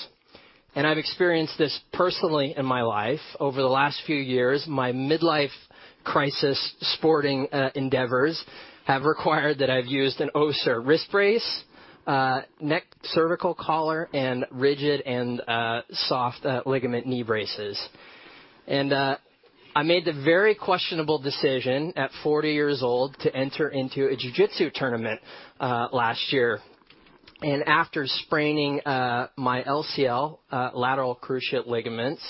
I've experienced this personally in my life over the last few years. My midlife crisis sporting endeavors have required that I've used an Össur wrist brace, neck cervical collar, and rigid and soft ligament knee braces. I made the very questionable decision at 40 years old to enter into a jiu-jitsu tournament last year. After spraining my LCL, lateral cruciate ligaments,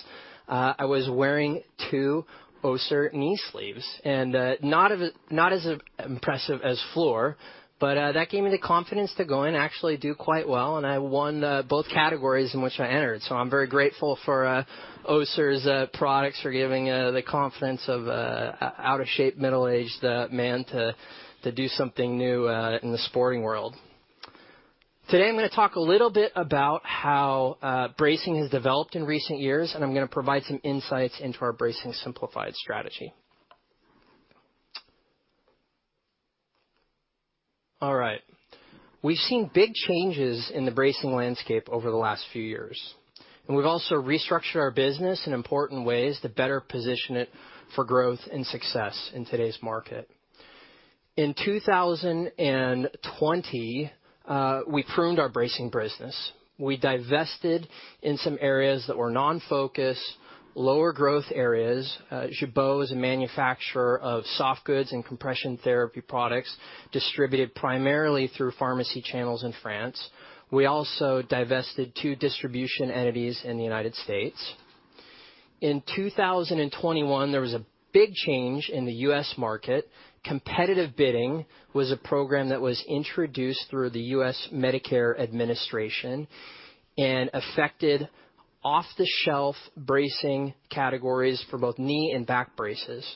I was wearing 2 Össur knee sleeves. Not as impressive as Fleur Jong, but that gave me the confidence to go in and actually do quite well, and I won both categories in which I entered. I'm very grateful for Össur's products for giving the confidence of out of shape middle-aged man to do something new in the sporting world. Today, I'm gonna talk a little bit about how bracing has developed in recent years, and I'm gonna provide some insights into our Bracing Simplified strategy. All right. We've seen big changes in the bracing landscape over the last few years, and we've also restructured our business in important ways to better position it for growth and success in today's market. In 2020, we pruned our bracing business. We divested in some areas that were non-focus, lower growth areas. Gibaud is a manufacturer of soft goods and compression therapy products distributed primarily through pharmacy channels in France. We also divested 2 distribution entities in the United States. In 2021, there was a big change in the U.S. market. Competitive bidding was a program that was introduced through the US Medicare administration and affected off-the-shelf bracing categories for both knee and back braces.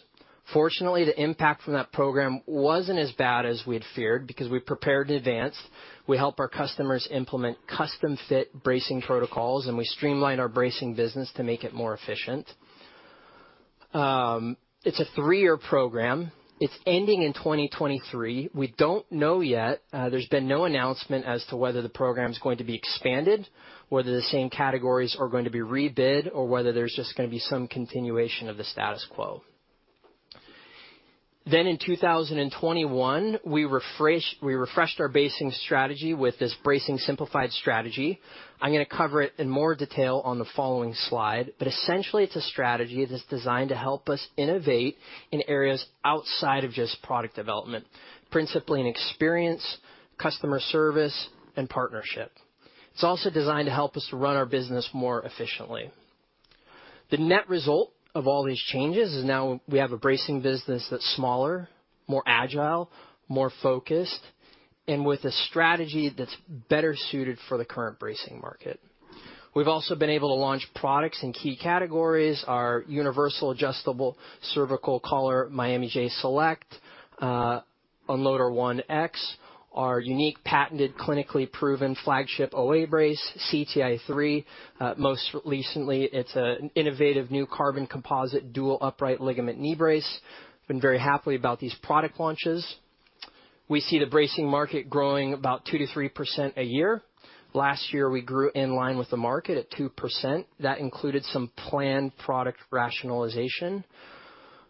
Fortunately, the impact from that program wasn't as bad as we'd feared because we prepared in advance. We help our customers implement custom-fit bracing protocols, and we streamline our bracing business to make it more efficient. It's a three-year program. It's ending in 2023. We don't know yet. There's been no announcement as to whether the program is going to be expanded, whether the same categories are going to be rebid, or whether there's just gonna be some continuation of the status quo. In 2021, we refreshed our bracing strategy with this Bracing Simplified strategy. I'm gonna cover it in more detail on the following slide, but essentially it's a strategy that's designed to help us innovate in areas outside of just product development, principally in experience, customer service, and partnership. It's also designed to help us to run our business more efficiently. The net result of all these changes is now we have a bracing business that's smaller, more agile, more focused, and with a strategy that's better suited for the current bracing market. We've also been able to launch products in key categories. Our universal adjustable cervical collar, Miami J Select, Unloader One X, our unique patented, clinically proven flagship OA brace, CTi3. Most recently, it's an innovative new carbon composite dual upright ligament knee brace. Been very happy about these product launches. We see the bracing market growing about 2%-3% a year. Last year, we grew in line with the market at 2%. That included some planned product rationalization.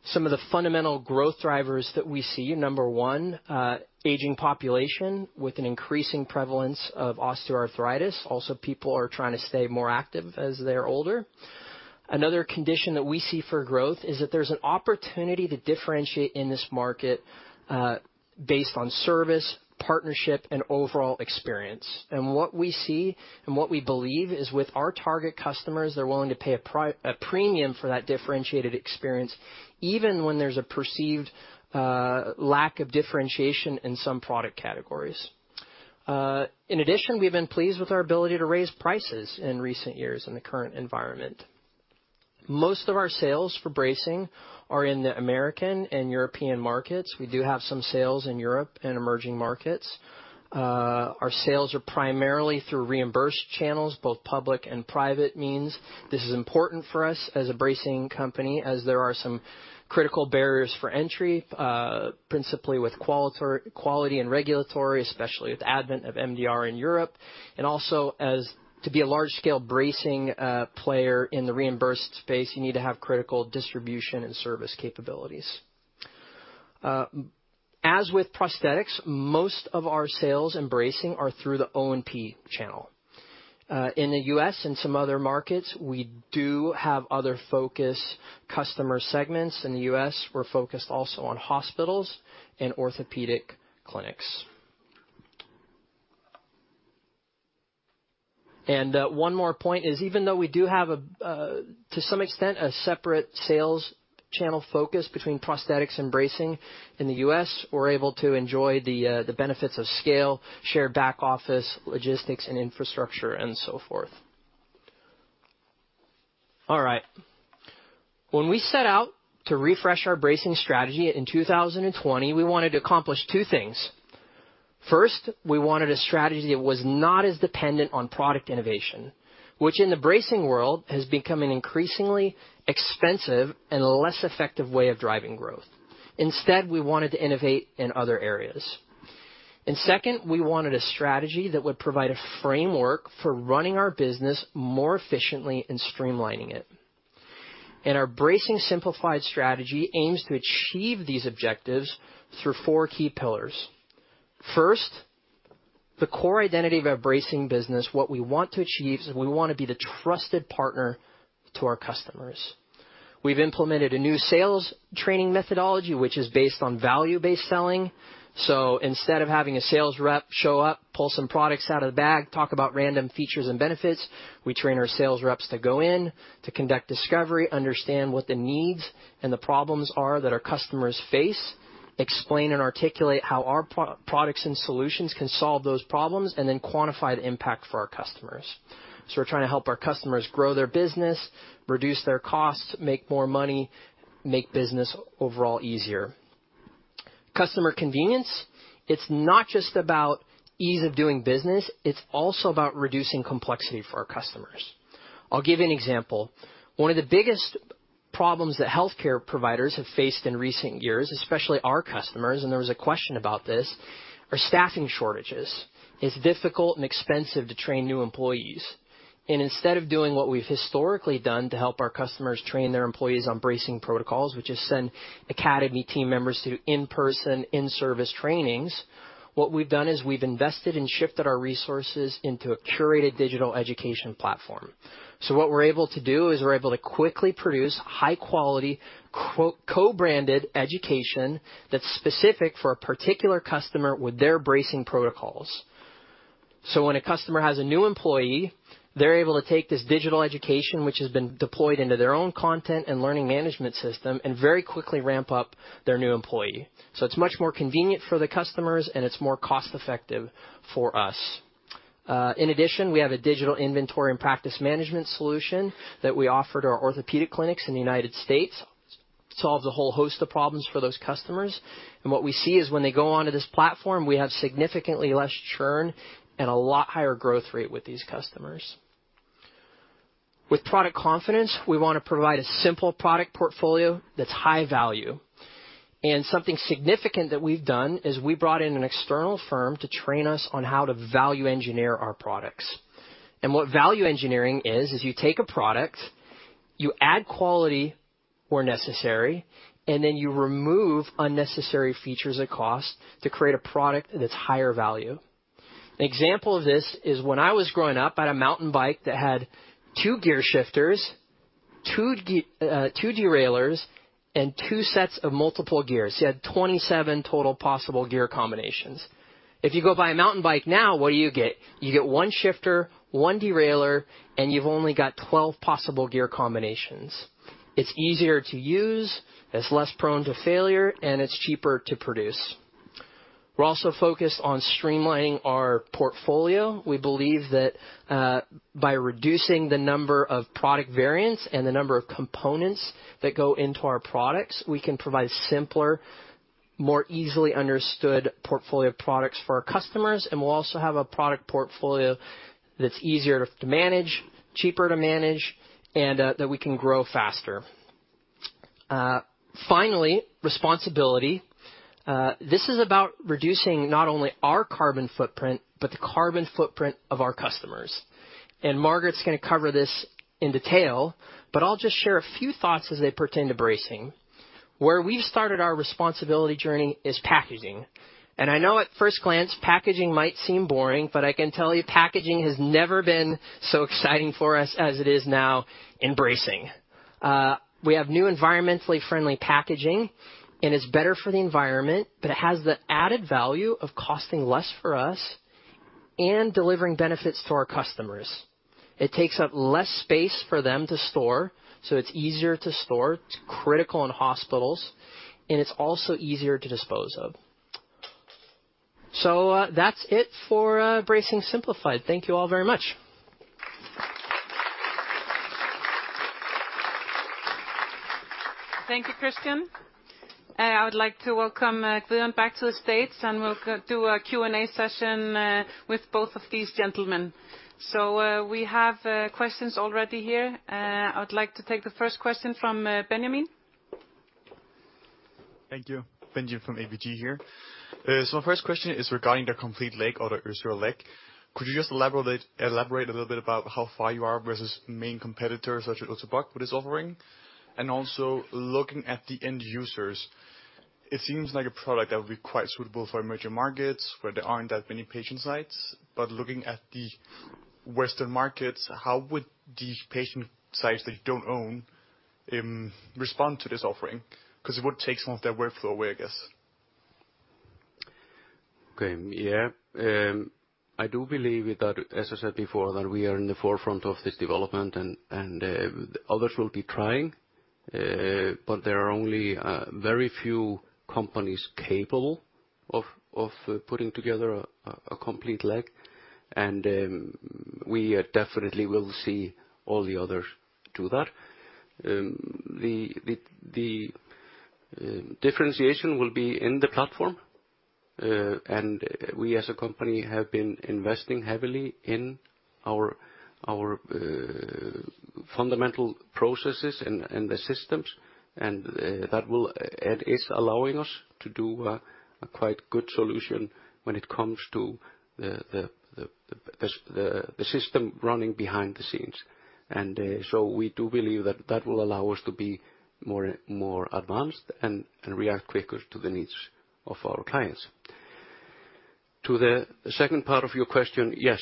Some of the fundamental growth drivers that we see, number one, aging population with an increasing prevalence of osteoarthritis. Also, people are trying to stay more active as they are older. Another condition that we see for growth is that there's an opportunity to differentiate in this market, based on service, partnership, and overall experience. What we see and what we believe is with our target customers, they're willing to pay a premium for that differentiated experience, even when there's a perceived lack of differentiation in some product categories. In addition, we've been pleased with our ability to raise prices in recent years in the current environment. Most of our sales for bracing are in the American and European markets. We do have some sales in Europe and emerging markets. Our sales are primarily through reimbursed channels, both public and private means. This is important for us as a bracing company as there are some critical barriers for entry, principally with quality and regulatory, especially with the advent of MDR in Europe. Also to be a large-scale bracing player in the reimbursed space, you need to have critical distribution and service capabilities. As with prosthetics, most of our sales in bracing are through the O&P channel. In the U.S. and some other markets, we do have other focus customer segments. In the U.S., we're focused also on hospitals and orthopedic clinics. One more point is even though we do have to some extent, a separate sales channel focus between prosthetics and bracing in the U.S., we're able to enjoy the benefits of scale, share back-office logistics and infrastructure, and so forth. When we set out to refresh our Bracing Simplified strategy in 2020, we wanted to accomplish 2 things. First, we wanted a strategy that was not as dependent on product innovation, which in the bracing world has become an increasingly expensive and less effective way of driving growth. Instead, we wanted to innovate in other areas. Second, we wanted a strategy that would provide a framework for running our business more efficiently and streamlining it. Our Bracing Simplified strategy aims to achieve these objectives through 4 key pillars. First, the core identity of our bracing business, what we want to achieve is we wanna be the trusted partner to our customers. We've implemented a new sales training methodology, which is based on value-based selling. Instead of having a sales rep show up, pull some products out of the bag, talk about random features and benefits, we train our sales reps to go in to conduct discovery, understand what the needs and the problems are that our customers face, explain and articulate how our pro-products and solutions can solve those problems, and then quantify the impact for our customers. We're trying to help our customers grow their business, reduce their costs, make more money, make business overall easier. Customer convenience, it's not just about ease of doing business, it's also about reducing complexity for our customers. I'll give you an example. One of the biggest problems that healthcare providers have faced in recent years, especially our customers, and there was a question about this, are staffing shortages. It's difficult and expensive to train new employees. Instead of doing what we've historically done to help our customers train their employees on bracing protocols, which is send Academy team members to in-person, in-service trainings, what we've done is we've invested and shifted our resources into a curated digital education platform. What we're able to do is we're able to quickly produce high-quality co-branded education that's specific for a particular customer with their bracing protocols. When a customer has a new employee, they're able to take this digital education, which has been deployed into their own content and learning management system, and very quickly ramp up their new employee. It's much more convenient for the customers, and it's more cost-effective for us. In addition, we have a digital inventory and practice management solution that we offer to our orthopedic clinics in the United States. Solves a whole host of problems for those customers. What we see is when they go onto this platform, we have significantly less churn and a lot higher growth rate with these customers. With product confidence, we wanna provide a simple product portfolio that's high value. Something significant that we've done is we brought in an external firm to train us on how to value engineer our products. What value engineering is you take a product, you add quality where necessary, and then you remove unnecessary features and costs to create a product that's higher value. An example of this is when I was growing up, I had a mountain bike that had 2 gear shifters, 2 derailleurs, and 2 sets of multiple gears. You had 27 total possible gear combinations. If you go buy a mountain bike now, what do you get? You get 1 shifter, 1 derailleur, and you've only got 12 possible gear combinations. It's easier to use, it's less prone to failure, and it's cheaper to produce. We're also focused on streamlining our portfolio. We believe that by reducing the number of product variants and the number of components that go into our products, we can provide simpler, more easily understood portfolio products for our customers, and we'll also have a product portfolio that's easier to manage, cheaper to manage, and that we can grow faster. Finally, responsibility. This is about reducing not only our carbon footprint, but the carbon footprint of our customers. Margaret's gonna cover this in detail, but I'll just share a few thoughts as they pertain to bracing. Where we started our responsibility journey is packaging. I know at first glance, packaging might seem boring, but I can tell you packaging has never been so exciting for us as it is now in bracing. We have new environmentally friendly packaging, and it's better for the environment, but it has the added value of costing less for us and delivering benefits to our customers. It takes up less space for them to store, so it's easier to store. It's critical in hospitals, and it's also easier to dispose of. That's it for Bracing Simplified. Thank you all very much. Thank you, Christian. I would like to welcome Guðjón back to the stage, and we'll do a Q&A session with both of these gentlemen. We have questions already here. I would like to take the first question from Benjamin. Thank you. Benjamin from ABG here. My first question is regarding the complete leg or the Össur Leg. Could you just elaborate a little bit about how far you are versus main competitors such as Ottobock with this offering? Also looking at the end users, it seems like a product that would be quite suitable for emerging markets where there aren't that many patient sites. Looking at the Western markets, how would these patient sites that you don't own respond to this offering? 'Cause it would take some of their workflow away, I guess. Okay. Yeah. I do believe that, as I said before, that we are in the forefront of this development and others will be trying, but there are only very few companies capable of putting together a complete leg. We definitely will see all the others do that. The differentiation will be in the platform, and we as a company have been investing heavily in our fundamental processes and the systems, that will, and is allowing us to do a quite good solution when it comes to the system running behind the scenes. We do believe that that will allow us to be more advanced and react quicker to the needs of our clients. To the second part of your question, yes,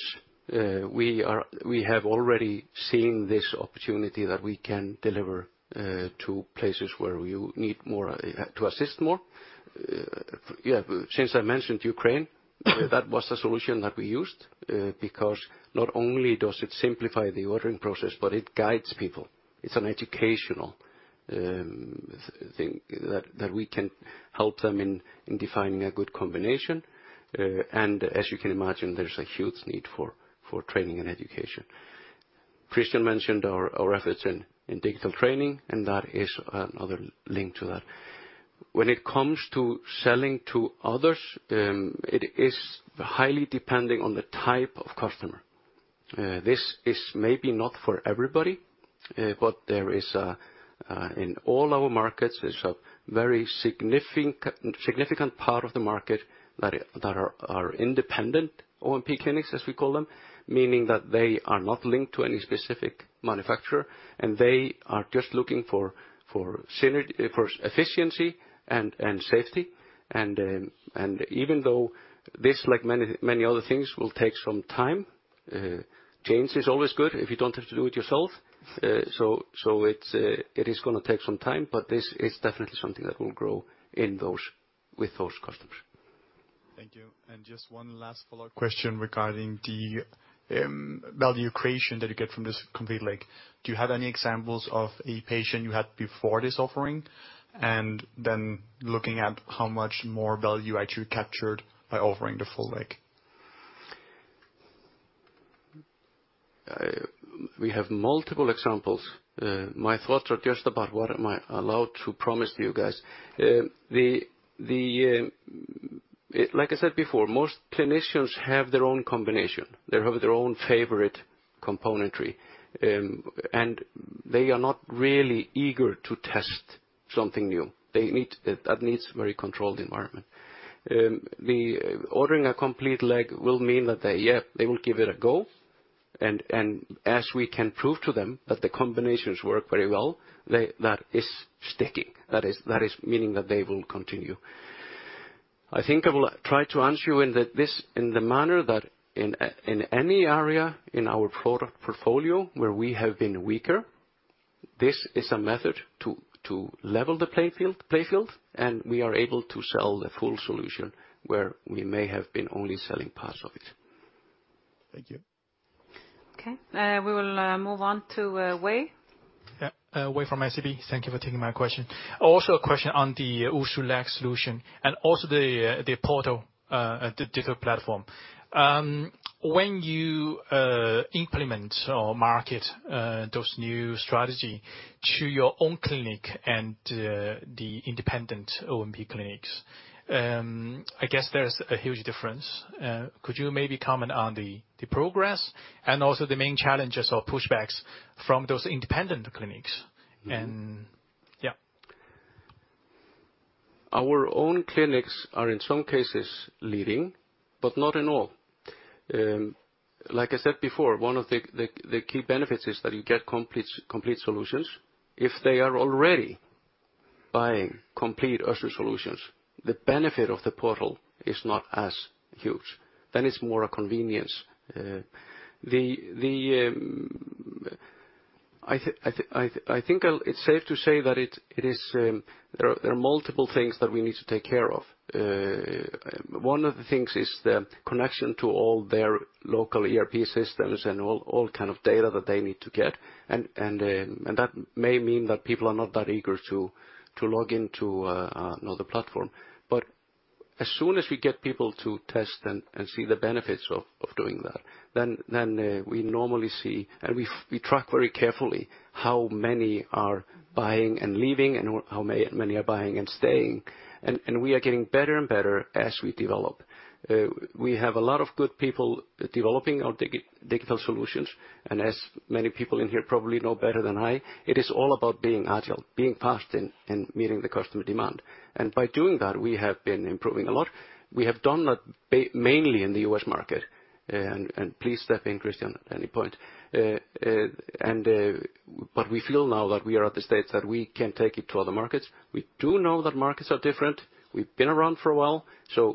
we have already seen this opportunity that we can deliver to places where you need more to assist more. Yeah, since I mentioned Ukraine, that was the solution that we used because not only does it simplify the ordering process, but it guides people. It's an educational thing that we can help them in defining a good combination. As you can imagine, there's a huge need for training and education. Christian mentioned our efforts in digital training, and that is another link to that. When it comes to selling to others, it is highly depending on the type of customer. This is maybe not for everybody, but there is a... In all our markets, there's a very significant part of the market that are independent O&P clinics, as we call them, meaning that they are not linked to any specific manufacturer, and they are just looking for efficiency and safety. Even though this, like many other things, will take some time, change is always good if you don't have to do it yourself. It's it is gonna take some time, but this is definitely something that will grow with those customers. Thank you. Just one last follow-up question regarding the value creation that you get from this complete leg. Do you have any examples of a patient you had before this offering, and then looking at how much more value actually captured by offering the full leg? We have multiple examples. My thoughts are just about what am I allowed to promise to you guys. The, the, like I said before, most clinicians have their own combination. They have their own favorite componentry, and they are not really eager to test something new. That needs very controlled environment. The ordering a complete leg will mean that they, yeah, they will give it a go. As we can prove to them that the combinations work very well, that is sticking. That is meaning that they will continue. I think I will try to answer you in the manner that in any area in our product portfolio where we have been weaker, this is a method to level the playfield, and we are able to sell the full solution where we may have been only selling parts of it. Thank you. Okay. We will move on to Wei. Yeah. Wei from SEB. Thank you for taking my question. Also a question on the Össur Leg solution and also the Össur Portal, the digital platform. When you implement or market those new strategy to your own clinic and the independent O&P clinics, I guess there's a huge difference. Could you maybe comment on the progress and also the main challenges or pushbacks from those independent clinics? Our own clinics are in some cases leading, but not in all. Like I said before, one of the key benefits is that you get complete solutions. If they are already buying complete Össur solutions, the benefit of the Portal is not as huge, then it's more a convenience. I think it's safe to say that it is, there are multiple things that we need to take care of. One of the things is the connection to all their local ERP systems and all kind of data that they need to get. That may mean that people are not that eager to log into another platform. As soon as we get people to test and see the benefits of doing that, then we normally see and we track very carefully how many are buying and leaving and how many are buying and staying. We are getting better and better as we develop. We have a lot of good people developing our digital solutions, and as many people in here probably know better than I, it is all about being agile, being fast and meeting the customer demand. By doing that, we have been improving a lot. We have done that mainly in the U.S. market, and please step in Christian at any point. We feel now that we are at the stage that we can take it to other markets. We do know that markets are different. We've been around for a while.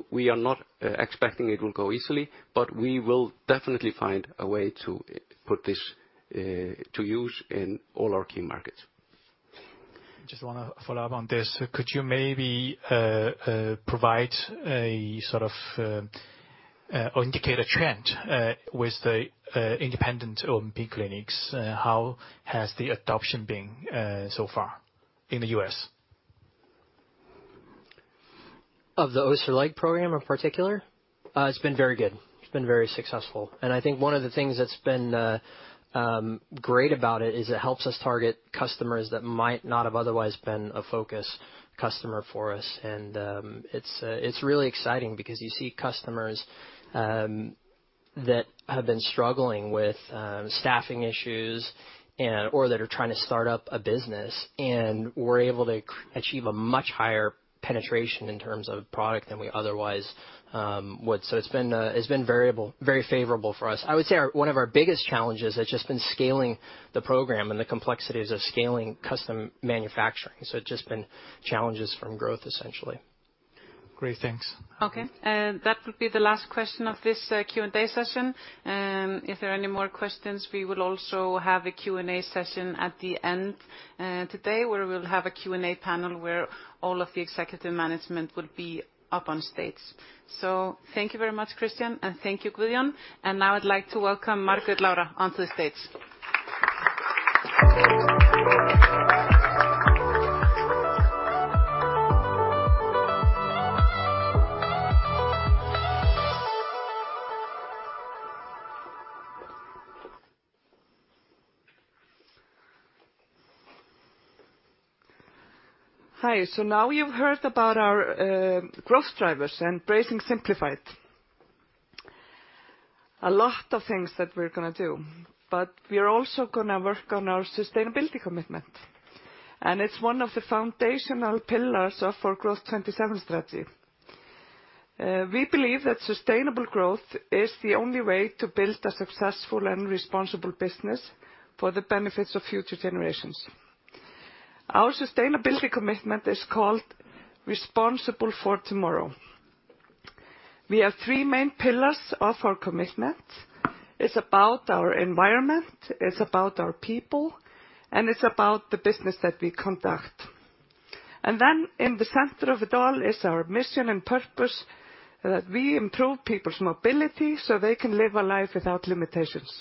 We are not expecting it will go easily. We will definitely find a way to put this to use in all our key markets. Just wanna follow up on this. Could you maybe provide a sort of or indicate a trend with the independent O&P clinics? How has the adoption been so far in the U.S.? Of the Össur Legs program in particular? It's been very good. It's been very successful. I think one of the things that's been great about it is it helps us target customers that might not have otherwise been a focus customer for us. It's really exciting because you see customers that have been struggling with staffing issues and, or that are trying to start up a business, and we're able to achieve a much higher penetration in terms of product than we otherwise would. It's been variable, very favorable for us. I would say our, one of our biggest challenges has just been scaling the program and the complexities of scaling custom manufacturing. It's just been challenges from growth, essentially. Great. Thanks. Okay. That will be the last question of this Q&A session. If there are any more questions, we will also have a Q&A session at the end today, where we'll have a Q&A panel where all of the executive management will be up on stage. Thank you very much Christian, and thank you Guðjón. Now I'd like to welcome Margrét Lára onto the stage. Hi. Now you've heard about our growth drivers and Bracing Simplified. A lot of things that we're gonna do, but we are also gonna work on our sustainability commitment. It's one of the foundational pillars of our Growth'27 strategy. We believe that sustainable growth is the only way to build a successful and responsible business for the benefits of future generations. Our sustainability commitment is called Responsible for Tomorrow. We have Three main pillars of our commitment. It's about our environment, it's about our people, and it's about the business that we conduct. Then in the center of it all is our mission and purpose, that we improve people's mobility so they can live a life without limitations.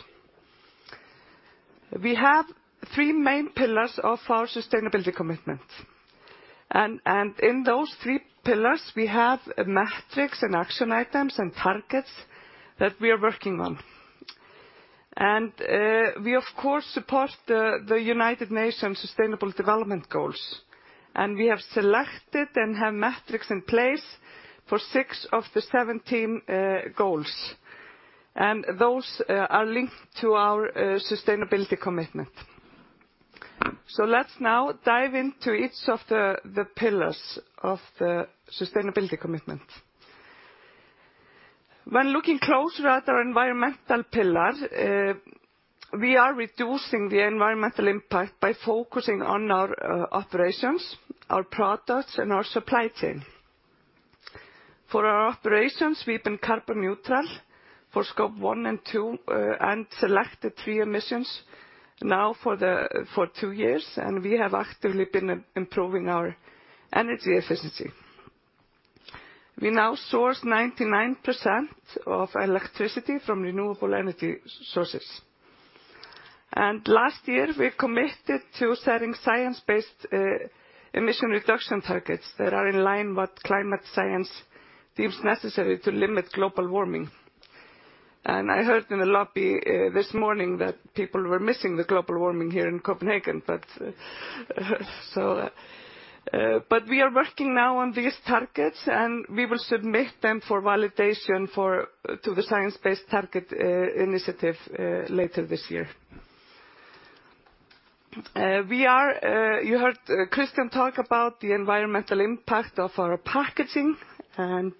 We have Three main pillars of our sustainability commitment. In those Three pillars, we have metrics and action items and targets that we are working on. We of course support the United Nations Sustainable Development Goals, and we have selected and have metrics in place for Six of the 17 goals. Those are linked to our sustainability commitment. Let's now dive into each of the pillars of the sustainability commitment. When looking closer at our environmental pillar, we are reducing the environmental impact by focusing on our operations, our products, and our supply chain. For our operations, we've been carbon neutral for Scope One and Two and selected Three emissions now for Two years, and we have actively been improving our energy efficiency. We now source 99% of electricity from renewable energy sources. Last year, we committed to setting science-based emission reduction targets that are in line what climate science deems necessary to limit global warming. I heard in the lobby this morning that people were missing the global warming here in Copenhagen, but we are working now on these targets, and we will submit them for validation for to the Science-Based Targets initiative later this year. You heard Christian talk about the environmental impact of our packaging, and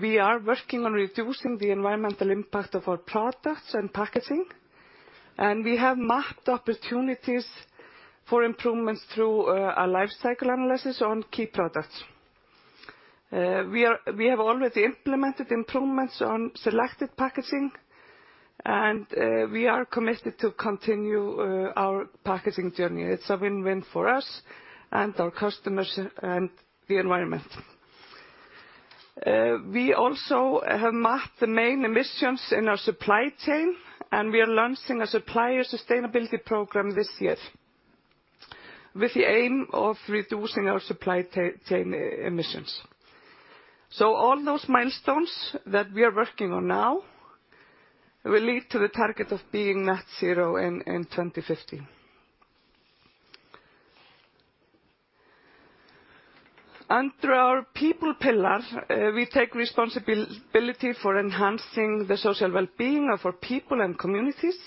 we are working on reducing the environmental impact of our products and packaging. We have mapped opportunities for improvements through a life cycle analysis on key products. We have already implemented improvements on selected packaging, and we are committed to continue our packaging journey. It's a win-win for us and our customers and the environment. Uh, we also have mapped the main emissions in our supply chain, and we are launching a supplier sustainability program this year with the aim of reducing our supply ta-chain, uh, emissions. So all those milestones that we are working on now will lead to the target of being net zero in, in twenty fifty. And through our people pillar, uh, we take responsibility for enhancing the social well-being of our people and communities,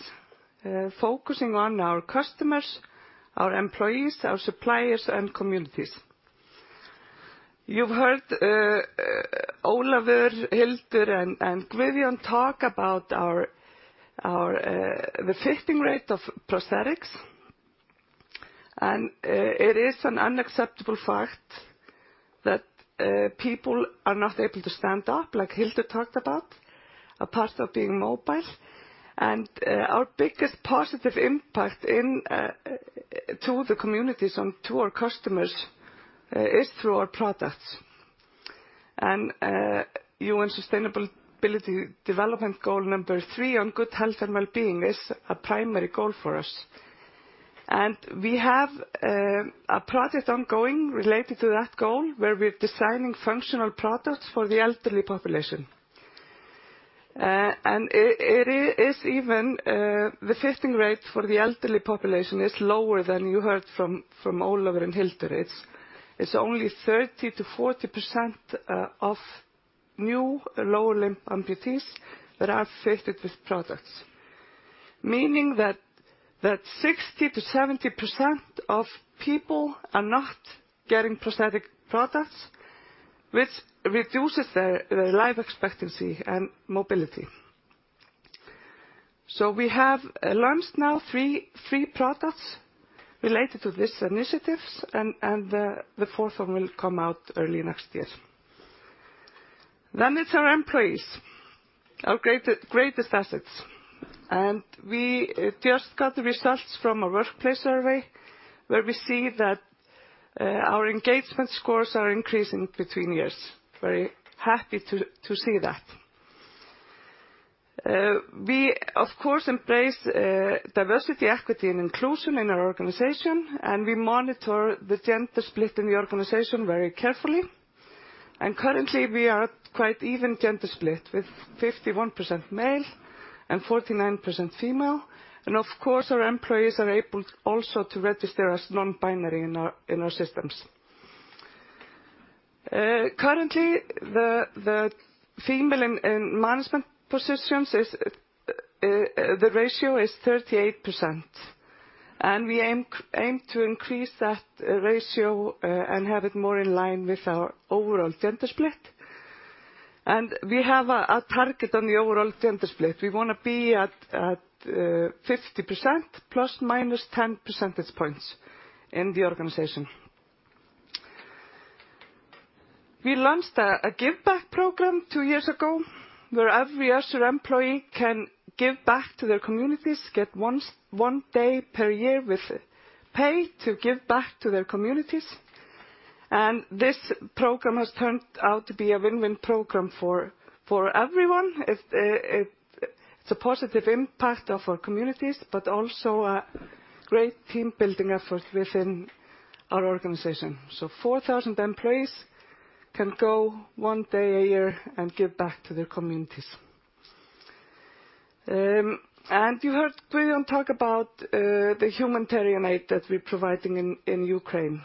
uh, focusing on our customers, our employees, our suppliers, and communities. You've heard, uh, Ólafur, Hildur, and, and Guðjón talk about our, our, uh, the fitting rate of prosthetics. And, uh, it is an unacceptable fact that, uh, people are not able to stand up, like Hildur talked about, a part of being mobile. And, uh, our biggest positive impact in, uh, to the communities and to our customers, uh, is through our products. United Nations Sustainable Development Goal number Three on good health and well-being is a primary goal for us. We have a project ongoing related to that goal, where we're designing functional products for the elderly population. The fitting rate for the elderly population is lower than you heard from Ólafur and Hildur. It's only 30%-40% of new lower limb amputees that are fitted with products. Meaning that 60%-70% of people are not getting prosthetic products, which reduces their life expectancy and mobility. We have launched now 3 products related to these initiatives and the 4th one will come out early next year. It's our employees, our greatest assets. We just got the results from a workplace survey where we see that our engagement scores are increasing between years. Very happy to see that. We of course embrace diversity, equity, and inclusion in our organization, and we monitor the gender split in the organization very carefully. Currently, we are quite even gender split with 51% male and 49% female. Of course, our employees are able also to register as non-binary in our systems. Currently, the female in management positions is the ratio is 38%, and we aim to increase that ratio and have it more in line with our overall gender split. We have a target on the overall gender split. We wanna be at 50% plus or minus 10 percentage points in the organization. We launched a give back program two years ago, where every Össur employee can give back to their communities, get one day per year with pay to give back to their communities. This program has turned out to be a win-win program for everyone. It's a positive impact of our communities, but also a great team-building effort within our organization. 4,000 employees can go one day a year and give back to their communities. You heard Guðjón talk about the humanitarian aid that we're providing in Ukraine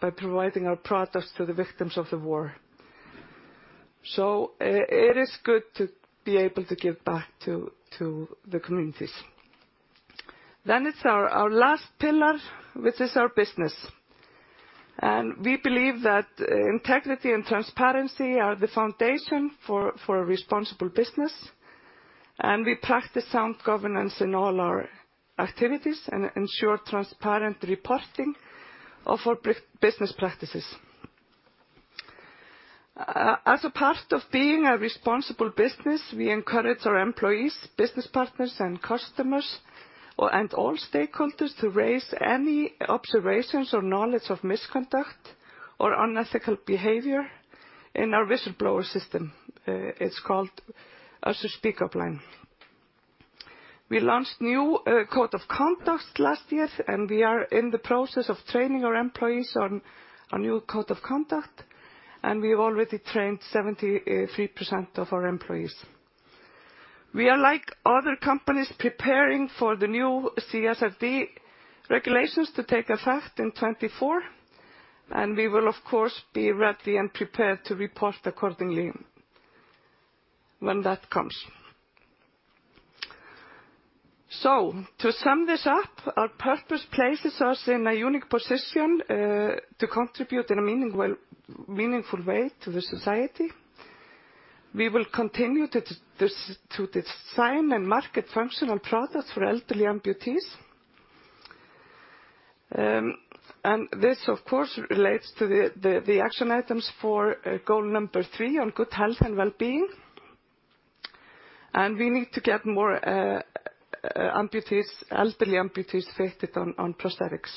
by providing our products to the victims of the war. It is good to be able to give back to the communities. It's our last pillar, which is our business. We believe that integrity and transparency are the foundation for a responsible business, we practice sound governance in all our activities and ensure transparent reporting of our business practices. As a part of being a responsible business, we encourage our employees, business partners, and customers, and all stakeholders to raise any observations or knowledge of misconduct or unethical behavior in our whistleblower system. It's called Össur Speak-Up Line. We launched new code of conduct last year, we are in the process of training our employees on our new code of conduct, and we've already trained 73% of our employees. We are, like other companies, preparing for the new CSRD regulations to take effect in 2024, we will of course, be ready and prepared to report accordingly. When that comes. To sum this up, our purpose places us in a unique position to contribute in a meaningful way to the society. We will continue to design and market functional products for elderly amputees. This of course, relates to the action items for Goal number 3 on Good Health and Well-Being. We need to get more amputees, elderly amputees fitted on prosthetics.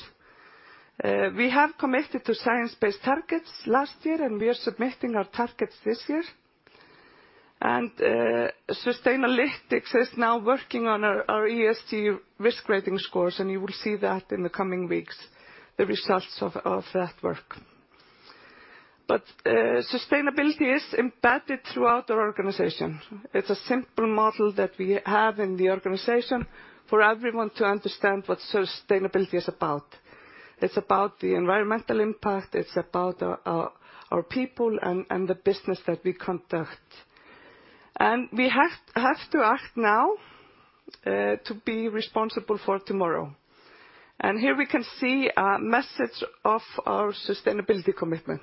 We have committed to Science-Based Targets last year, and we are submitting our targets this year. Sustainalytics is now working on our ESG risk rating scores, and you will see that in the coming weeks, the results of that work. Sustainability is embedded throughout our organization. It's a simple model that we have in the organization for everyone to understand what sustainability is about. It's about the environmental impact, it's about our people and the business that we conduct. We have to act now to be Responsible for Tomorrow. Here we can see a message of our sustainability commitment.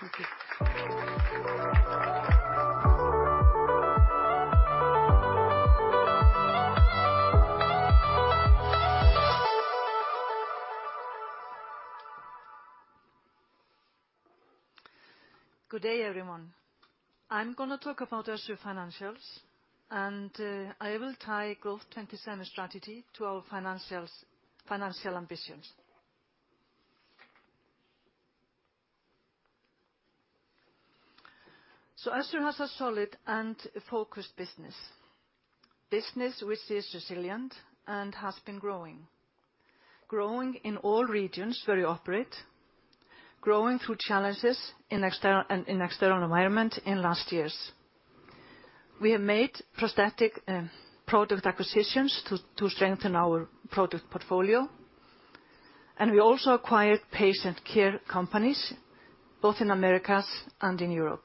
Thank you. Good day, everyone. I'm gonna talk about Össur financials. I will tie Growth'27 strategy to our financial ambitions. Össur has a solid and focused business which is resilient and has been growing in all regions where we operate, through challenges in external environment in last years. We have made prosthetic product acquisitions to strengthen our product portfolio, and we also acquired patient care companies both in Americas and in Europe.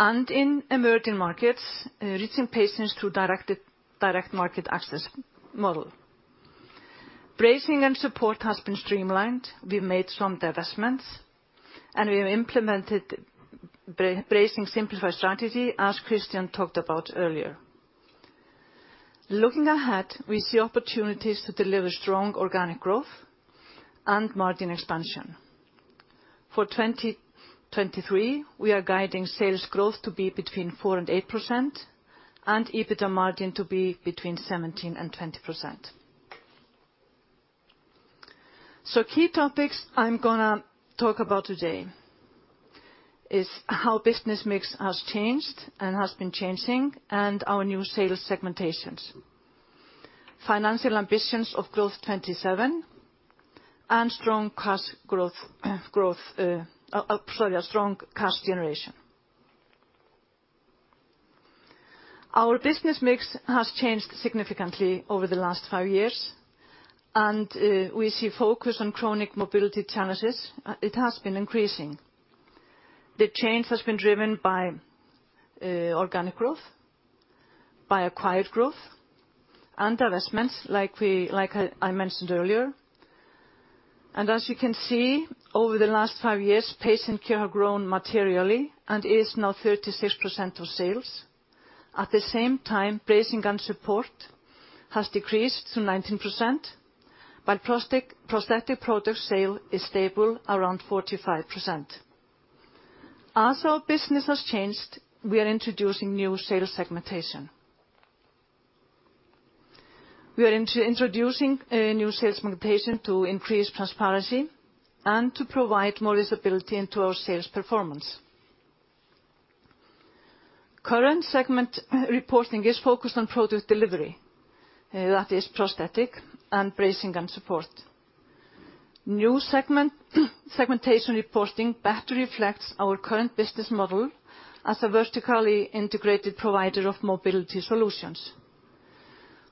In emerging markets, reaching patients through direct market access model. Bracing and support has been streamlined. We've made some divestments, and we have implemented Bracing Simplified strategy, as Christian talked about earlier. Looking ahead, we see opportunities to deliver strong organic growth and margin expansion. For 2023, we are guiding sales growth to be between 4% and 8%, and EBITDA margin to be between 17% and 20%. Key topics I'm gonna talk about today is how business mix has changed and has been changing and our new sales segmentations. Financial ambitions of Growth'27 and strong cash growth, sorry, strong cash generation. Our business mix has changed significantly over the last 5 years. We see focus on chronic mobility challenges. It has been increasing. The change has been driven by organic growth, by acquired growth and divestments like I mentioned earlier. As you can see, over the last five years, patient care have grown materially and is now 36% of sales. At the same time, bracing and support has decreased to 19%, while prosthetic product sale is stable around 45%. As our business has changed, we are introducing new sales segmentation. We are introducing a new sales segmentation to increase transparency and to provide more visibility into our sales performance. Current segment reporting is focused on product delivery, that is prosthetic and bracing and support. New segmentation reporting better reflects our current business model as a vertically integrated provider of mobility solutions.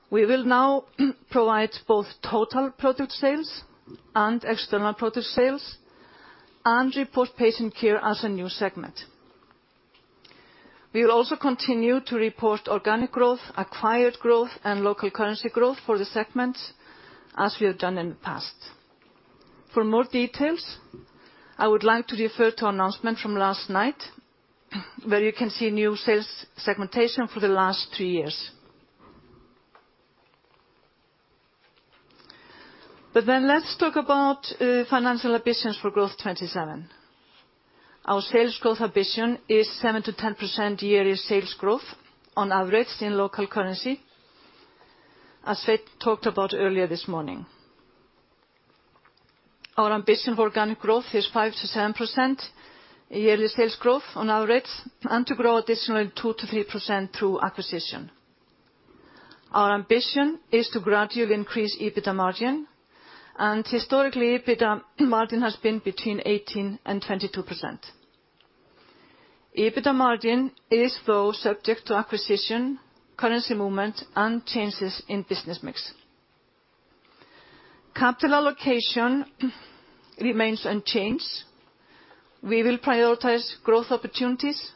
We will now provide both total product sales and external product sales, and report patient care as a new segment. We will also continue to report organic growth, acquired growth, and local currency growth for the segment, as we have done in the past. For more details, I would like to refer to announcement from last night where you can see new sales segmentation for the last two years. Let's talk about financial ambitions for Growth'27. Our sales growth ambition is 7%-10% yearly sales growth on average in local currency, as Sveinn talked about earlier this morning. Our ambition for organic growth is 5%-7% yearly sales growth on average, and to grow additionally 2%-3% through acquisition. Our ambition is to gradually increase EBITDA margin, and historically, EBITDA margin has been between 18% and 22%. EBITDA margin is though subject to acquisition, currency movement, and changes in business mix. Capital allocation remains unchanged. We will prioritize growth opportunities.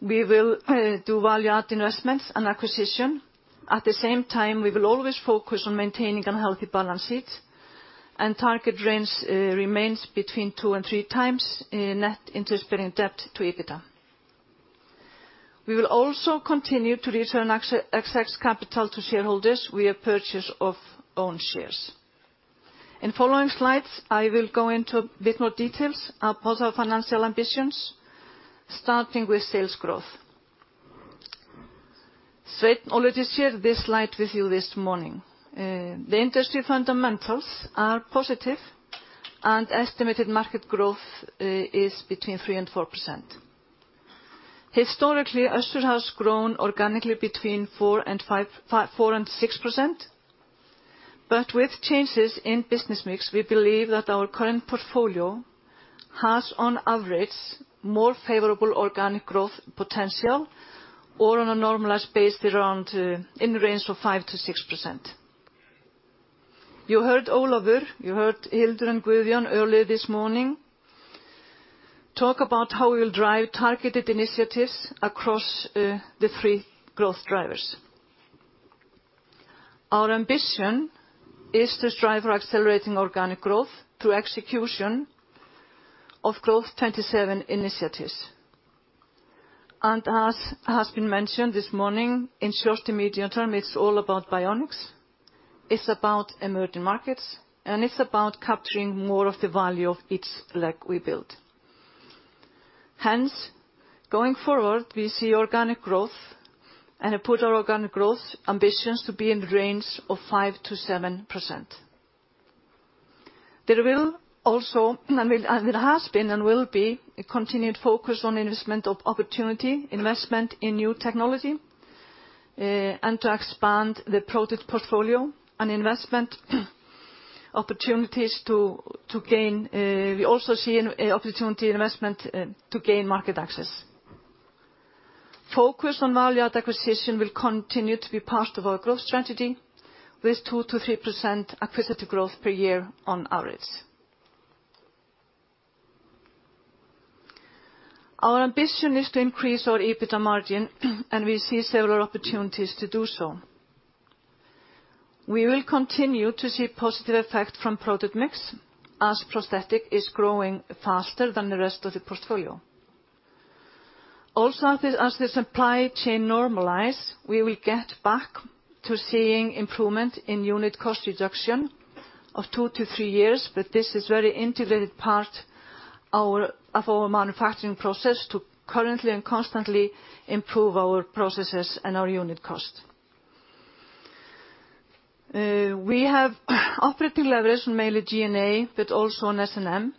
We will do value-add investments and acquisition. At the same time, we will always focus on maintaining a healthy balance sheet, and target range remains between 2 and 3 times in net interest-bearing debt to EBITDA. We will also continue to return excess capital to shareholders via purchase of own shares. In following slides, I will go into a bit more details about our financial ambitions, starting with sales growth. Sveinn already shared this slide with you this morning. The industry fundamentals are positive, and estimated market growth is between 3%-4%. Historically, Össur has grown organically between 4 and 6%. But with changes in business mix, we believe that our current portfolio has, on average, more favorable organic growth potential, or on a normalized base around in the range of 5%-6%. You heard Ólafur, you heard Hildur and Guðjón earlier this morning talk about how we'll drive targeted initiatives across the three growth drivers. Our ambition is to strive for accelerating organic growth through execution of Growth'27 initiatives. As has been mentioned this morning, in short to medium term, it's all about bionics, it's about emerging markets, and it's about capturing more of the value of each leg we build. Hence, going forward, we see organic growth and put our organic growth ambitions to be in the range of 5%-7%. There will also. There has been and will be a continued focus on investment of opportunity, investment in new technology, and to expand the product portfolio and investment opportunities to gain. We also see an opportunity investment to gain market access. Focus on value-add acquisition will continue to be part of our growth strategy, with 2%-3% acquisitive growth per year on average. Our ambition is to increase our EBITDA margin and we see several opportunities to do so. We will continue to see positive effect from product mix as prosthetic is growing faster than the rest of the portfolio. As the supply chain normalize, we will get back to seeing improvement in unit cost reduction of 2-3 years, but this is very integrated part of our manufacturing process to currently and constantly improve our processes and our unit cost. We have operating leverage on mainly G&A, but also on S&M.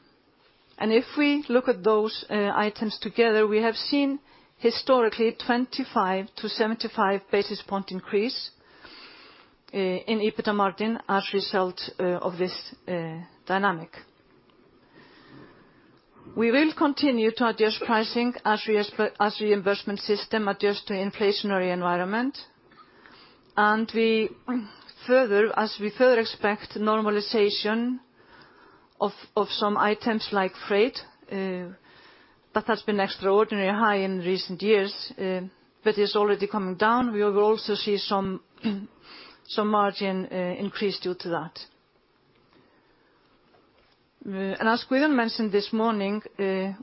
If we look at those items together, we have seen historically 25-75 basis point increase in EBITDA margin as result of this dynamic. We will continue to adjust pricing as reimbursement system adjust to inflationary environment. As we further expect normalization of some items like freight, that has been extraordinarily high in recent years, but is already coming down. We will also see some margin increase due to that. As Guðjón mentioned this morning,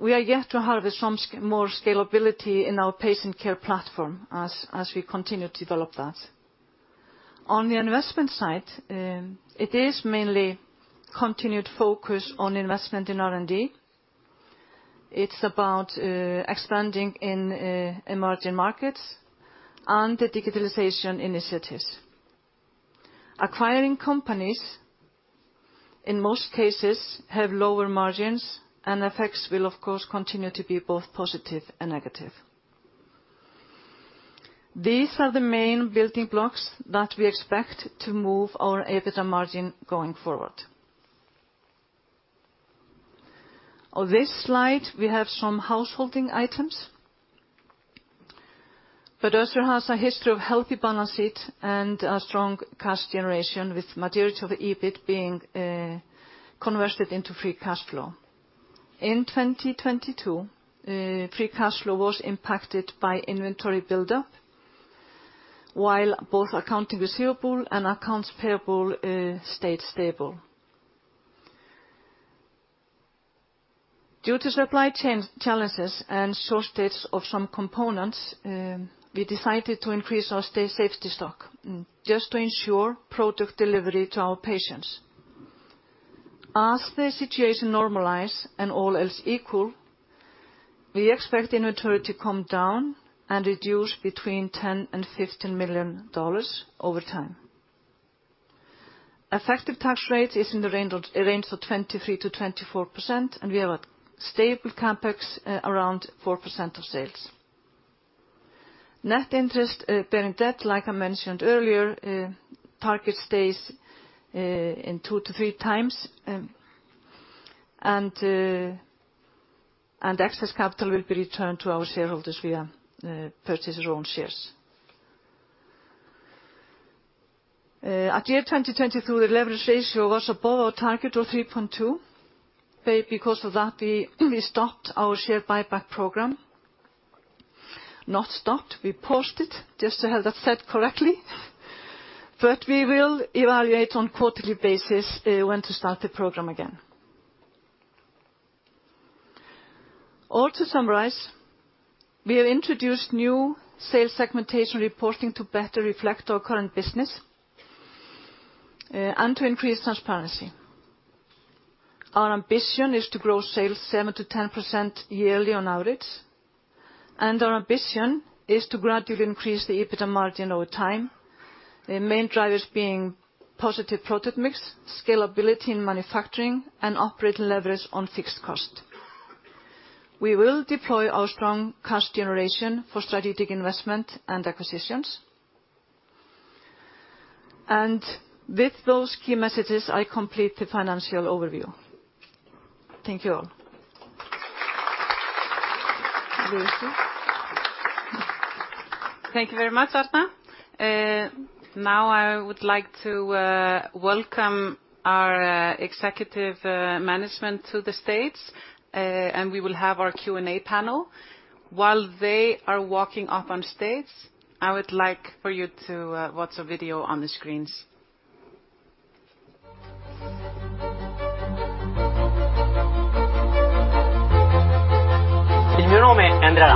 we are yet to harvest more scalability in our patient care platform as we continue to develop that. On the investment side, it is mainly continued focus on investment in R&D. It's about expanding in emerging markets and the digitalization initiatives. Acquiring companies, in most cases, have lower margins and effects will of course continue to be both positive and negative. These are the main building blocks that we expect to move our EBITDA margin going forward. We have some householding items. Bedre has a history of healthy balance sheet and a strong cash generation, with majority of the EBIT being converted into free cash flow. In 2022, free cash flow was impacted by inventory buildup, while both accounting receivable and accounts payable stayed stable. Due to supply chain challenges and shortages of some components, we decided to increase our state safety stock just to ensure product delivery to our patients. As the situation normalize and all else equal, we expect inventory to come down and reduce between $10 million-$15 million over time. Effective tax rate is in the range of 23%-24%, and we have a stable CapEx around 4% of sales. Net interest bearing debt, like I mentioned earlier, target stays in 2 to 3 times. Excess capital will be returned to our shareholders via purchase our own shares. At year 2022, the leverage ratio was above our target of 3.2. Because of that, we stopped our share buyback program. Not stopped, we paused it, just to have that said correctly. We will evaluate on quarterly basis when to start the program again. To summarize, we have introduced new sales segmentation reporting to better reflect our current business and to increase transparency. Our ambition is to grow sales 7% to 10% yearly on average, and our ambition is to gradually increase the EBITDA margin over time. The main drivers being positive product mix, scalability in manufacturing, and operating leverage on fixed cost. We will deploy our strong cash generation for strategic investment and acquisitions. With those key messages, I complete the financial overview. Thank you, all. Thank you very much, Árni. Now I would like to welcome our executive management to the stage. We will have our Q&A panel. While they are walking up on stage, I would like for you to watch a video on the screens. Well,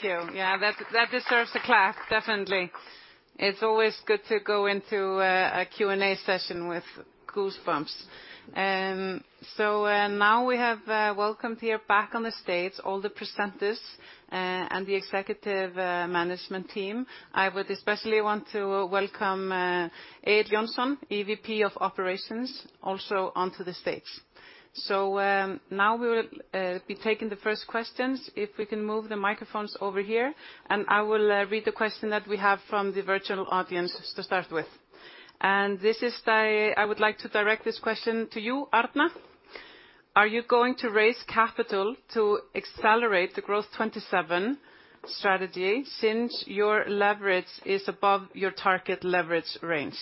thank you. Yeah, that deserves a clap, definitely. It's always good to go into a Q&A session with goosebumps. Now we have welcomed here back on the stage all the presenters and the executive management team. I would especially want to welcome Ade Johnson, EVP of Operations, also onto the stage. Now we will be taking the first questions. If we can move the microphones over here, I will read the question that we have from the virtual audience to start with. This is by... I would like to direct this question to you, Árni. Are you going to raise capital to accelerate the Growth'27 strategy since your leverage is above your target leverage range?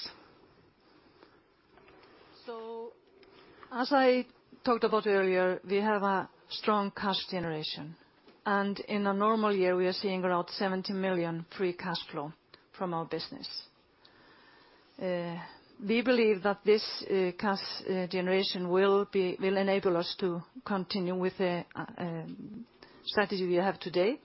As I talked about earlier, we have a strong cash generation, and in a normal year, we are seeing around 70 million free cash flow from our business. We believe that this cash generation will enable us to continue with the strategy we have today.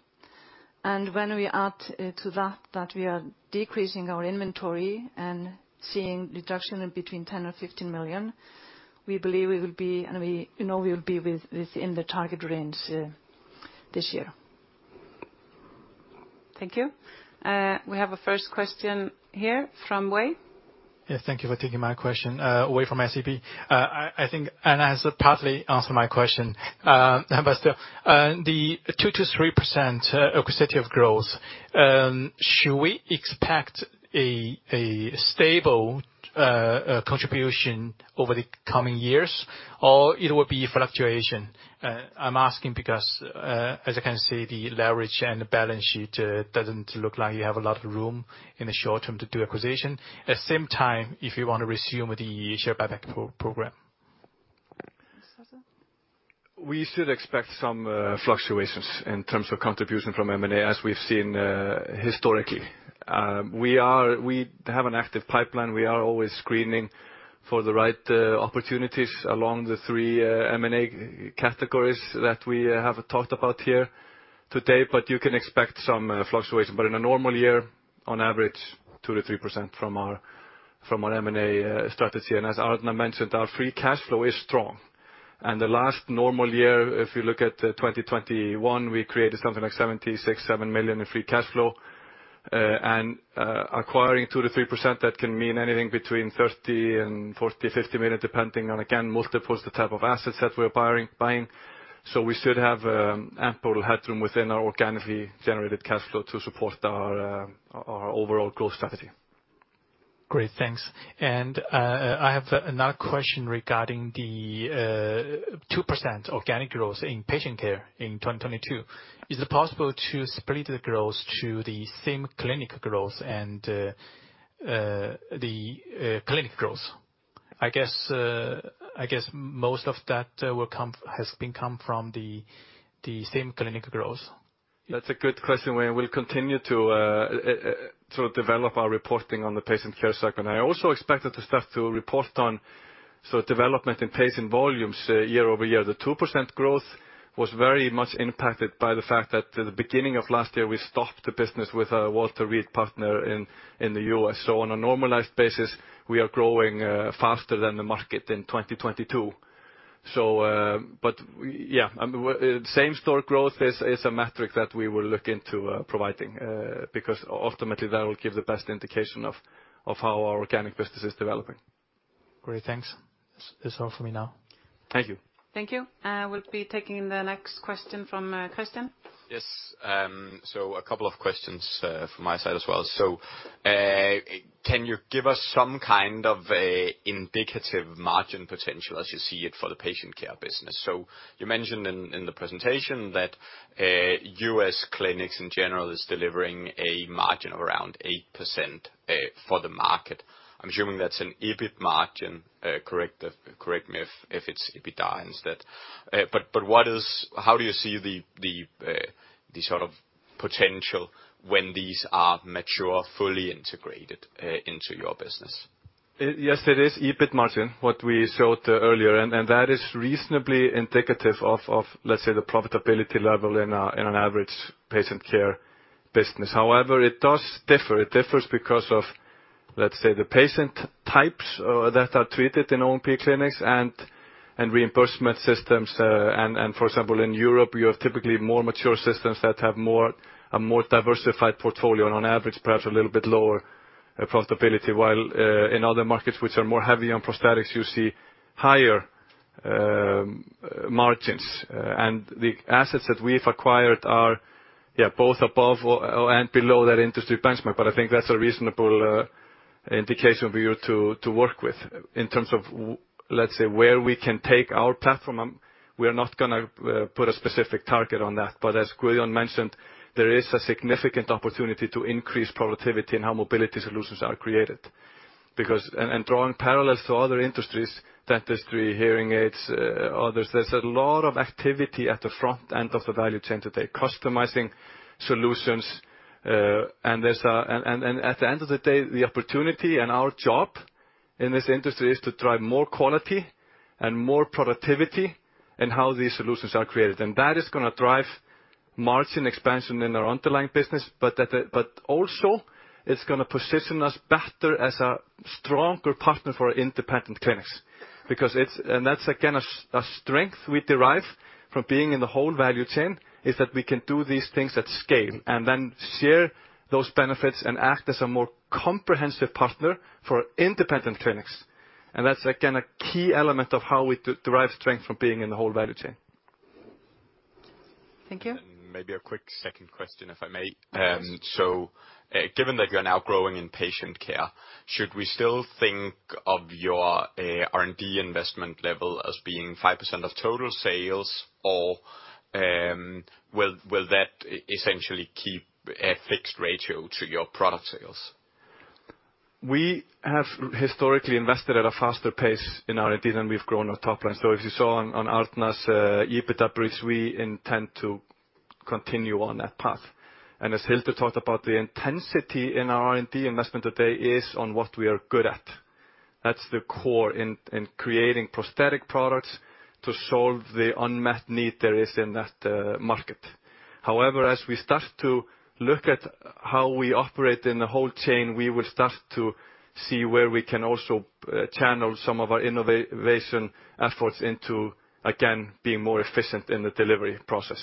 When we add to that we are decreasing our inventory and seeing reduction in between 10 million or 15 million, we believe we will be and we know we will be within the target range this year. Thank you. We have a first question here from Wei. Yes, thank you for taking my question. Wei from SEB. I think Árni has partly answered my question. Still, the 2%-3% acquisitive growth, should we expect a stable contribution over the coming years, or it will be fluctuation? I'm asking because, as I can see, the leverage and the balance sheet, doesn't look like you have a lot of room in the short term to do acquisition. At the same time, if you want to resume the share buyback program. Sveinn? We should expect some fluctuations in terms of contribution from M&A, as we've seen historically. We have an active pipeline. We are always screening for the right opportunities along the three M&A categories that we have talked about here today. But you can expect some fluctuation. But in a normal year, on average, 2%-3% from our M&A strategy. And as Árni mentioned, our free cash flow is strong. And the last normal year, if you look at 2021, we created something like $76.7 million in free cash flow. Acquiring 2%-3%, that can mean anything between $30 million-$50 million, depending on, again, multiples, the type of assets that we're buying. We should have ample headroom within our organically generated cash flow to support our overall growth strategy. Great. Thanks. I have another question regarding the 2% organic growth in patient care in 2022. Is it possible to split the growth to the same clinic growth and the clinic growth? I guess I guess most of that has been come from the same clinic growth. That's a good question, Wei. We'll continue to develop our reporting on the patient care segment. I also expect us to start to report on sort of development in patient volumes year-over-year. The 2% growth was very much impacted by the fact that the beginning of last year, we stopped the business with our Walter Reed partner in the US. On a normalized basis, we are growing faster than the market in 2022. Yeah, same-store growth is a metric that we will look into providing because ultimately, that will give the best indication of how our organic business is developing. Great. Thanks. That's all for me now. Thank you. Thank you. We'll be taking the next question from, Christian. Yes. A couple of questions from my side as well. Can you give us some kind of a indicative margin potential as you see it for the patient care business? You mentioned in the presentation that U.S. clinics in general is delivering a margin of around 8% for the market. I'm assuming that's an EBIT margin. Correct me if it's EBITDA instead. How do you see the sort of potential when these are mature, fully integrated into your business? Yes, it is EBIT margin, what we showed earlier, and that is reasonably indicative of, let's say, the profitability level in an average patient care business. However, it does differ. It differs because of, let's say, the patient types, that are treated in O&P clinics and reimbursement systems. For example, in Europe, you have typically more mature systems that have a more diversified portfolio, and on average, perhaps a little bit lower profitability. While in other markets which are more heavy on prosthetics, you see higher margins. The assets that we've acquired are, yeah, both above or, and below that industry benchmark. I think that's a reasonable indication for you to work with in terms of, let's say, where we can take our platform. We are not gonna put a specific target on that. As Guðjón mentioned, there is a significant opportunity to increase productivity in how mobility solutions are created. Drawing parallels to other industries, dentistry, hearing aids, others, there's a lot of activity at the front end of the value chain today, customizing solutions. At the end of the day, the opportunity and our job in this industry is to drive more quality and more productivity in how these solutions are created. That is gonna drive margin expansion in our underlying business. Also, it's gonna position us better as a stronger partner for independent clinics. That's, again, a strength we derive from being in the whole value chain, is that we can do these things at scale and then share those benefits and act as a more comprehensive partner for independent clinics. That's, again, a key element of how we derive strength from being in the whole value chain. Thank you. Maybe a quick second question, if I may. Of course. Given that you are now growing in patient care, should we still think of your R&D investment level as being 5% of total sales? Will that essentially keep a fixed ratio to your product sales? We have historically invested at a faster pace in R&D than we've grown our top line. As you saw on Árni's EBITDA bridge, we intend to continue on that path. As Hildur talked about, the intensity in our R&D investment today is on what we are good at. That's the core in creating prosthetic products to solve the unmet need there is in that market. However, as we start to look at how we operate in the whole chain, we will start to see where we can also channel some of our innovation efforts into, again, being more efficient in the delivery process.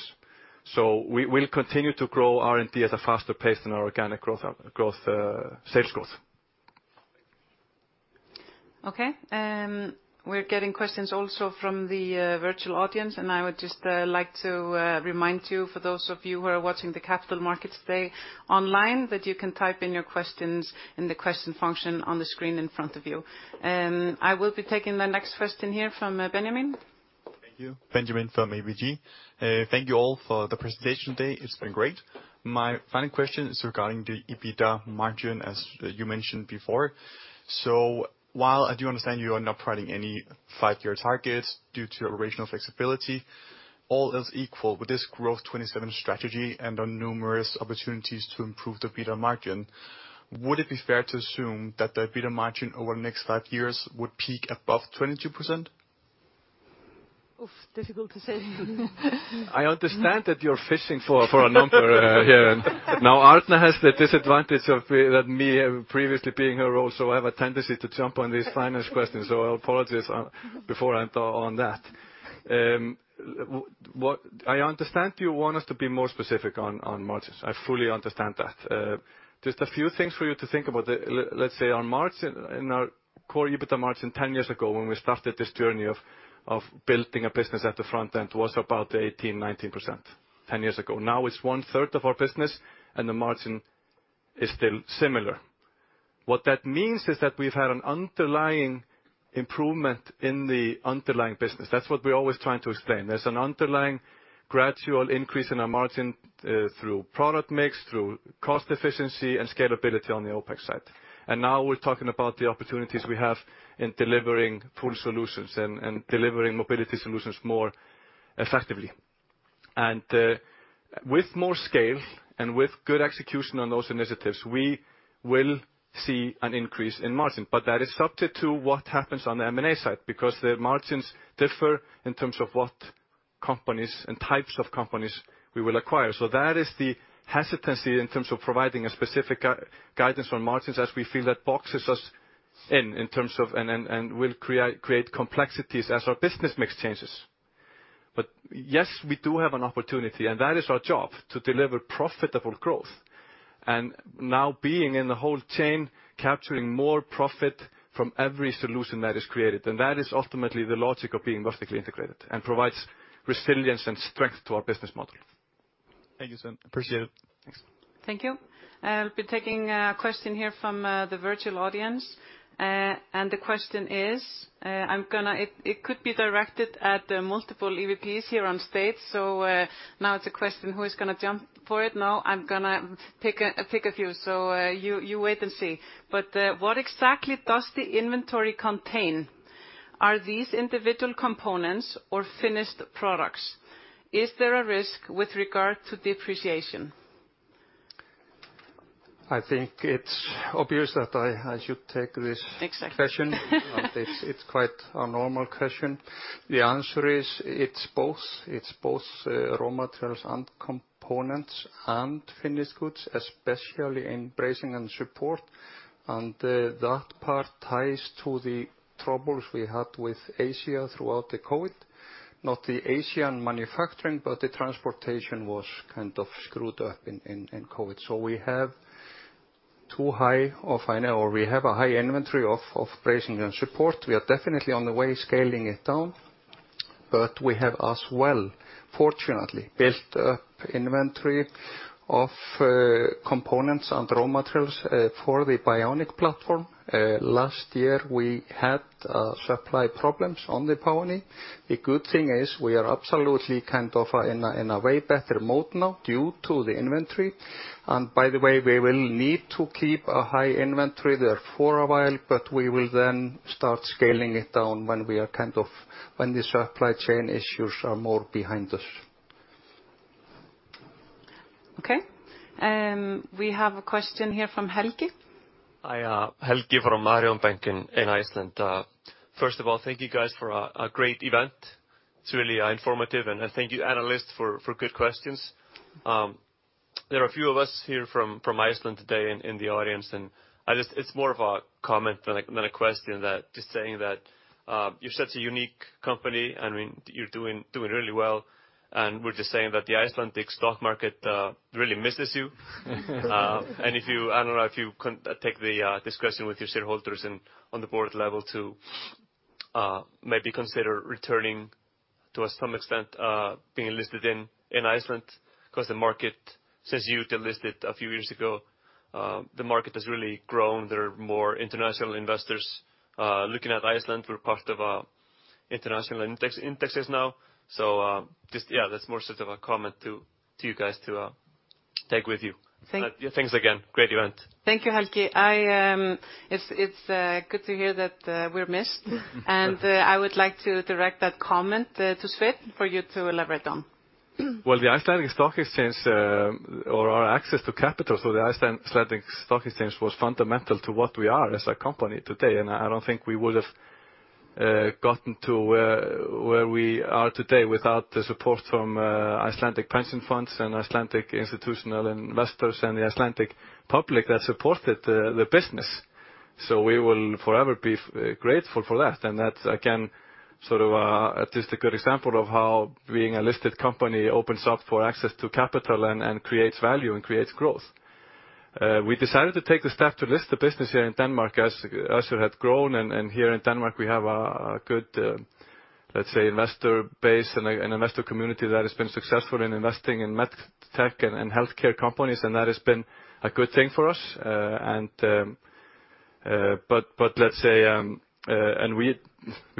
We'll continue to grow R&D at a faster pace than our organic sales growth. Okay. We're getting questions also from the virtual audience. I would just like to remind you for those of you who are watching the capital markets day online, that you can type in your questions in the question function on the screen in front of you. I will be taking the next question here from Benjamin. Thank you. Benjamin from ABG. Thank you all for the presentation today. It's been great. My final question is regarding the EBITDA margin, as you mentioned before. While I do understand you are not providing any five-year targets due to your original flexibility, all else equal, with this Growth'27 strategy and on numerous opportunities to improve the EBITDA margin, would it be fair to assume that the EBITDA margin over the next five years would peak above 22%? Oof, difficult to say. I understand that you're fishing for a number here. Árni has the disadvantage of being that me previously being her role, so I have a tendency to jump on these finance questions. Apologies, before I enter on that. I understand you want us to be more specific on margins. I fully understand that. Just a few things for you to think about. Let's say on margin, in our core EBITDA margin 10 years ago, when we started this journey of building a business at the front end, was about 18%, 19%. 10 years ago. It's one-third of our business, and the margin is still similar. That means that we've had an underlying improvement in the underlying business. That's what we're always trying to explain. There's an underlying gradual increase in our margin through product mix, through cost efficiency and scalability on the OpEx side. Now we're talking about the opportunities we have in delivering full solutions and delivering mobility solutions more effectively. With more scale and with good execution on those initiatives, we will see an increase in margin. That is subject to what happens on the M&A side, because the margins differ in terms of what companies and types of companies we will acquire. So that is the hesitancy in terms of providing a specific guidance on margins as we feel that boxes us in terms of will create complexities as our business mix changes. Yes, we do have an opportunity, and that is our job, to deliver profitable growth. Now being in the whole chain, capturing more profit from every solution that is created. That is ultimately the logic of being vertically integrated and provides resilience and strength to our business model. Thank you, Sveinn. Appreciate it. Thanks. Thank you. I'll be taking a question here from the virtual audience. And the question is, It could be directed at multiple EVPs here on stage. Now it's a question, who is gonna jump for it now? I'm gonna pick a few. You wait and see. What exactly does the inventory contain? Are these individual components or finished products? Is there a risk with regard to depreciation? I think it's obvious that I should take this. Exactly. question. It's quite a normal question. The answer is it's both. It's both raw materials and components and finished goods, especially in bracing and support. That part ties to the troubles we had with Asia throughout the COVID. Not the Asian manufacturing, but the transportation was kind of screwed up in COVID. We have a high inventory of bracing and support. We are definitely on the way scaling it down. We have as well, fortunately, built up inventory of components and raw materials for the bionic platform. Last year, we had supply problems on the POWER KNEE. The good thing is we are absolutely kind of in a way better mode now due to the inventory. By the way, we will need to keep a high inventory there for a while, but we will then start scaling it down when the supply chain issues are more behind us. Okay. We have a question here from Helgi. Hi. Helgi from Arion Banki in Iceland. First of all, thank you guys for a great event. It's really informative, and thank you analysts for good questions. There are a few of us here from Iceland today in the audience. It's more of a comment than a question that just saying that you're such a unique company, and you're doing really well. We're just saying that the Icelandic stock market really misses you. I don't know if you can take this question with your shareholders and on the board level to maybe consider returning to some extent, being listed in Iceland. 'Cause the market, since you delisted a few years ago, the market has really grown. There are more international investors looking at Iceland. We're part of international indexes now. Just, yeah, that's more sort of a comment to you guys to take with you. Thank- Thanks again. Great event. Thank you, Helgi. I, it's good to hear that we're missed. I would like to direct that comment to Sveinn for you to elaborate on. The Icelandic Stock Exchange, or our access to capital. The Icelandic Stock Exchange was fundamental to what we are as a company today, and I don't think we would have gotten to where we are today without the support from Icelandic pension funds and Icelandic institutional investors and the Icelandic public that supported the business. We will forever be grateful for that. That, again, sort of, just a good example of how being a listed company opens up for access to capital and creates value and creates growth. We decided to take the step to list the business here in Denmark as it had grown. Here in Denmark, we have a good, let's say, investor base and an investor community that has been successful in investing in med tech and healthcare companies, and that has been a good thing for us. We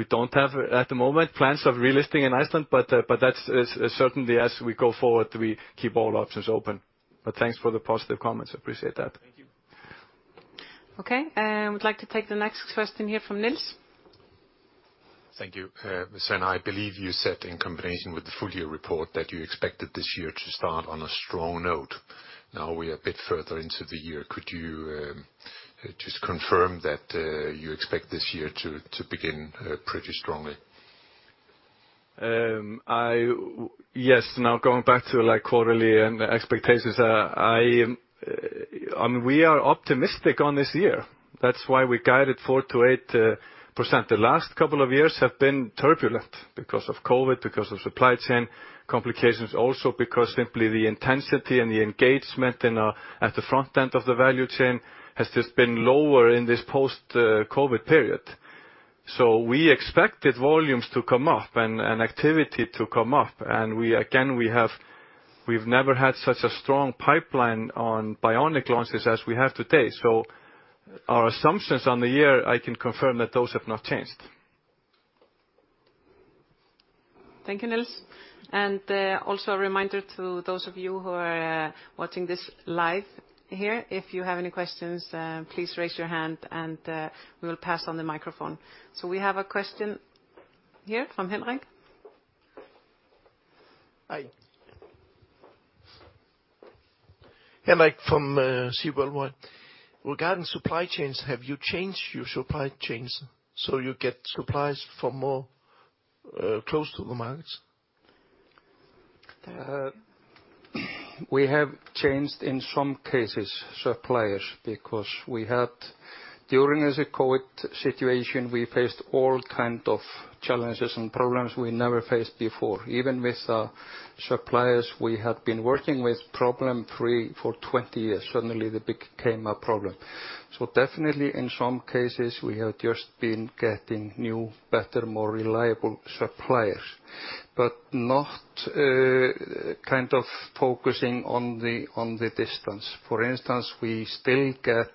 don't have, at the moment, plans of relisting in Iceland, but that's, it's certainly as we go forward, we keep all options open. Thanks for the positive comments. Appreciate that. Thank you. Okay. We'd like to take the next question here from Nils. Thank you. Sveinn, I believe you said in combination with the full year report that you expected this year to start on a strong note. Now we're a bit further into the year. Could you just confirm that you expect this year to begin pretty strongly? Yes. Going back to, like, quarterly and expectations, we are optimistic on this year. That's why we guided 4% to 8%. The last couple of years have been turbulent because of COVID, because of supply chain complications, also because simply the intensity and the engagement in at the front end of the value chain has just been lower in this post-COVID period. We expected volumes to come up and activity to come up. We again, we've never had such a strong pipeline on bionic launches as we have today. Our assumptions on the year, I can confirm that those have not changed. Thank you, Nils. Also a reminder to those of you who are watching this live here, if you have any questions, please raise your hand, and we will pass on the microphone. We have a question here from Henrik. Hi. Henrik from Sewell. Regarding supply chains, have you changed your supply chains so you get supplies for more, close to the markets? We have changed, in some cases, suppliers, because during the COVID situation, we faced all kind of challenges and problems we never faced before. Even with suppliers we had been working with problem-free for 20 years, suddenly they became a problem. Definitely in some cases, we have just been getting new, better, more reliable suppliers, but not kind of focusing on the distance. For instance, we still get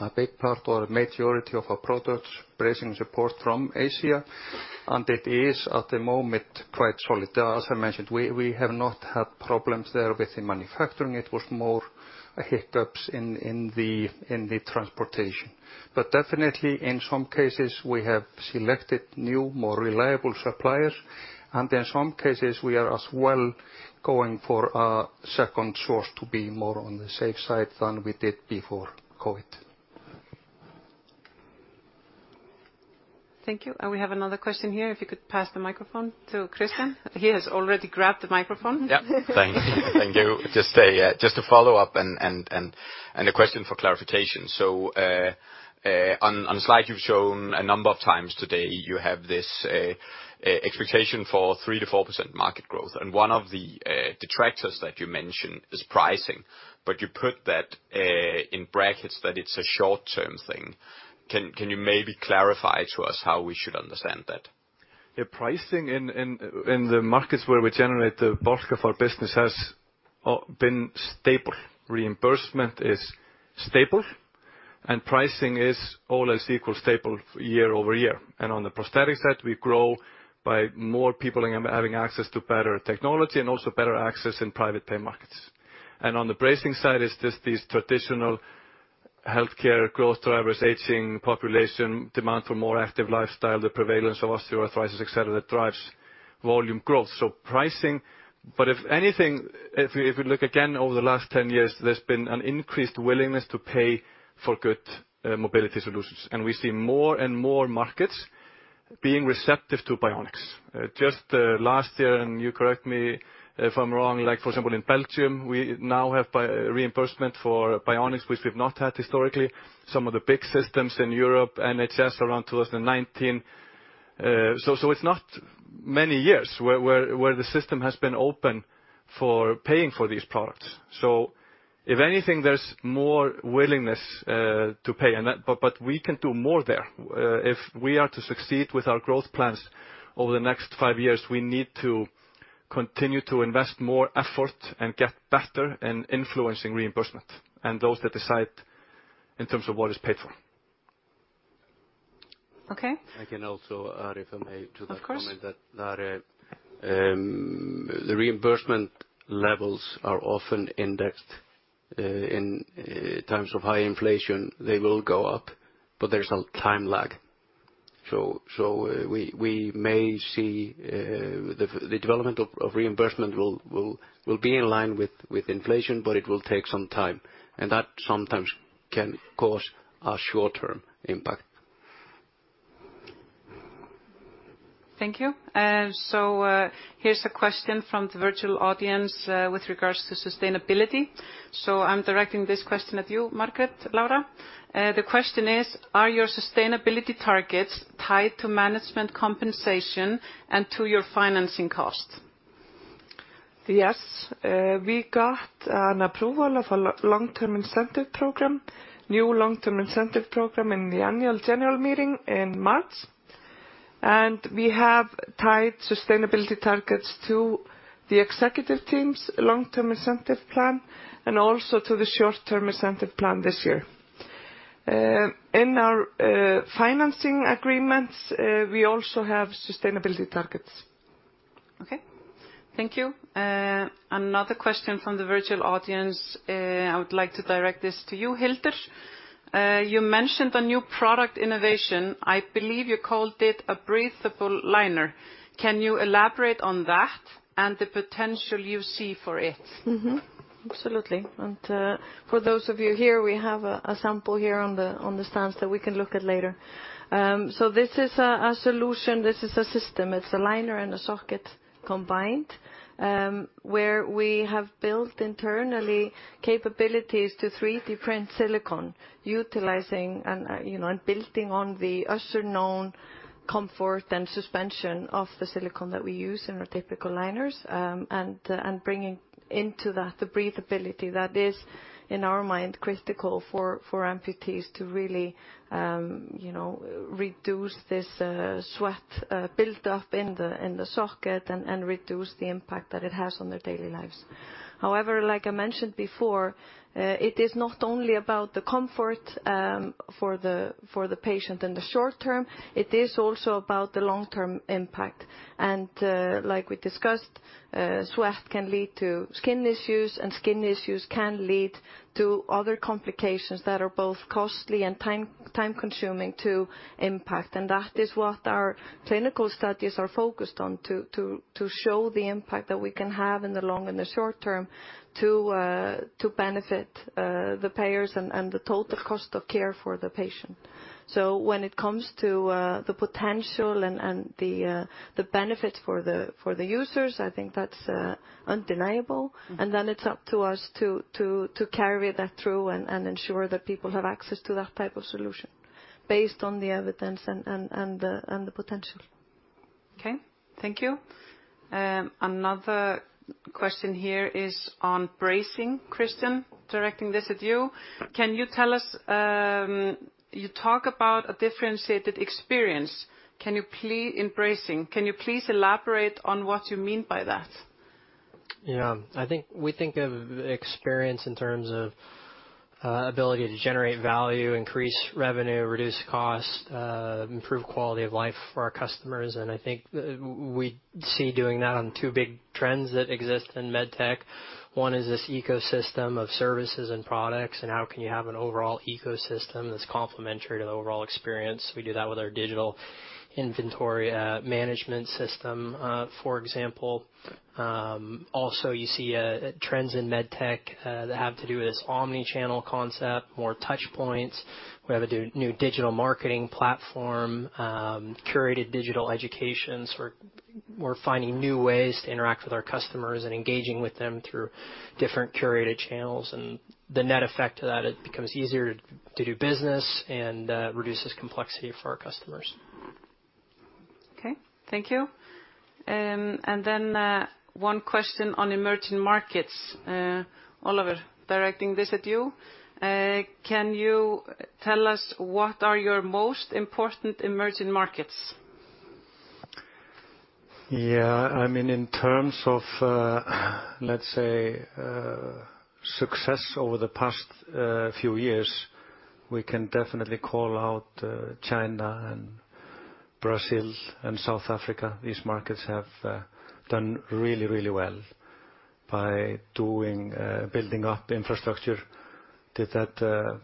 a big part or majority of our products bracing support from Asia. It is at the moment quite solid. As I mentioned, we have not had problems there with the manufacturing. It was more hiccups in the transportation. Definitely, in some cases we have selected new, more reliable suppliers, and in some cases we are as well going for a second source to be more on the safe side than we did before COVID. Thank you. We have another question here. If you could pass the microphone to Christian. He has already grabbed the microphone. Yeah. Thank you. Just a follow-up and a question for clarification. On the slide you've shown a number of times today, you have this expectation for 3%-4% market growth, and one of the detractors that you mentioned is pricing, but you put that in brackets that it's a short-term thing. Can you maybe clarify to us how we should understand that? The pricing in, in the markets where we generate the bulk of our business has been stable. Reimbursement is stable, and pricing is all else equal stable year-over-year. On the prosthetic side, we grow by more people having access to better technology and also better access in private pay markets. On the bracing side is just these traditional healthcare growth drivers, aging population, demand for more active lifestyle, the prevalence of osteoarthritis, et cetera, drives volume growth. If anything, if we look again over the last 10 years, there's been an increased willingness to pay for good mobility solutions. We see more and more markets being receptive to bionics. Just last year, and you correct me if I'm wrong, like for example, in Belgium, we now have reimbursement for bionics, which we've not had historically. Some of the big systems in Europe, NHS around 2019. It's not many years where the system has been open for paying for these products. If anything, there's more willingness to pay. We can do more there. If we are to succeed with our growth plans over the next five years, we need to continue to invest more effort and get better in influencing reimbursement and those that decide in terms of what is paid for. Okay. I can also add, if I may, to that comment. Of course. The reimbursement levels are often indexed. In times of high inflation, they will go up, but there's a time lag. We may see, the development of reimbursement will be in line with inflation, but it will take some time, and that sometimes can cause a short-term impact. Thank you. Here's a question from the virtual audience, with regards to sustainability. I'm directing this question at you, Margrét Lára. The question is: Are your sustainability targets tied to management compensation and to your financing costs? Yes. We got an approval of a long-term incentive program, new long-term incentive program in the annual general meeting in March. We have tied sustainability targets to the executive team's long-term incentive plan and also to the short-term incentive plan this year. In our financing agreements, we also have sustainability targets. Okay. Thank you. Another question from the virtual audience, I would like to direct this to you, Hildur. You mentioned a new product innovation. I believe you called it a breathable liner. Can you elaborate on that and the potential you see for it? Absolutely. For those of you here, we have a sample here on the stands that we can look at later. This is a solution. This is a system. It's a liner and a socket combined, where we have built internally capabilities to 3D print silicone, utilizing, you know, and building on the Össur known comfort and suspension of the silicone that we use in our typical liners. Bringing into that the breathability that is, in our mind, critical for amputees to really, you know, reduce this sweat built up in the socket and reduce the impact that it has on their daily lives. However, like I mentioned before, it is not only about the comfort for the patient in the short term, it is also about the long-term impact. Like we discussed, sweat can lead to skin issues, and skin issues can lead to other complications that are both costly and time-consuming to impact. That is what our clinical studies are focused on to show the impact that we can have in the long and the short term to benefit the payers and the total cost of care for the patient. When it comes to the potential and the benefit for the users, I think that's undeniable. It's up to us to carry that through and ensure that people have access to that type of solution based on the evidence and the potential. Okay. Thank you. Another question here is on bracing. Christian, directing this at you. Can you tell us? You talk about a differentiated experience. In bracing, can you please elaborate on what you mean by that? Yeah. I think we think of experience in terms of ability to generate value, increase revenue, reduce cost, improve quality of life for our customers. I think we see doing that on two big trends that exist in medtech. One is this ecosystem of services and products, and how can you have an overall ecosystem that's complementary to the overall experience? We do that with our digital inventory management system, for example. Also, you see trends in medtech that have to do with this omni-channel concept, more touchpoints. We have a new digital marketing platform, curated digital educations. We're finding new ways to interact with our customers and engaging with them through different curated channels. The net effect of that, it becomes easier to do business and reduces complexity for our customers. Okay. Thank you. One question on emerging markets. Ólafur, directing this at you. Can you tell us what are your most important emerging markets? Yeah. I mean, in terms of, let's say, success over the past few years, we can definitely call out China and Brazil and South Africa. These markets have done really, really well by doing building up infrastructure. Did that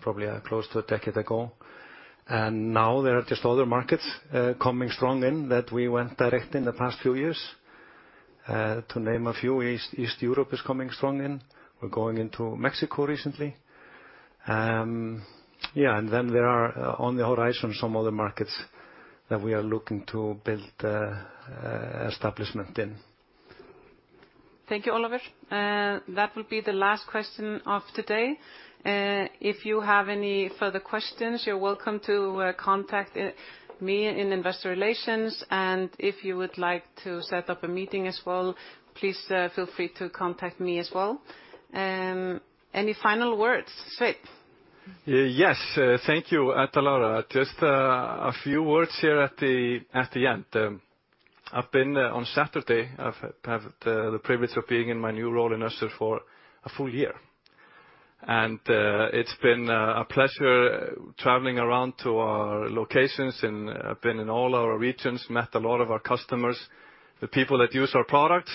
probably close to a decade ago. Now there are just other markets coming strong in that we went direct in the past few years. To name a few, East Europe is coming strong in. We're going into Mexico recently. Yeah, there are, on the horizon, some other markets that we are looking to build establishment in. Thank you, Ólafur. That will be the last question of today. If you have any further questions, you're welcome to contact me in Investor Relations. If you would like to set up a meeting as well, please feel free to contact me as well. Any final words, Sveinn? Yes. Thank you, Edda Lára. Just a few words here at the end. I've been, on Saturday, I've had the privilege of being in my new role in Össur for a full year. It's been a pleasure traveling around to our locations, and I've been in all our regions, met a lot of our customers, the people that use our products.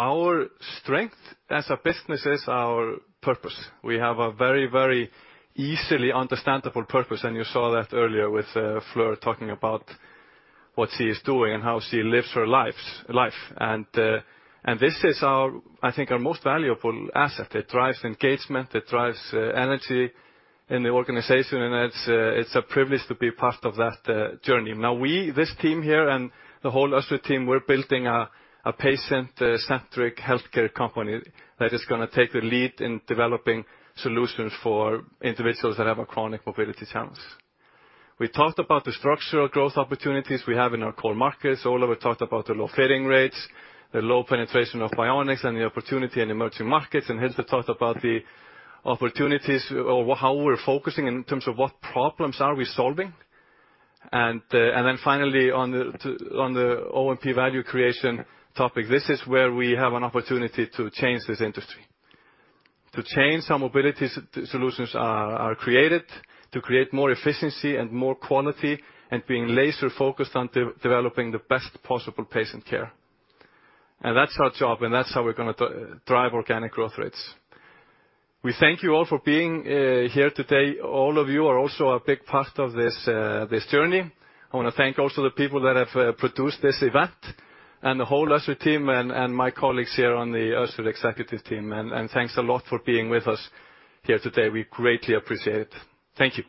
Our strength as a business is our purpose. We have a very, very easily understandable purpose, you saw that earlier with Fleur talking about what she is doing and how she lives her life. This is our, I think, our most valuable asset. It drives engagement, it drives energy in the organization, it's a privilege to be part of that journey. Now we, this team here and the whole Össur team, we're building a patient-centric healthcare company that is gonna take the lead in developing solutions for individuals that have a chronic mobility challenge. We talked about the structural growth opportunities we have in our core markets. Ólafur talked about the low fitting rates, the low penetration of bionics, and the opportunity in emerging markets, Hildur talked about the opportunities how we're focusing in terms of what problems are we solving. Finally on the O&P value creation topic, this is where we have an opportunity to change this industry. To change how mobility solutions are created, to create more efficiency and more quality, and being laser-focused on developing the best possible patient care. That's our job, and that's how we're gonna drive organic growth rates. We thank you all for being here today. All of you are also a big part of this journey. I wanna thank also the people that have produced this event and the whole Össur team and my colleagues here on the Össur executive team. Thanks a lot for being with us here today. We greatly appreciate it. Thank you.